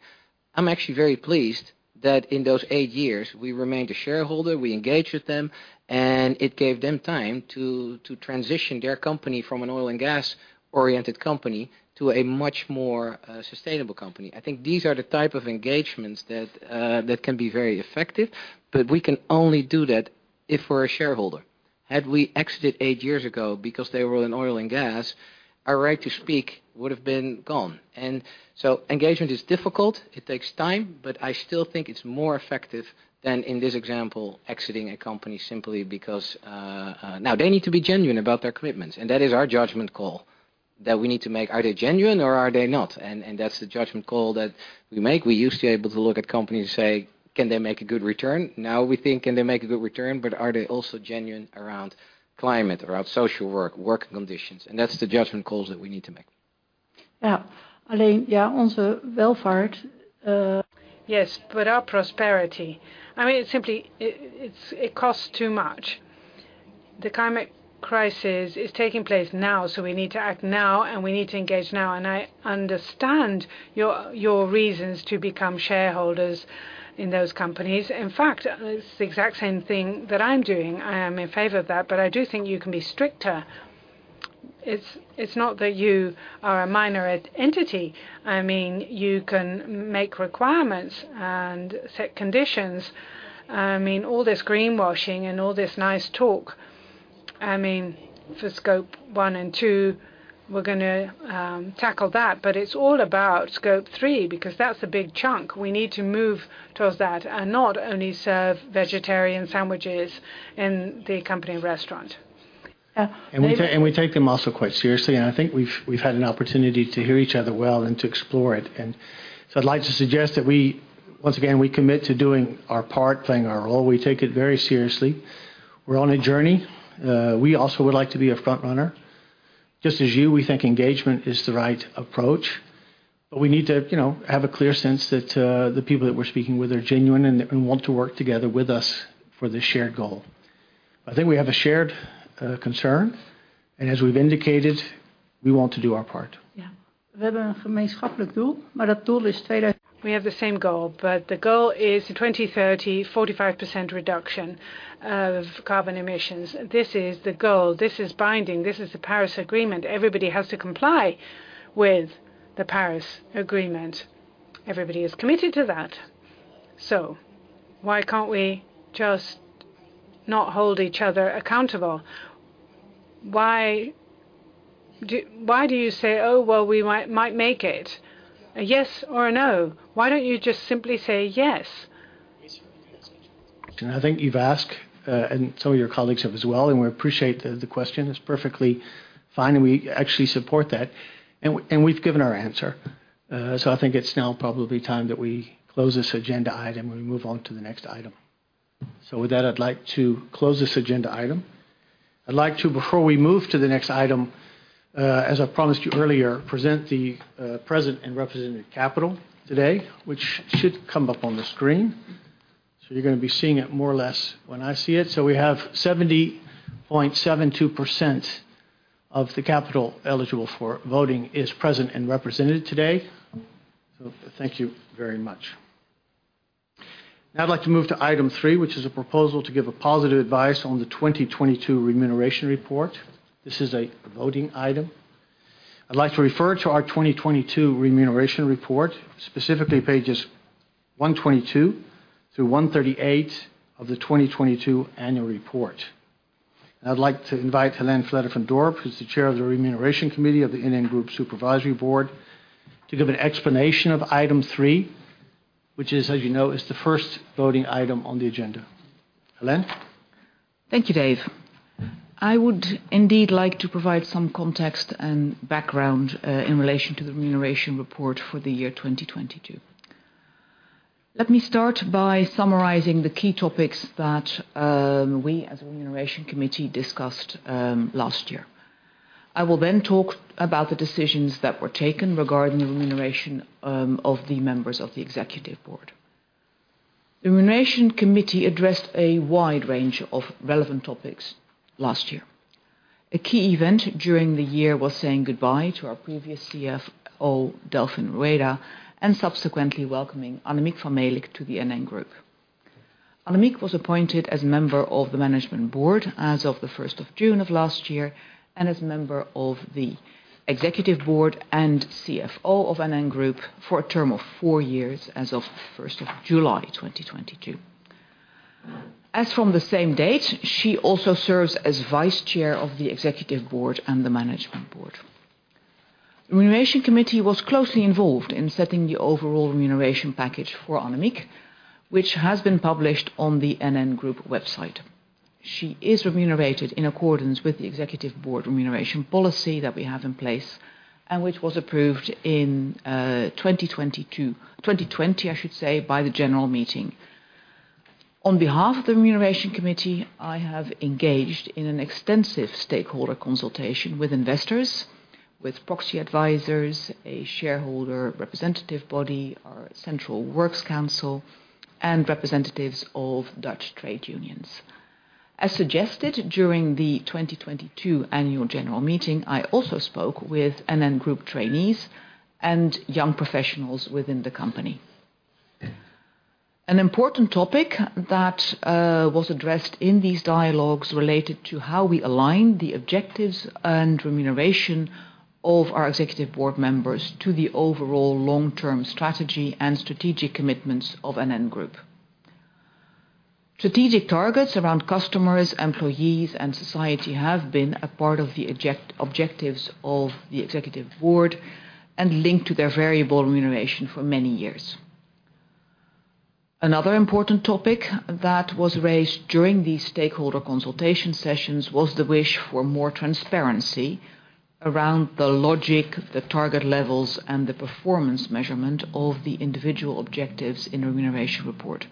I'm actually very pleased that in those eight years, we remained a shareholder, we engaged with them, and it gave them time to transition their company from an oil and gas-oriented company to a much more sustainable company. I think these are the type of engagements that can be very effective, but we can only do that if we're a shareholder. Had we exited eight years ago because they were in oil and gas, our right to speak would have been gone. Engagement is difficult, it takes time, but I still think it's more effective than, in this example, exiting a company simply because... Now, they need to be genuine about their commitments, and that is our judgment call that we need to make. Are they genuine or are they not? That's the judgment call that we make. We used to be able to look at companies and say: Can they make a good return? Now, we think, can they make a good return, but are they also genuine around climate, around social work, working conditions? That's the judgment calls that we need to make. Yeah. Yeah, also, welfare. Yes, our prosperity, I mean, it's simply, it costs too much. The climate crisis is taking place now. We need to act now, and we need to engage now. I understand your reasons to become shareholders in those companies. In fact, it's the exact same thing that I'm doing. I am in favor of that. I do think you can be stricter. It's not that you are a minor entity. I mean, you can make requirements and set conditions. I mean, all this greenwashing and all this nice talk, I mean, for Scope one and two, we're gonna tackle that, but it's all about Scope three, because that's a big chunk. We need to move towards that, and not only serve vegetarian sandwiches in the company restaurant. We take them also quite seriously, and I think we've had an opportunity to hear each other well and to explore it. So I'd like to suggest that we, once again, we commit to doing our part, playing our role. We take it very seriously. We're on a journey. We also would like to be a front runner. Just as you, we think engagement is the right approach, but we need to, you know, have a clear sense that the people that we're speaking with are genuine and want to work together with us for this shared goal. I think we have a shared concern, and as we've indicated, we want to do our part. We have a common goal. We have the same goal, the goal is the 2030, 45% reduction of carbon emissions. This is the goal. This is binding. This is the Paris Agreement. Everybody has to comply with the Paris Agreement. Everybody is committed to that. Why can't we just not hold each other accountable? Why do you say, "Oh, well, we might make it?" A yes or a no. Why don't you just simply say yes? I think you've asked, and some of your colleagues have as well, we appreciate the question. It's perfectly fine, we actually support that, we've given our answer. I think it's now probably time that we close this agenda item, we move on to the next item. With that, I'd like to close this agenda item. I'd like to, before we move to the next item, as I promised you earlier, present the present and represented capital today, which should come up on the screen. You're going to be seeing it more or less when I see it. We have 70.72% of the capital eligible for voting is present and represented today. Thank you very much. Now I'd like to move to item three, which is a proposal to give a positive advice on the 2022 Remuneration Report. This is a voting item. I'd like to refer to our 2022 Remuneration Report, specifically pages 122 through 138 of the 2022 Annual Report. I'd like to invite Hélène Vletter-van Dort, who's the Chair of the Remuneration Committee of the NN Group Supervisory Board, to give an explanation of item three, which is, as you know, is the first voting item on the agenda. Hélène? Thank you, Dave. I would indeed like to provide some context and background in relation to the Remuneration Report for the year 2022. Let me start by summarizing the key topics that we, as a Remuneration Committee, discussed last year. I will then talk about the decisions that were taken regarding the remuneration of the members of the Executive Board. The Remuneration Committee addressed a wide range of relevant topics last year. A key event during the year was saying goodbye to our previous CFO, Delfin Rueda, and subsequently welcoming Annemiek van Melick to the NN Group. Annemiek was appointed as member of the Management Board as of the 1st of June of last year, and as a member of the Executive Board and CFO of NN Group for a term of four years as of the 1st of July, 2022. As from the same date, she also serves as Vice Chair of the Executive Board and the Management Board. Remuneration Committee was closely involved in setting the overall remuneration package for Annemiek, which has been published on the NN Group website. She is remunerated in accordance with the Executive Board Remuneration Policy that we have in place, and which was approved in 2020, I should say, by the General Meeting. On behalf of the Remuneration Committee, I have engaged in an extensive stakeholder consultation with investors, with proxy advisors, a shareholder representative body, our Central Works Council, and representatives of Dutch trade unions. As suggested during the 2022 Annual General Meeting, I also spoke with NN Group trainees and young professionals within the company. An important topic that was addressed in these dialogues related to how we align the objectives and remuneration of our executive board members to the overall long-term strategy and strategic commitments of NN Group. Strategic targets around customers, employees, and society have been a part of the objectives of the executive board and linked to their variable remuneration for many years. Another important topic that was raised during the stakeholder consultation sessions was the wish for more transparency around the logic, the target levels, and the performance measurement of the individual objectives in the Remuneration Report.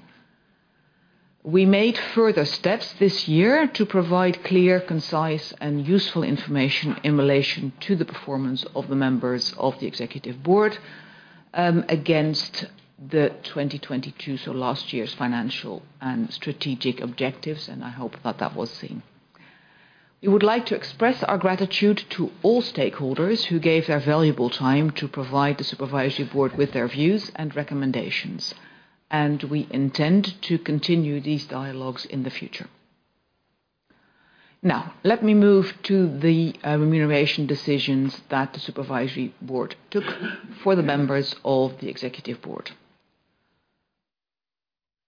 We made further steps this year to provide clear, concise, and useful information in relation to the performance of the members of the executive board against the 2022, so last year's financial and strategic objectives. I hope that that was seen. We would like to express our gratitude to all stakeholders who gave their valuable time to provide the Supervisory Board with their views and recommendations. We intend to continue these dialogues in the future. Now, let me move to the remuneration decisions that the Supervisory Board took for the members of the Executive Board.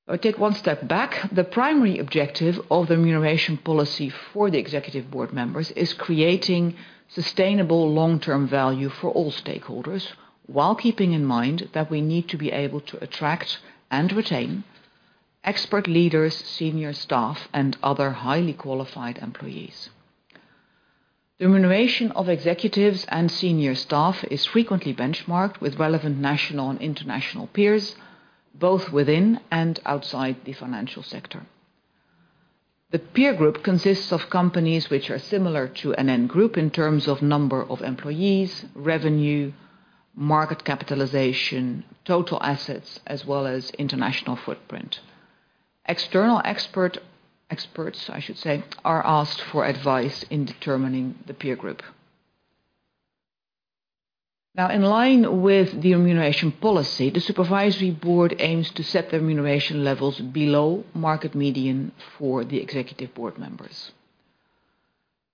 I'll take one step back. The primary objective of the remuneration policy for the Executive Board members is creating sustainable long-term value for all stakeholders, while keeping in mind that we need to be able to attract and retain expert leaders, senior staff, and other highly qualified employees. The remuneration of executives and senior staff is frequently benchmarked with relevant national and international peers, both within and outside the financial sector. The peer group consists of companies which are similar to NN Group in terms of number of employees, revenue, market capitalization, total assets, as well as international footprint. External experts, I should say, are asked for advice in determining the peer group. In line with the remuneration policy, the Supervisory Board aims to set the remuneration levels below market median for the executive board members.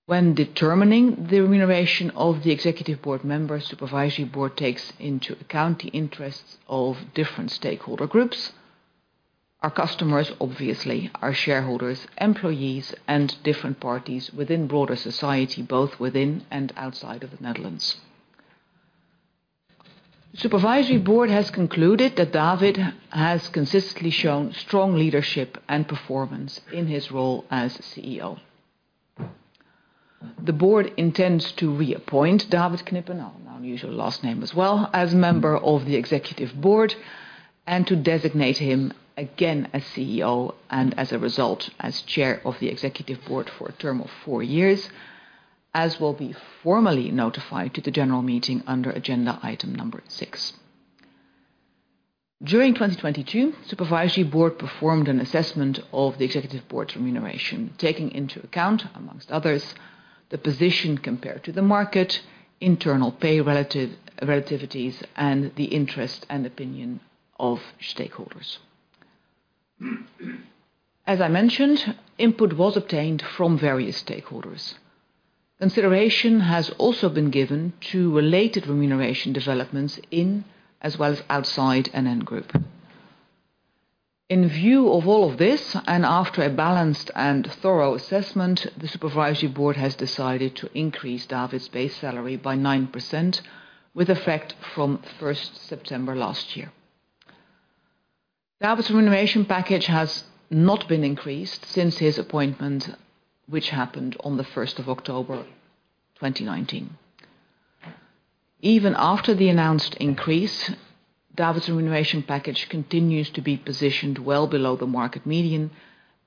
When determining the remuneration of the executive board members, Supervisory Board takes into account the interests of different stakeholder groups, our customers, obviously, our shareholders, employees, and different parties within broader society, both within and outside of the Netherlands. Supervisory Board has concluded that David has consistently shown strong leadership and performance in his role as CEO. The board intends to reappoint David Knibbe, I'll use your last name as well, as member of the Executive Board, and to designate him again as CEO and as a result, as Chair of the Executive Board for a term of four years, as will be formally notified to the general meeting under agenda item number 6. During 2022, Supervisory Board performed an assessment of the Executive Board's remuneration, taking into account, amongst others, the position compared to the market, internal pay relativities, and the interest and opinion of stakeholders. As I mentioned, input was obtained from various stakeholders. Consideration has also been given to related remuneration developments in, as well as outside NN Group. In view of all of this, and after a balanced and thorough assessment, the Supervisory Board has decided to increase David's base salary by 9%, with effect from first September last year. David's remuneration package has not been increased since his appointment, which happened on the 1st of October, 2019. Even after the announced increase, David's remuneration package continues to be positioned well below the market median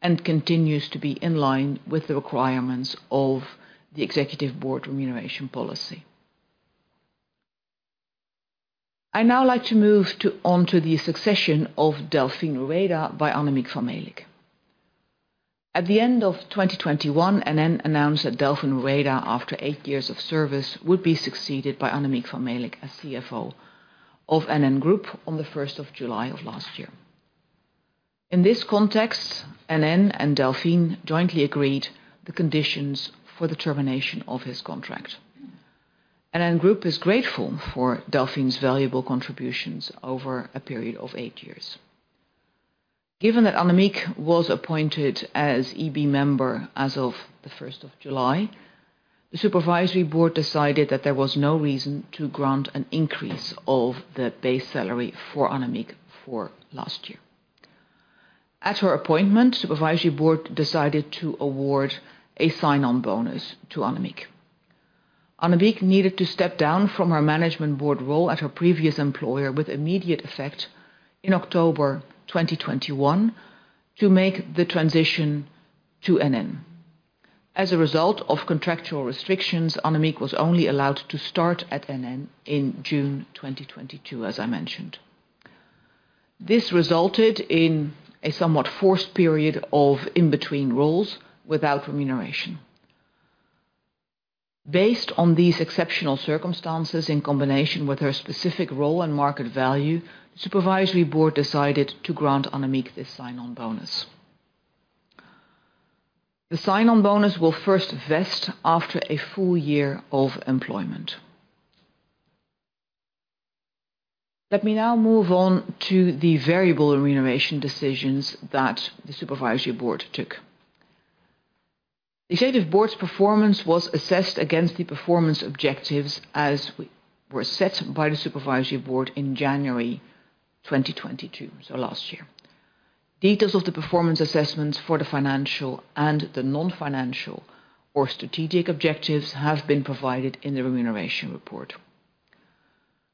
and continues to be in line with the requirements of the executive board remuneration policy. I'd now like to move on to the succession of Delfin Rueda by Annemiek van Melick. At the end of 2021, NN Group announced that Delfin Rueda, after 8 years of service, would be succeeded by Annemiek van Melick, as CFO of NN Group on the 1st of July of last year. In this context, NN Group and Delfin jointly agreed the conditions for the termination of his contract. NN Group is grateful for Delfin's valuable contributions over a period of 8 years. Given that Annemiek was appointed as EB member as of the first of July, the Supervisory Board decided that there was no reason to grant an increase of the base salary for Annemiek for last year. At her appointment, Supervisory Board decided to award a sign-on bonus to Annemiek. Annemiek needed to step down from her management board role at her previous employer with immediate effect in October 2021 to make the transition to NN. As a result of contractual restrictions, Annemiek was only allowed to start at NN in June 2022, as I mentioned. This resulted in a somewhat forced period of in-between roles without remuneration. Based on these exceptional circumstances, in combination with her specific role and market value, Supervisory Board decided to grant Annemiek this sign-on bonus. The sign-on bonus will first vest after a full year of employment. Let me now move on to the variable remuneration decisions that the Supervisory Board took. The Executive Board's performance was assessed against the performance objectives as were set by the Supervisory Board in January 2022, so last year. Details of the performance assessments for the financial and the non-financial or strategic objectives have been provided in the remuneration report.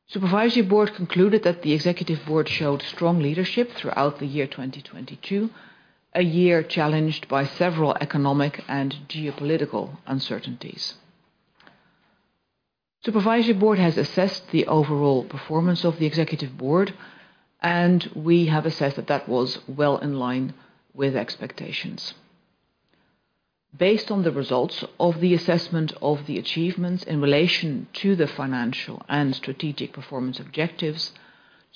Supervisory Board concluded that the Executive Board showed strong leadership throughout the year 2022, a year challenged by several economic and geopolitical uncertainties. Supervisory Board has assessed the overall performance of the Executive Board, and we have assessed that was well in line with expectations. Based on the results of the assessment of the achievements in relation to the financial and strategic performance objectives,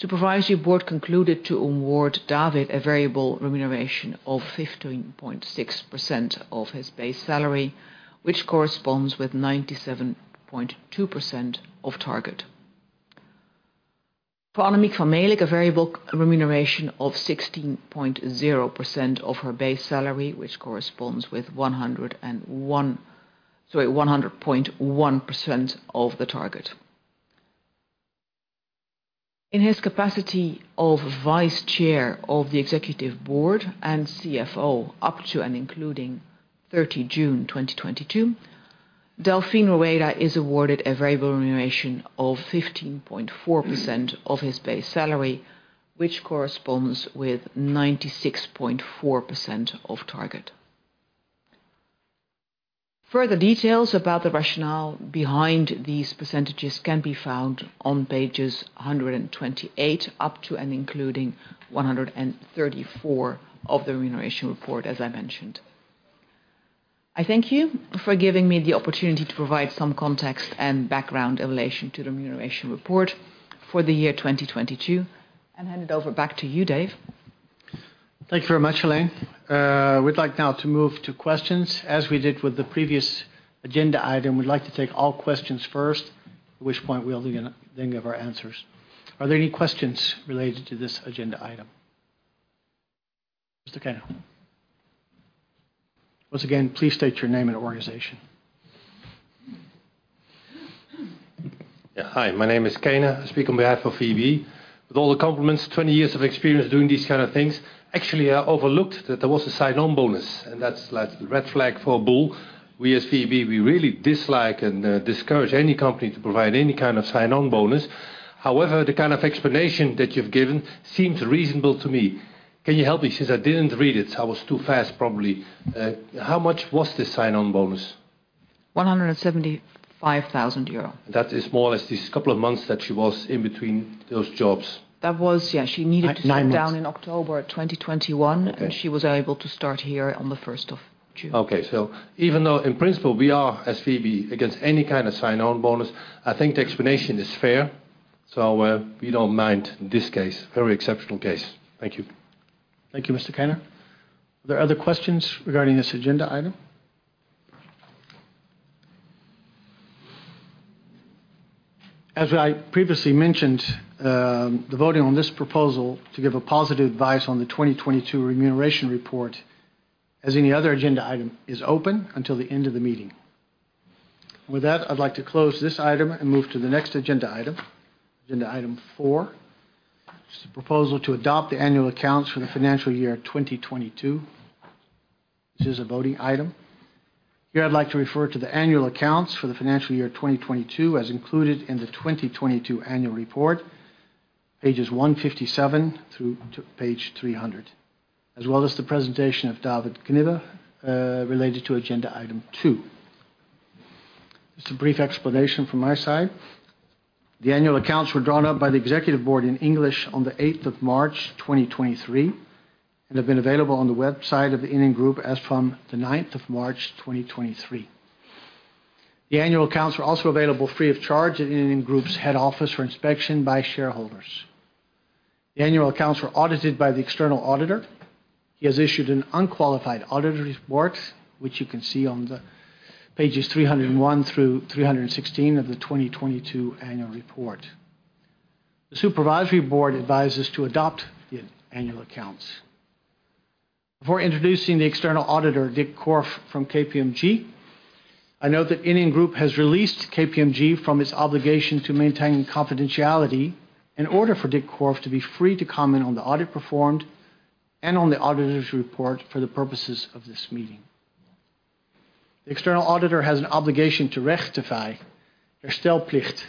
Supervisory Board concluded to award David Knibbe a variable remuneration of 15.6% of his base salary, which corresponds with 97.2% of target. For Annemiek van Melick, a variable remuneration of 16.0% of her base salary, which corresponds with 101, sorry, 100.1% of the target. In his capacity of Vice Chair of the Executive Board and CFO, up to and including 30 June 2022, Delfin Rueda is awarded a variable remuneration of 15.4% of his base salary, which corresponds with 96.4% of target. Further details about the rationale behind these percentages can be found on pages 128 up to and including 134 of the remuneration report, as I mentioned. I thank you for giving me the opportunity to provide some context and background in relation to the remuneration report for the year 2022, and hand it over back to you, Dave. Thank you very much, Hélène. We'd like now to move to questions. As we did with the previous agenda item, we'd like to take all questions first, at which point we'll begin giving our answers. Are there any questions related to this agenda item? Mr. Keiner. Once again, please state your name and organization. Yeah, hi, my name is Keiner. I speak on behalf of VEB. With all the compliments, 20 years of experience doing these kind of things, actually, I overlooked that there was a sign-on bonus, that's like a red flag for a bull. We, as VEB, we really dislike and discourage any company to provide any kind of sign-on bonus. However, the kind of explanation that you've given seems reasonable to me. Can you help me, since I didn't read it, I was too fast, probably. How much was this sign-on bonus? One hundred and seventy-five thousand euro. That is more or less these couple of months that she was in between those jobs. That was, yeah. Nine months. To start down in October of 2021, and she was able to start here on the 1st of June. Okay, even though in principle, we are, as VEB, against any kind of sign-on bonus, I think the explanation is fair, so we don't mind in this case. Very exceptional case. Thank you. Thank you, Mr. Keiner. Are there other questions regarding this agenda item? As I previously mentioned, the voting on this proposal to give a positive advice on the 2022 remuneration report, as any other agenda item, is open until the end of the meeting. With that, I'd like to close this item and move to the next agenda item, agenda item four. This is a proposal to adopt the annual accounts for the financial year 2022. This is a voting item. Here, I'd like to refer to the annual accounts for the financial year 2022, as included in the 2022 annual report, pages 157 through to page 300, as well as the presentation of David Knibbe, related to agenda item two. Just a brief explanation from my side. The annual accounts were drawn up by the executive board in English on the 8th of March, 2023, and have been available on the website of the NN Group as from the 9th of March, 2023. The annual accounts are also available free of charge at NN Group's head office for inspection by shareholders. The annual accounts were audited by the external auditor. He has issued an unqualified auditor report, which you can see on the pages 301 through 316 of the 2022 annual report. The supervisory board advises to adopt the annual accounts. Before introducing the external auditor, Dik Korf from KPMG, I note that NN Group has released KPMG from its obligation to maintain confidentiality in order for Dik Korf to be free to comment on the audit performed and on the auditor's report for the purposes of this meeting. The external auditor has an obligation to rectify, herstelplicht.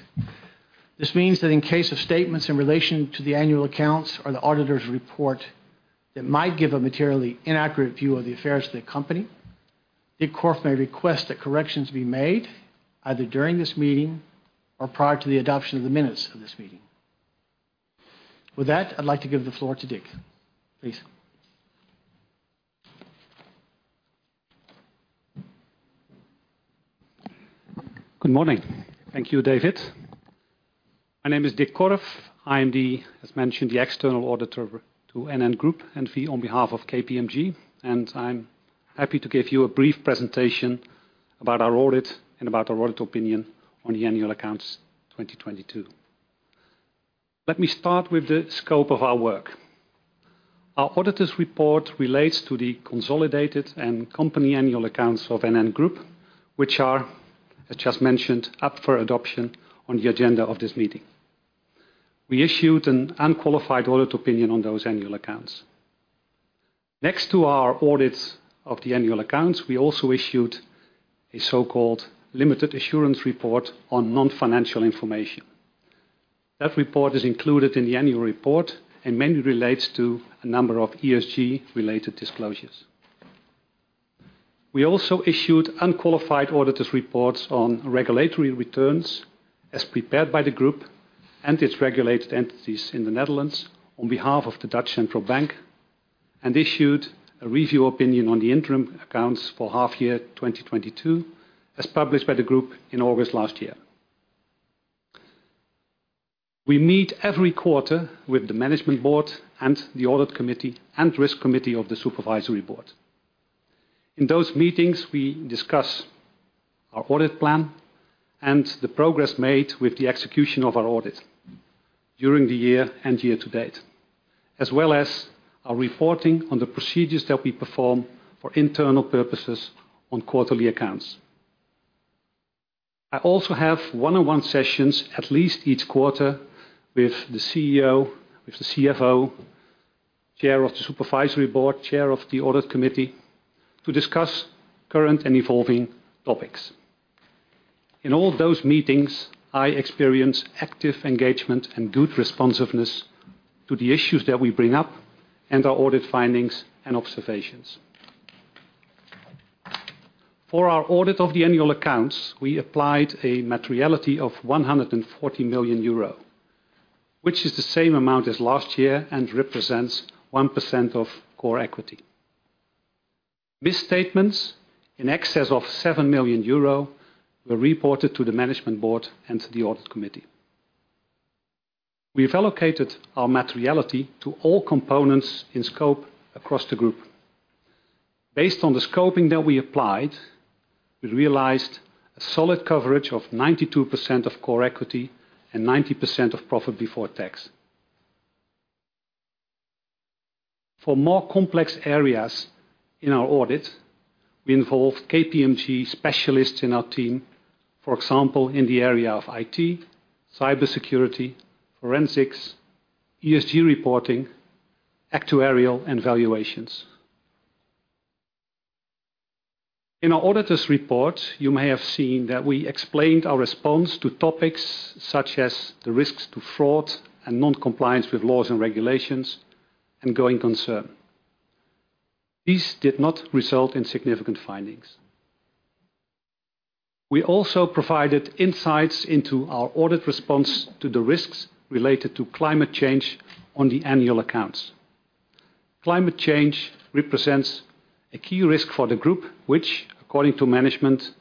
This means that in case of statements in relation to the annual accounts or the auditor's report that might give a materially inaccurate view of the affairs of the company, Dik Korf may request that corrections be made either during this meeting or prior to the adoption of the minutes of this meeting. With that, I'd like to give the floor to Dik, please. Good morning. Thank you, David. My name is Dik Korf. I am the, as mentioned, the external auditor to NN Group, and on behalf of KPMG, and I'm happy to give you a brief presentation about our audit and about our audit opinion on the annual accounts 2022. Let me start with the scope of our work. Our auditor's report relates to the consolidated and company annual accounts of NN Group, which are, as just mentioned, up for adoption on the agenda of this meeting. We issued an unqualified audit opinion on those annual accounts. Next to our audits of the annual accounts, we also issued a so-called limited assurance report on non-financial information. That report is included in the annual report and mainly relates to a number of ESG-related disclosures. We also issued unqualified auditors' reports on regulatory returns, as prepared by the group and its regulated entities in the Netherlands on behalf of the Dutch Central Bank, and issued a review opinion on the interim accounts for half year 2022, as published by the group in August last year. We meet every quarter with the management board and the audit committee, and risk committee of the supervisory board. In those meetings, we discuss our audit plan and the progress made with the execution of our audit during the year and year to date, as well as our reporting on the procedures that we perform for internal purposes on quarterly accounts. I also have one-on-one sessions, at least each quarter, with the CEO, with the CFO, Chair of the Supervisory Board, Chair of the Audit Committee, to discuss current and evolving topics.... In all those meetings, I experienced active engagement and good responsiveness to the issues that we bring up, and our audit findings and observations. For our audit of the annual accounts, we applied a materiality of 140 million euro, which is the same amount as last year and represents 1% of core equity. Misstatements in excess of 7 million euro were reported to the management board and to the audit committee. We've allocated our materiality to all components in scope across the group. Based on the scoping that we applied, we realized a solid coverage of 92% of core equity and 90% of profit before tax. For more complex areas in our audit, we involved KPMG specialists in our team. For example, in the area of IT, cybersecurity, forensics, ESG reporting, actuarial, and valuations. In our auditor's report, you may have seen that we explained our response to topics such as the risks to fraud and non-compliance with laws and regulations, and going concern. These did not result in significant findings. We also provided insights into our audit response to the risks related to climate change on the annual accounts. Climate change represents a key risk for the group, which, according to management,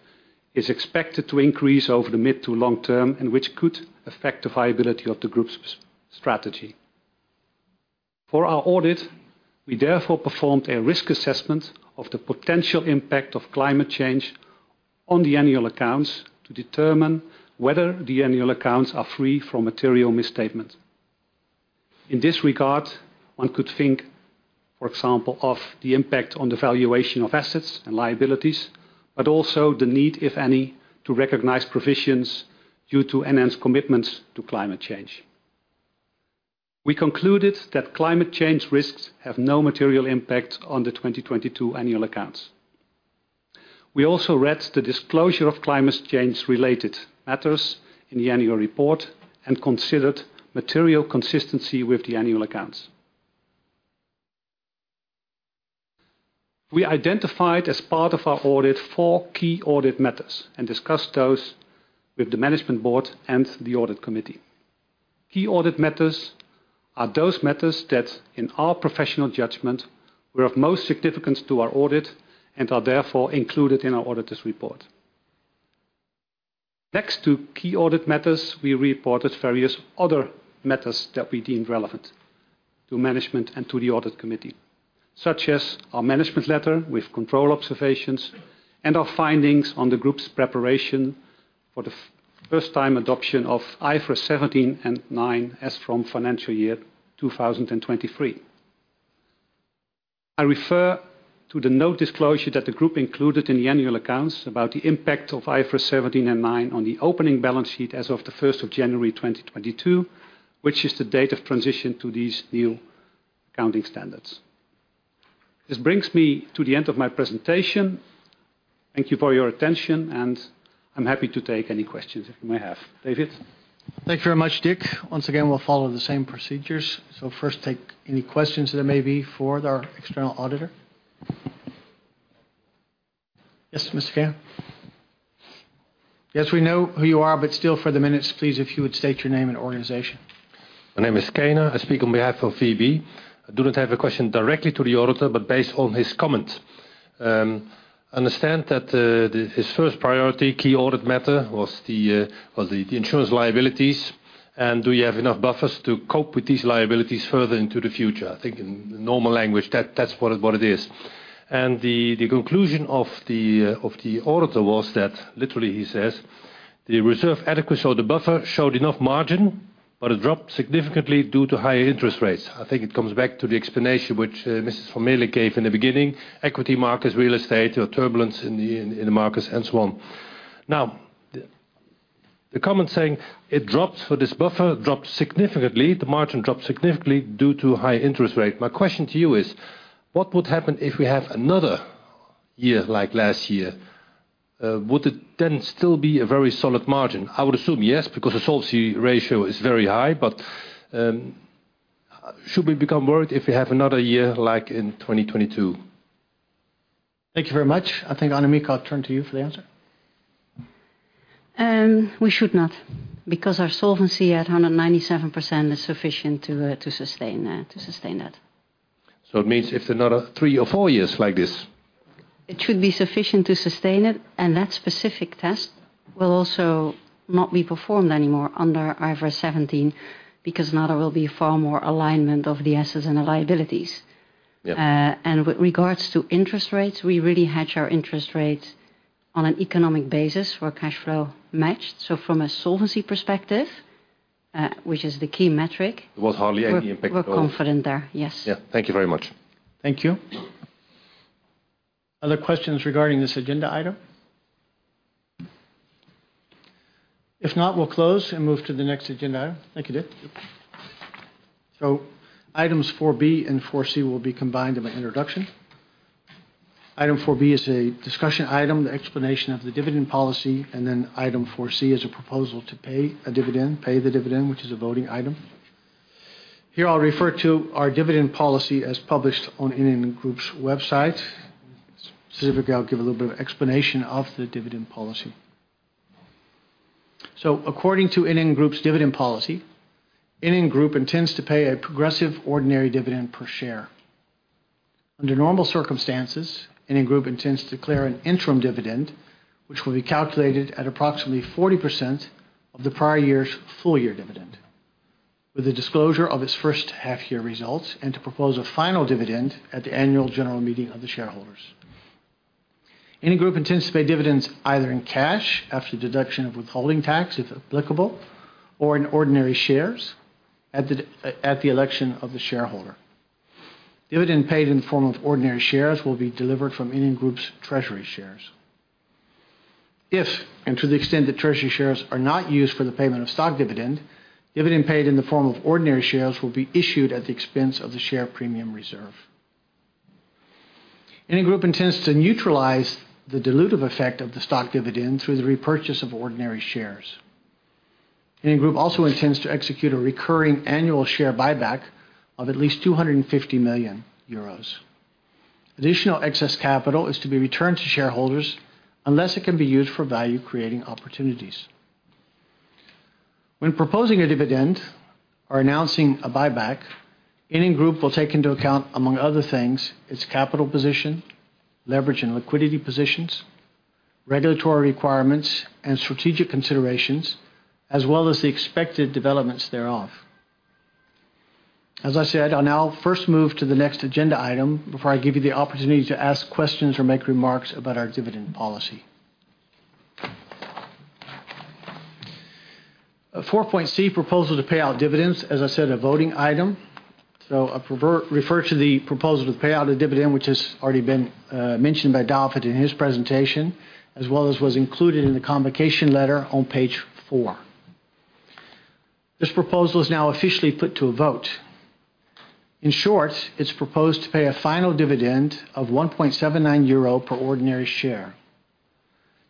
is expected to increase over the mid to long term, and which could affect the viability of the group's, strategy. For our audit, we therefore performed a risk assessment of the potential impact of climate change on the annual accounts to determine whether the annual accounts are free from material misstatement. In this regard, one could think, for example, of the impact on the valuation of assets and liabilities, but also the need, if any, to recognize provisions due to enhanced commitments to climate change. We concluded that climate change risks have no material impact on the 2022 annual accounts. We also read the disclosure of climate change-related matters in the annual report and considered material consistency with the annual accounts. We identified, as part of our audit, four key audit matters and discussed those with the management board and the audit committee. Key audit matters are those matters that, in our professional judgment, were of most significance to our audit and are therefore included in our auditor's report. Next to key audit matters, we reported various other matters that we deemed relevant to management and to the audit committee, such as our management letter with control observations and our findings on the group's preparation for the first time adoption of IFRS 17 and 9, as from financial year 2023. I refer to the note disclosure that the group included in the annual accounts about the impact of IFRS 17 and 9 on the opening balance sheet as of the first of January 2022, which is the date of transition to these new accounting standards. This brings me to the end of my presentation. Thank you for your attention, I'm happy to take any questions you may have. David? Thank you very much, Dik. Once again, we'll follow the same procedures. First, take any questions there may be for our external auditor. Yes, Mr. Keiner. Yes, we know who you are, but still, for the minutes, please, if you would state your name and organization. My name is Keiner. I speak on behalf of VEB. I do not have a question directly to the auditor, but based on his comments. I understand that his first priority key audit matter was the insurance liabilities, and do you have enough buffers to cope with these liabilities further into the future? I think in normal language, that's what it is. The conclusion of the auditor was that, literally, he says, "The reserve adequacy or the buffer showed enough margin, but it dropped significantly due to higher interest rates." I think it comes back to the explanation which Mrs. Annemiek van Melick gave in the beginning: equity markets, real estate, or turbulence in the markets, and so on. Now, the comment saying it dropped for this buffer, dropped significantly, the margin dropped significantly due to high interest rate. My question to you is: What would happen if we have another year like last year? Would it then still be a very solid margin? I would assume yes, because the solvency ratio is very high, but should we become worried if we have another year like in 2022? Thank you very much. I think Annemiek, I'll turn to you for the answer. We should not, because our solvency at 197% is sufficient to sustain that. It means if another 3 or 4 years like this? It should be sufficient to sustain it. That specific test will also not be performed anymore under IFRS 17, because now there will be far more alignment of the assets and the liabilities. Yep. With regards to interest rates, we really hedge our interest rates on an economic basis for cash flow matched. From a solvency perspective, which is the key metric. There was hardly any impact. We're confident there. Yes. Yeah. Thank you very much. Thank you. Other questions regarding this agenda item? If not, we'll close and move to the next agenda item. Thank you, Dik Korf. Items 4B and 4C will be combined in my introduction. Item 4B is a discussion item, the explanation of the dividend policy, Item 4C is a proposal to pay the dividend, which is a voting item. Here, I'll refer to our dividend policy as published on NN Group's website. Specifically, I'll give a little bit of explanation of the dividend policy. According to NN Group's dividend policy, NN Group intends to pay a progressive ordinary dividend per share. Under normal circumstances, NN Group intends to declare an interim dividend, which will be calculated at approximately 40% of the prior year's full year dividend, with the disclosure of its first half-year results, and to propose a final dividend at the annual general meeting of the shareholders. NN Group intends to pay dividends either in cash after deduction of withholding tax, if applicable, or in ordinary shares at the election of the shareholder. Dividend paid in the form of ordinary shares will be delivered from NN Group's treasury shares. If and to the extent the treasury shares are not used for the payment of stock dividend paid in the form of ordinary shares will be issued at the expense of the share premium reserve. NN Group intends to neutralize the dilutive effect of the stock dividend through the repurchase of ordinary shares. NN Group also intends to execute a recurring annual share buyback of at least 250 million euros. Additional excess capital is to be returned to shareholders, unless it can be used for value-creating opportunities. When proposing a dividend or announcing a buyback, NN Group will take into account, among other things, its capital position, leverage and liquidity positions, regulatory requirements and strategic considerations, as well as the expected developments thereof. As I said, I'll now first move to the next agenda item before I give you the opportunity to ask questions or make remarks about our dividend policy. 4.C, proposal to pay out dividends, as I said, a voting item. I refer to the proposal to pay out a dividend, which has already been mentioned by David in his presentation, as well as was included in the convocation letter on page 4. This proposal is now officially put to a vote. In short, it's proposed to pay a final dividend of 1.79 euro per ordinary share.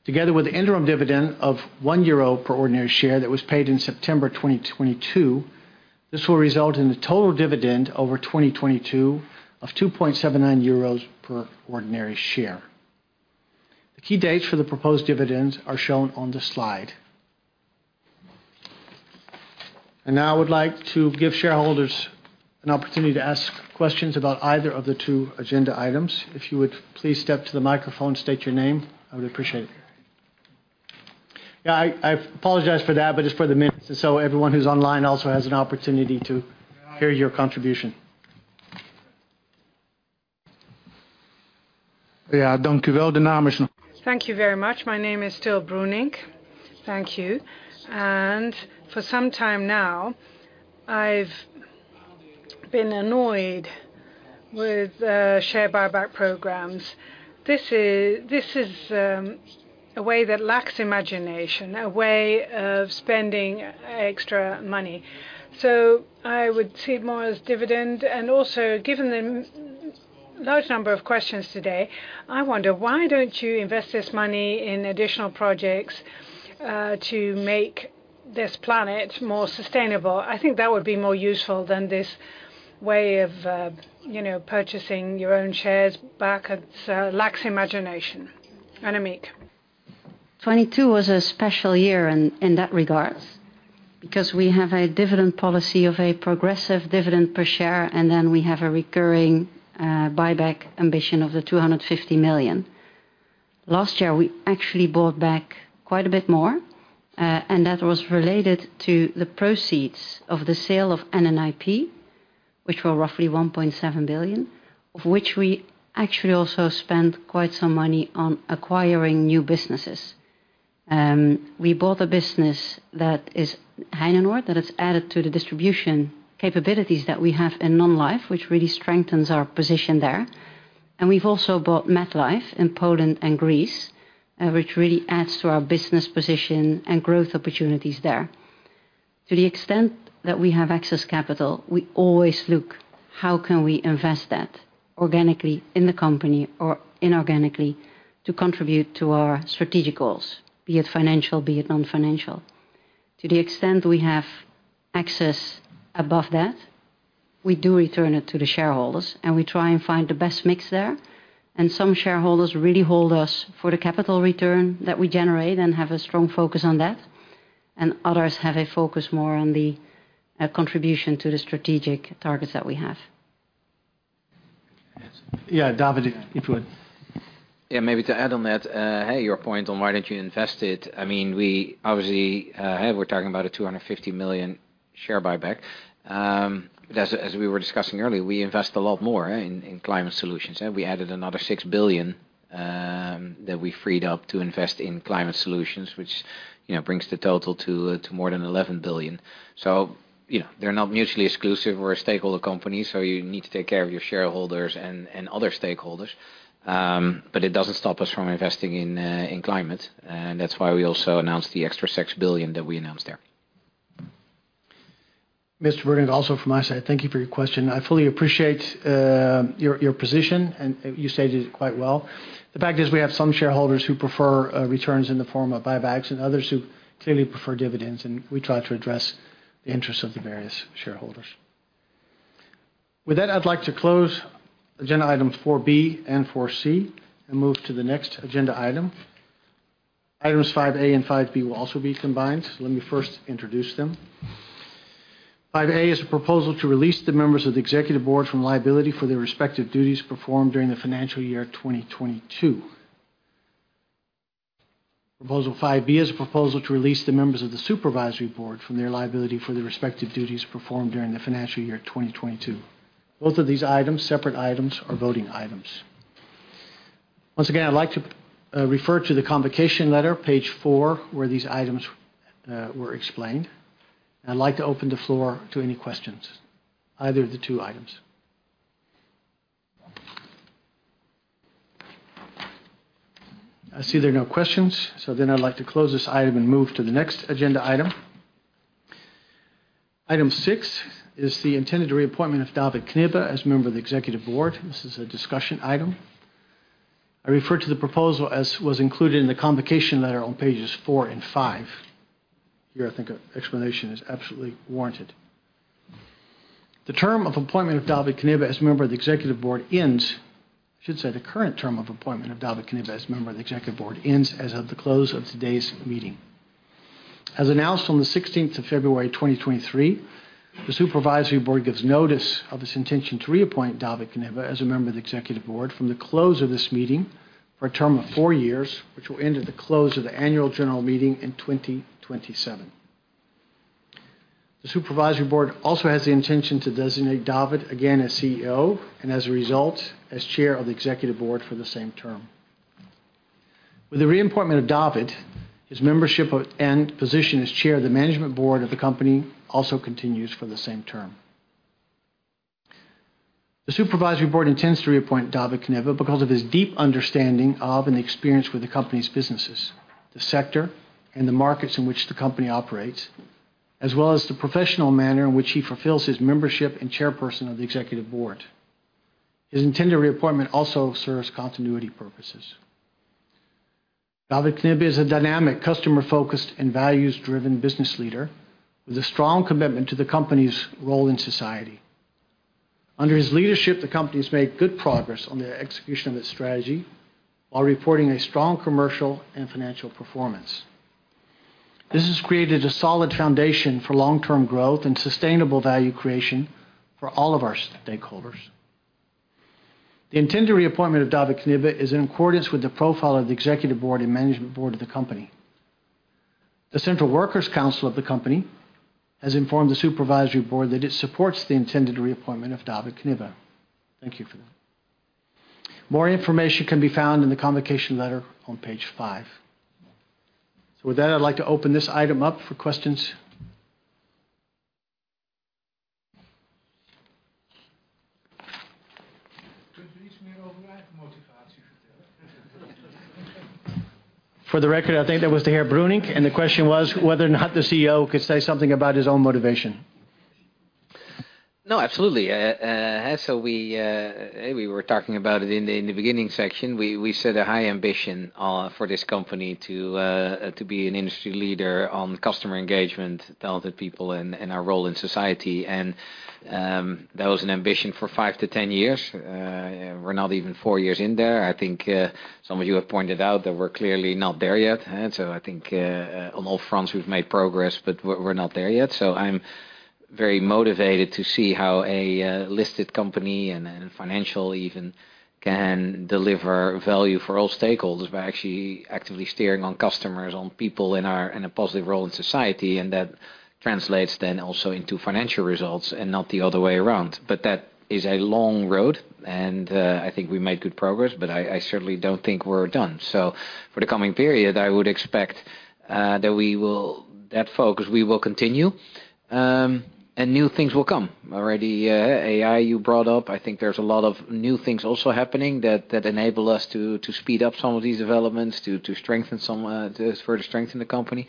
Together with the interim dividend of 1 euro per ordinary share that was paid in September 2022, this will result in a total dividend over 2022 of 2.79 euros per ordinary share. The key dates for the proposed dividends are shown on the slide. Now I would like to give shareholders an opportunity to ask questions about either of the two agenda items. If you would please step to the microphone, state your name, I would appreciate it. Yeah, I apologize for that, but just for the minutes, everyone who's online also has an opportunity to hear your contribution. Yeah. Thank you very much. My name is Till Bruning. Thank you. For some time now, I've been annoyed with share buyback programs. This is a way that lacks imagination, a way of spending extra money. I would see it more as dividend. Also, given the large number of questions today, I wonder, why don't you invest this money in additional projects to make this planet more sustainable? I think that would be more useful than this way of, you know, purchasing your own shares back. It lacks imagination. Annemiek. 2022 was a special year in that regards, because we have a dividend policy of a progressive dividend per share, and then we have a recurring buyback ambition of 250 million. Last year, we actually bought back quite a bit more, and that was related to the proceeds of the sale of NN IP, which were roughly 1.7 billion, of which we actually also spent quite some money on acquiring new businesses. We bought a business, that is Heinenoord, that has added to the distribution capabilities that we have in non-life, which really strengthens our position there. We've also bought MetLife in Poland and Greece, which really adds to our business position and growth opportunities there. To the extent that we have access capital, we always look, how can we invest that organically in the company or inorganically to contribute to our strategic goals, be it financial, be it non-financial? To the extent we have access above that, we do return it to the shareholders, and we try and find the best mix there. Some shareholders really hold us for the capital return that we generate and have a strong focus on that, and others have a focus more on the contribution to the strategic targets that we have. Yes. Yeah, David, if you would. Yeah, maybe to add on that, hey, your point on why don't you invest it? I mean, we obviously, we're talking about a 250 million share buyback. As we were discussing earlier, we invest a lot more in climate solutions, and we added another 6 billion that we freed up to invest in climate solutions, which, you know, brings the total to more than 11 billion. You know, they're not mutually exclusive. We're a stakeholder company, you need to take care of your shareholders and other stakeholders. It doesn't stop us from investing in climate, and that's why we also announced the extra 6 billion that we announced there.... Mr. Bruning, also from my side, thank you for your question. I fully appreciate your position, and you stated it quite well. The fact is, we have some shareholders who prefer returns in the form of buybacks and others who clearly prefer dividends, and we try to address the interests of the various shareholders. With that, I'd like to close agenda items 4B and 4C and move to the next agenda item. Items 5A and 5B will also be combined. Let me first introduce them. 5A is a proposal to release the members of the executive board from liability for their respective duties performed during the financial year 2022. Proposal 5B is a proposal to release the members of the supervisory board from their liability for their respective duties performed during the financial year 2022. Both of these items, separate items, are voting items. Once again, I'd like to refer to the convocation letter, page 4, where these items were explained. I'd like to open the floor to any questions, either of the 2 items. I see there are no questions. I'd like to close this item and move to the next agenda item. Item 6 is the intended reappointment of David Knibbe as a member of the executive board. This is a discussion item. I refer to the proposal as was included in the convocation letter on pages 4 and 5. Here, I think an explanation is absolutely warranted. The current term of appointment of David Knibbe as a member of the executive board ends as of the close of today's meeting. As announced on the 16th of February, 2023, the Supervisory Board gives notice of its intention to reappoint David Knibbe as a member of the Executive Board from the close of this meeting for a term of four years, which will end at the close of the annual general meeting in 2027. The Supervisory Board also has the intention to designate David again as CEO, and as a result, as Chair of the Executive Board for the same term. With the reappointment of David, his membership of, and position as Chair of the Management Board of the company also continues for the same term. The supervisory board intends to reappoint David Knibbe because of his deep understanding of, and experience with the company's businesses, the sector, and the markets in which the company operates, as well as the professional manner in which he fulfills his membership and chairperson of the executive board. His intended reappointment also serves continuity purposes. David Knibbe is a dynamic, customer-focused, and values-driven business leader with a strong commitment to the company's role in society. Under his leadership, the company has made good progress on the execution of its strategy while reporting a strong commercial and financial performance. This has created a solid foundation for long-term growth and sustainable value creation for all of our stakeholders. The intended reappointment of David Knibbe is in accordance with the profile of the executive board and management board of the company. The Central Works Council of the company has informed the supervisory board that it supports the intended reappointment of David Knibbe. Thank you for that. More information can be found in the convocation letter on page 5. With that, I'd like to open this item up for questions. For the record, I think that was the Herr Bruning, and the question was whether or not the CEO could say something about his own motivation. No, absolutely. We were talking about it in the beginning section. We set a high ambition for this company to be an industry leader on customer engagement, talented people, and our role in society. That was an ambition for 5-10 years. We're not even four years in there. I think some of you have pointed out that we're clearly not there yet. I think on all fronts, we've made progress, but we're not there yet. I'm very motivated to see how a listed company and financial even, can deliver value for all stakeholders by actually actively steering on customers, on people in our... and a positive role in society, and that translates then also into financial results and not the other way around. That is a long road, and I think we made good progress, but I certainly don't think we're done. For the coming period, I would expect that focus, we will continue, and new things will come. Already, AI, you brought up, I think there's a lot of new things also happening that enable us to speed up some of these developments, to strengthen some, to further strengthen the company.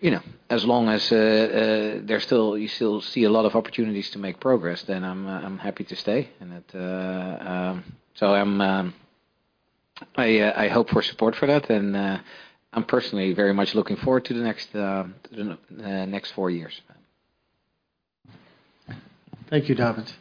You know, as long as you still see a lot of opportunities to make progress, then I'm happy to stay. That, so I'm, I hope for support for that, and I'm personally very much looking forward to the next 4 years. Thank you, David.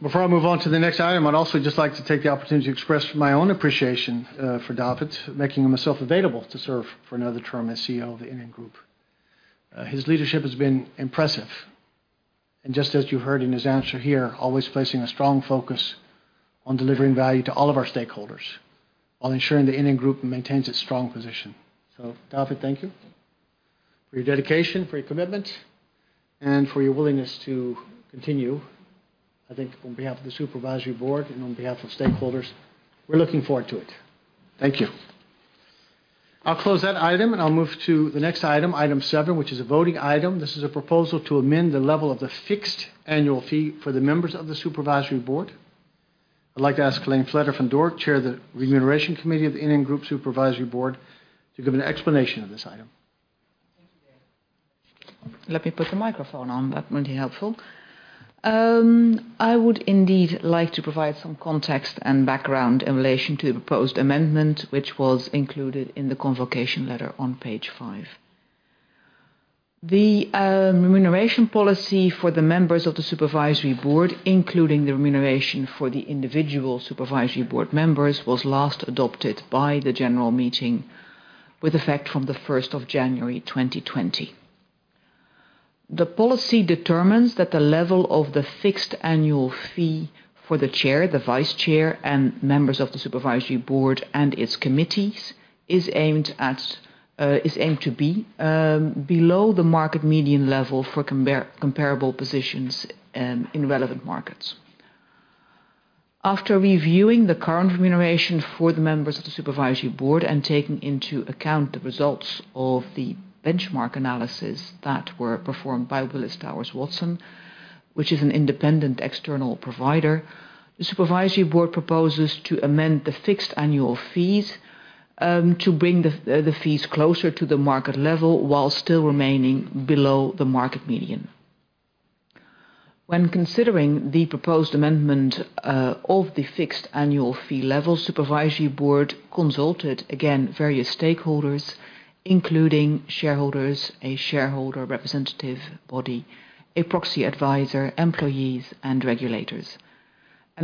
Before I move on to the next item, I'd also just like to take the opportunity to express my own appreciation for David, making himself available to serve for another term as CEO of the NN Group. His leadership has been impressive, and just as you heard in his answer here, always placing a strong focus on delivering value to all of our stakeholders while ensuring the NN Group maintains its strong position. David, thank you for your dedication, for your commitment, and for your willingness to continue. I think on behalf of the supervisory board and on behalf of stakeholders, we're looking forward to it. Thank you. I'll close that item, and I'll move to the next item 7, which is a voting item. This is a proposal to amend the level of the fixed annual fee for the members of the supervisory board. I'd like to ask Hélène Vletter-van Dort, Chair of the Remuneration Committee of the NN Group Supervisory Board, to give an explanation of this item. Thank you, Dave. Let me put the microphone on, that might be helpful. I would indeed like to provide some context and background in relation to the proposed amendment, which was included in the convocation letter on page 5. The remuneration policy for the members of the Supervisory Board, including the remuneration for the individual Supervisory Board members, was last adopted by the general meeting with effect from the first of January 2020. The policy determines that the level of the fixed annual fee for the Chair, the Vice Chair, and members of the Supervisory Board and its committees, is aimed to be below the market median level for comparable positions in relevant markets. After reviewing the current remuneration for the members of the supervisory board and taking into account the results of the benchmark analysis that were performed by Willis Towers Watson, which is an independent external provider, the supervisory board proposes to amend the fixed annual fees to bring the fees closer to the market level while still remaining below the market median. When considering the proposed amendment of the fixed annual fee level, supervisory board consulted, again, various stakeholders, including shareholders, a shareholder representative body, a proxy advisor, employees, and regulators.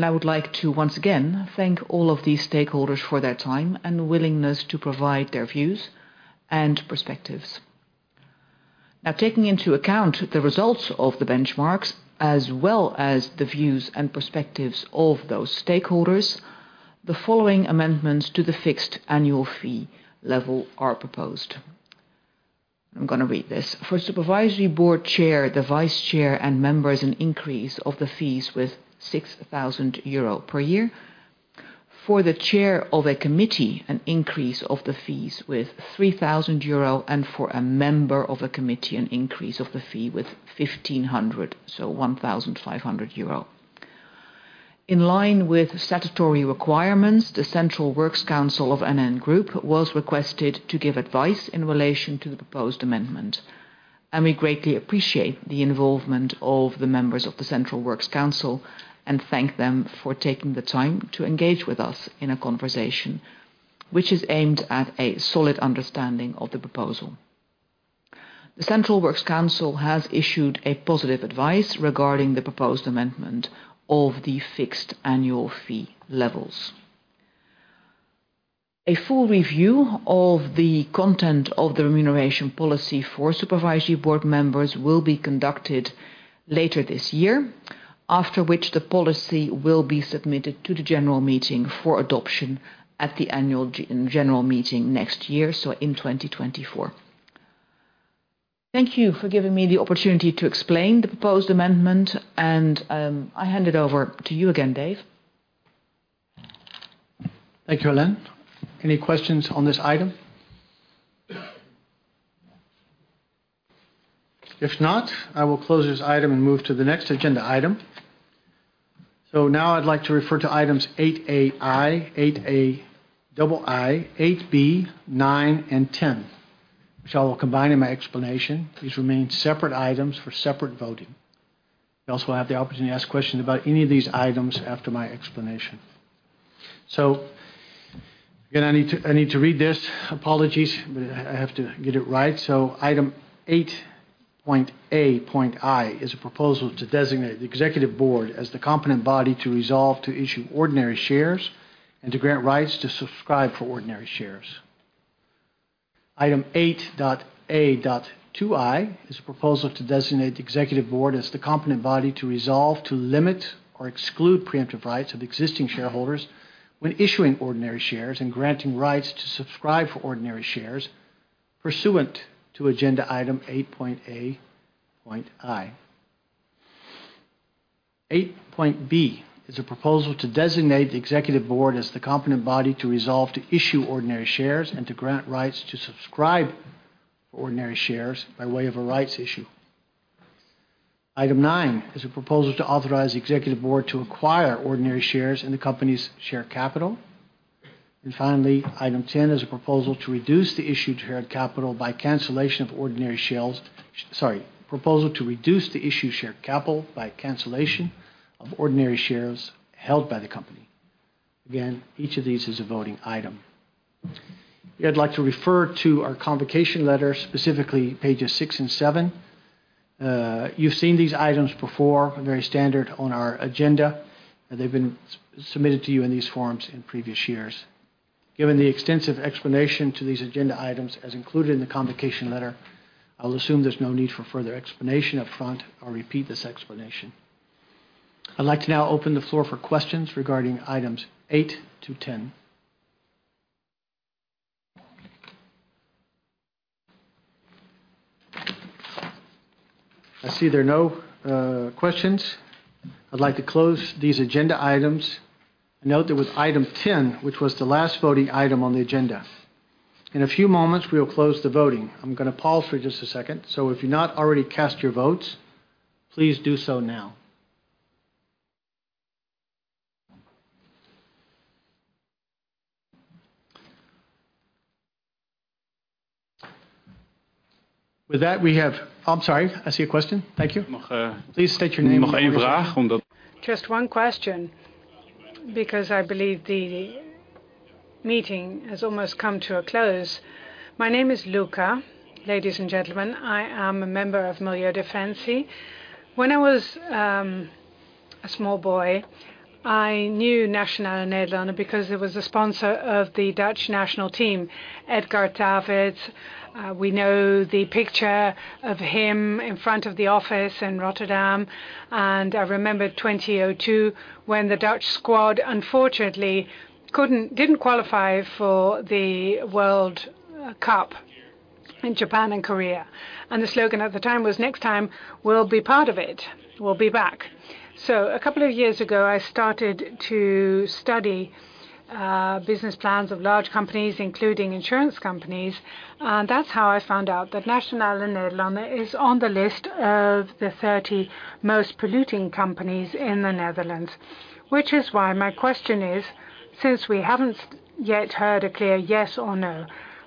I would like to once again thank all of these stakeholders for their time and willingness to provide their views and perspectives. Now, taking into account the results of the benchmarks, as well as the views and perspectives of those stakeholders, the following amendments to the fixed annual fee level are proposed. I'm gonna read this. For supervisory board chair, the vice chair, and members, an increase of the fees with 6,000 euro per year. For the chair of a committee, an increase of the fees with 3,000 euro, and for a member of a committee, an increase of the fee with 1,500, so 1,500 euro. In line with statutory requirements, the Central Works Council of NN Group was requested to give advice in relation to the proposed amendment. We greatly appreciate the involvement of the members of the Central Works Council and thank them for taking the time to engage with us in a conversation, which is aimed at a solid understanding of the proposal. The Central Works Council has issued a positive advice regarding the proposed amendment of the fixed annual fee levels. A full review of the content of the remuneration policy for supervisory board members will be conducted later this year, after which the policy will be submitted to the general meeting for adoption at the annual general meeting next year, so in 2024. Thank you for giving me the opportunity to explain the proposed amendment, I hand it over to you again, Dave. Thank you, Hélène. Any questions on this item? If not, I will close this item and move to the next agenda item. Now I'd like to refer to items 8 A, I, 8 A, double I, 8 B, 9 and 10, which I will combine in my explanation. These remain separate items for separate voting. You also will have the opportunity to ask questions about any of these items after my explanation. Again, I need to read this. Apologies, but I have to get it right. Item 8, point A, point I, is a proposal to designate the executive board as the competent body to resolve to issue ordinary shares and to grant rights to subscribe for ordinary shares. Item 8.A.2.I is a proposal to designate the executive board as the competent body to resolve to limit or exclude preemptive rights of existing shareholders when issuing ordinary shares and granting rights to subscribe for ordinary shares, pursuant to agenda item 8.A.I. 8.B is a proposal to designate the executive board as the competent body to resolve to issue ordinary shares and to grant rights to subscribe for ordinary shares by way of a rights issue. Item 9 is a proposal to authorize the executive board to acquire ordinary shares in the company's share capital. Finally, item 10 is a proposal to reduce the issued share capital by cancellation of ordinary shells. Sorry, proposal to reduce the issued share capital by cancellation of ordinary shares held by the company. Again, each of these is a voting item. I'd like to refer to our convocation letter, specifically pages 6 and 7. You've seen these items before, very standard on our agenda, and they've been submitted to you in these forms in previous years. Given the extensive explanation to these agenda items as included in the convocation letter, I'll assume there's no need for further explanation up front or repeat this explanation. I'd like to now open the floor for questions regarding items 8 to 10. I see there are no questions. I'd like to close these agenda items. Note that with item 10, which was the last voting item on the agenda. In a few moments, we will close the voting. I'm gonna pause for just a second, so if you've not already cast your votes, please do so now. With that, we have. I'm sorry, I see a question. Thank you. Please state your name. Just one question, because I believe the meeting has almost come to a close. My name is Luca. Ladies and gentlemen, I am a member of Milieudefensie. When I was a small boy, I knew Nationale-Nederlanden because it was a sponsor of the Dutch national team. Edgar Davids, we know the picture of him in front of the office in Rotterdam, and I remembered 2002 when the Dutch squad, unfortunately, didn't qualify for the World Cup in Japan and Korea. The slogan at the time was: "Next time, we'll be part of it. We'll be back." A couple of years ago, I started to study business plans of large companies, including insurance companies, and that's how I found out that Nationale-Nederlanden is on the list of the 30 most polluting companies in the Netherlands. My question is, since we haven't yet heard a clear yes or no,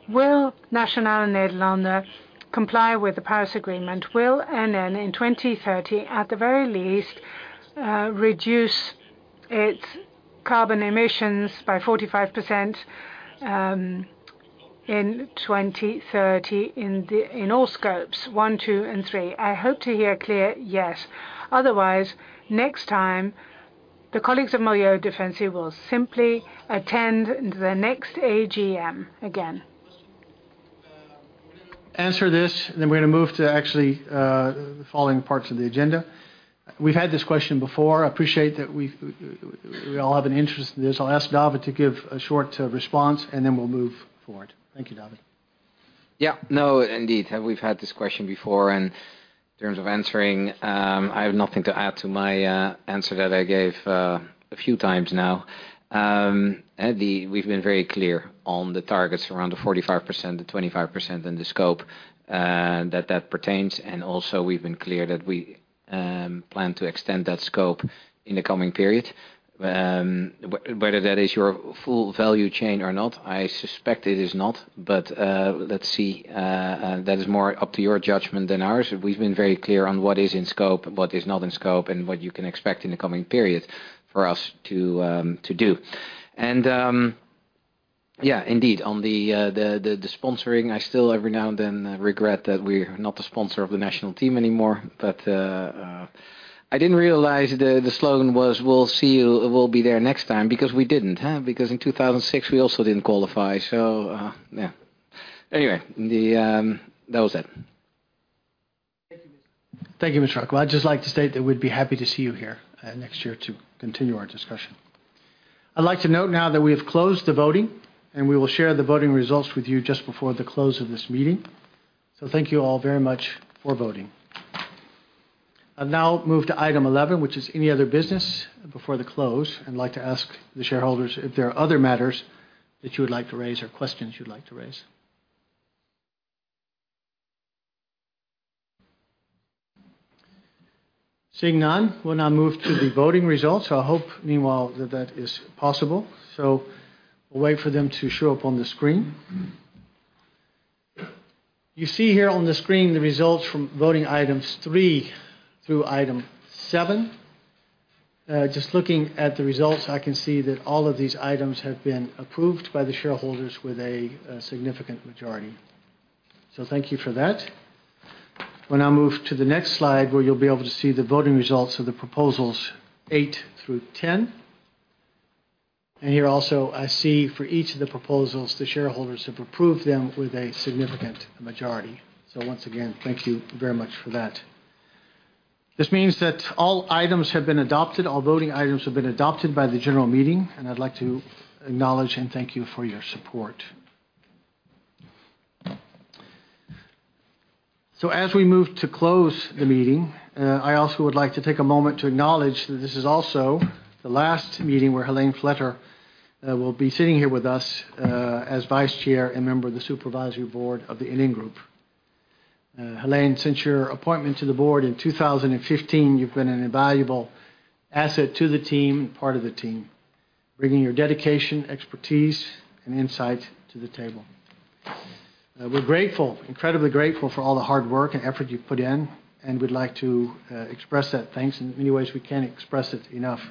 will Nationale-Nederlanden comply with the Paris Agreement? Will NN, in 2030, at the very least, reduce its carbon emissions by 45%, in 2030, in all Scope 1, 2, and 3? I hope to hear a clear yes. Otherwise, next time, the colleagues of Milieudefensie will simply attend the next AGM again. Answer this. We're going to move to actually the following parts of the agenda. We've had this question before. I appreciate that we all have an interest in this. I'll ask David to give a short response. We'll move forward. Thank you, David. Yeah. No, indeed, we've had this question before. In terms of answering, I have nothing to add to my answer that I gave a few times now. We've been very clear on the targets around the 45%, the 25% in the scope that pertains. Also, we've been clear that we plan to extend that scope in the coming period. Whether that is your full value chain or not, I suspect it is not, but let's see. That is more up to your judgment than ours. We've been very clear on what is in scope, what is not in scope, and what you can expect in the coming period for us to do. Yeah, indeed, on the, the sponsoring, I still every now and then regret that we're not a sponsor of the national team anymore, but I didn't realize the slogan was, "We'll see you, we'll be there next time," because we didn't, huh? Because in 2006, we also didn't qualify. Yeah. Anyway, the, that was it. Thank you, Mr. I'd just like to state that we'd be happy to see you here, next year to continue our discussion. I'd like to note now that we have closed the voting. We will share the voting results with you just before the close of this meeting. Thank you all very much for voting. I'll now move to item 11, which is any other business before the close. I'd like to ask the shareholders if there are other matters that you would like to raise or questions you'd like to raise. Seeing none, we'll now move to the voting results. I hope, meanwhile, that that is possible. We'll wait for them to show up on the screen. You see here on the screen the results from voting items 3 through item 7. Just looking at the results, I can see that all of these items have been approved by the shareholders with a significant majority. Thank you for that. We'll now move to the next slide, where you'll be able to see the voting results of the proposals eight through 10. Here also, I see for each of the proposals, the shareholders have approved them with a significant majority. Once again, thank you very much for th at. This means that all items have been adopted, all voting items have been adopted by the general meeting, and I'd like to acknowledge and thank you for your support. As we move to close the meeting, I also would like to take a moment to acknowledge that this is also the last meeting where Hélène Vletter-van Dort will be sitting here with us, as Vice-Chair and member of the Supervisory Board of the NN Group. Hélène, since your appointment to the Board in 2015, you've been an invaluable asset to the team, part of the team, bringing your dedication, expertise, and insight to the table. We're incredibly grateful for all the hard work and effort you've put in, and we'd like to express that thanks in many ways we can't express it enough.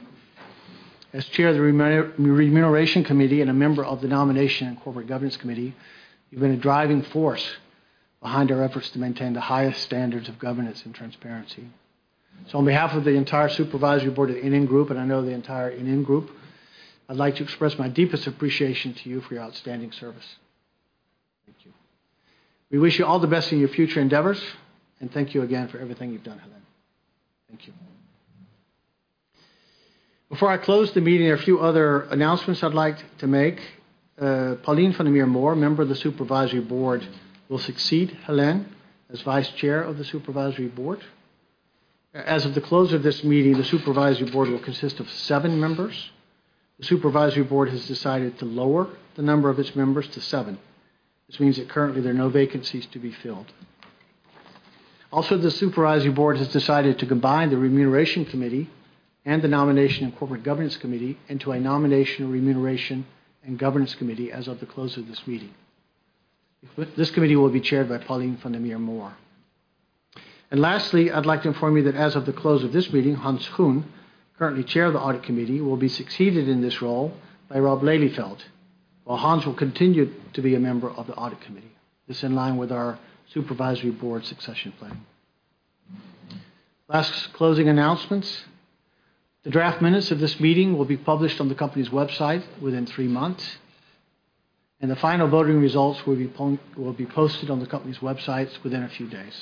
As Chair of the Remuneration Committee and a member of the Nomination and Corporate Governance Committee, you've been a driving force behind our efforts to maintain the highest standards of governance and transparency. On behalf of the entire Supervisory Board of the NN Group, and I know the entire NN Group, I'd like to express my deepest appreciation to you for your outstanding service. Thank you. We wish you all the best in your future endeavors, and thank you again for everything you've done, Hélène. Thank you. Before I close the meeting, there are a few other announcements I'd like to make. Pauline van der Meer Mohr, member of the Supervisory Board, will succeed Hélène as vice chair of the Supervisory Board. As of the close of this meeting, the Supervisory Board will consist of seven members. The Supervisory Board has decided to lower the number of its members to seven. This means that currently there are no vacancies to be filled. The Supervisory Board has decided to combine the Remuneration Committee and the Nomination and Corporate Governance Committee into a Nomination, Remuneration, and Governance Committee as of the close of this meeting. This committee will be chaired by Pauline van der Meer Mohr. Lastly, I'd like to inform you that as of the close of this meeting, Hans Schoen, currently Chair of the Audit Committee, will be succeeded in this role by Rob Lelieveld, while Hans will continue to be a member of the Audit Committee. This is in line with our Supervisory Board succession plan. Last closing announcements. The draft minutes of this meeting will be published on the company's website within three months, and the final voting results will be posted on the company's websites within a few days.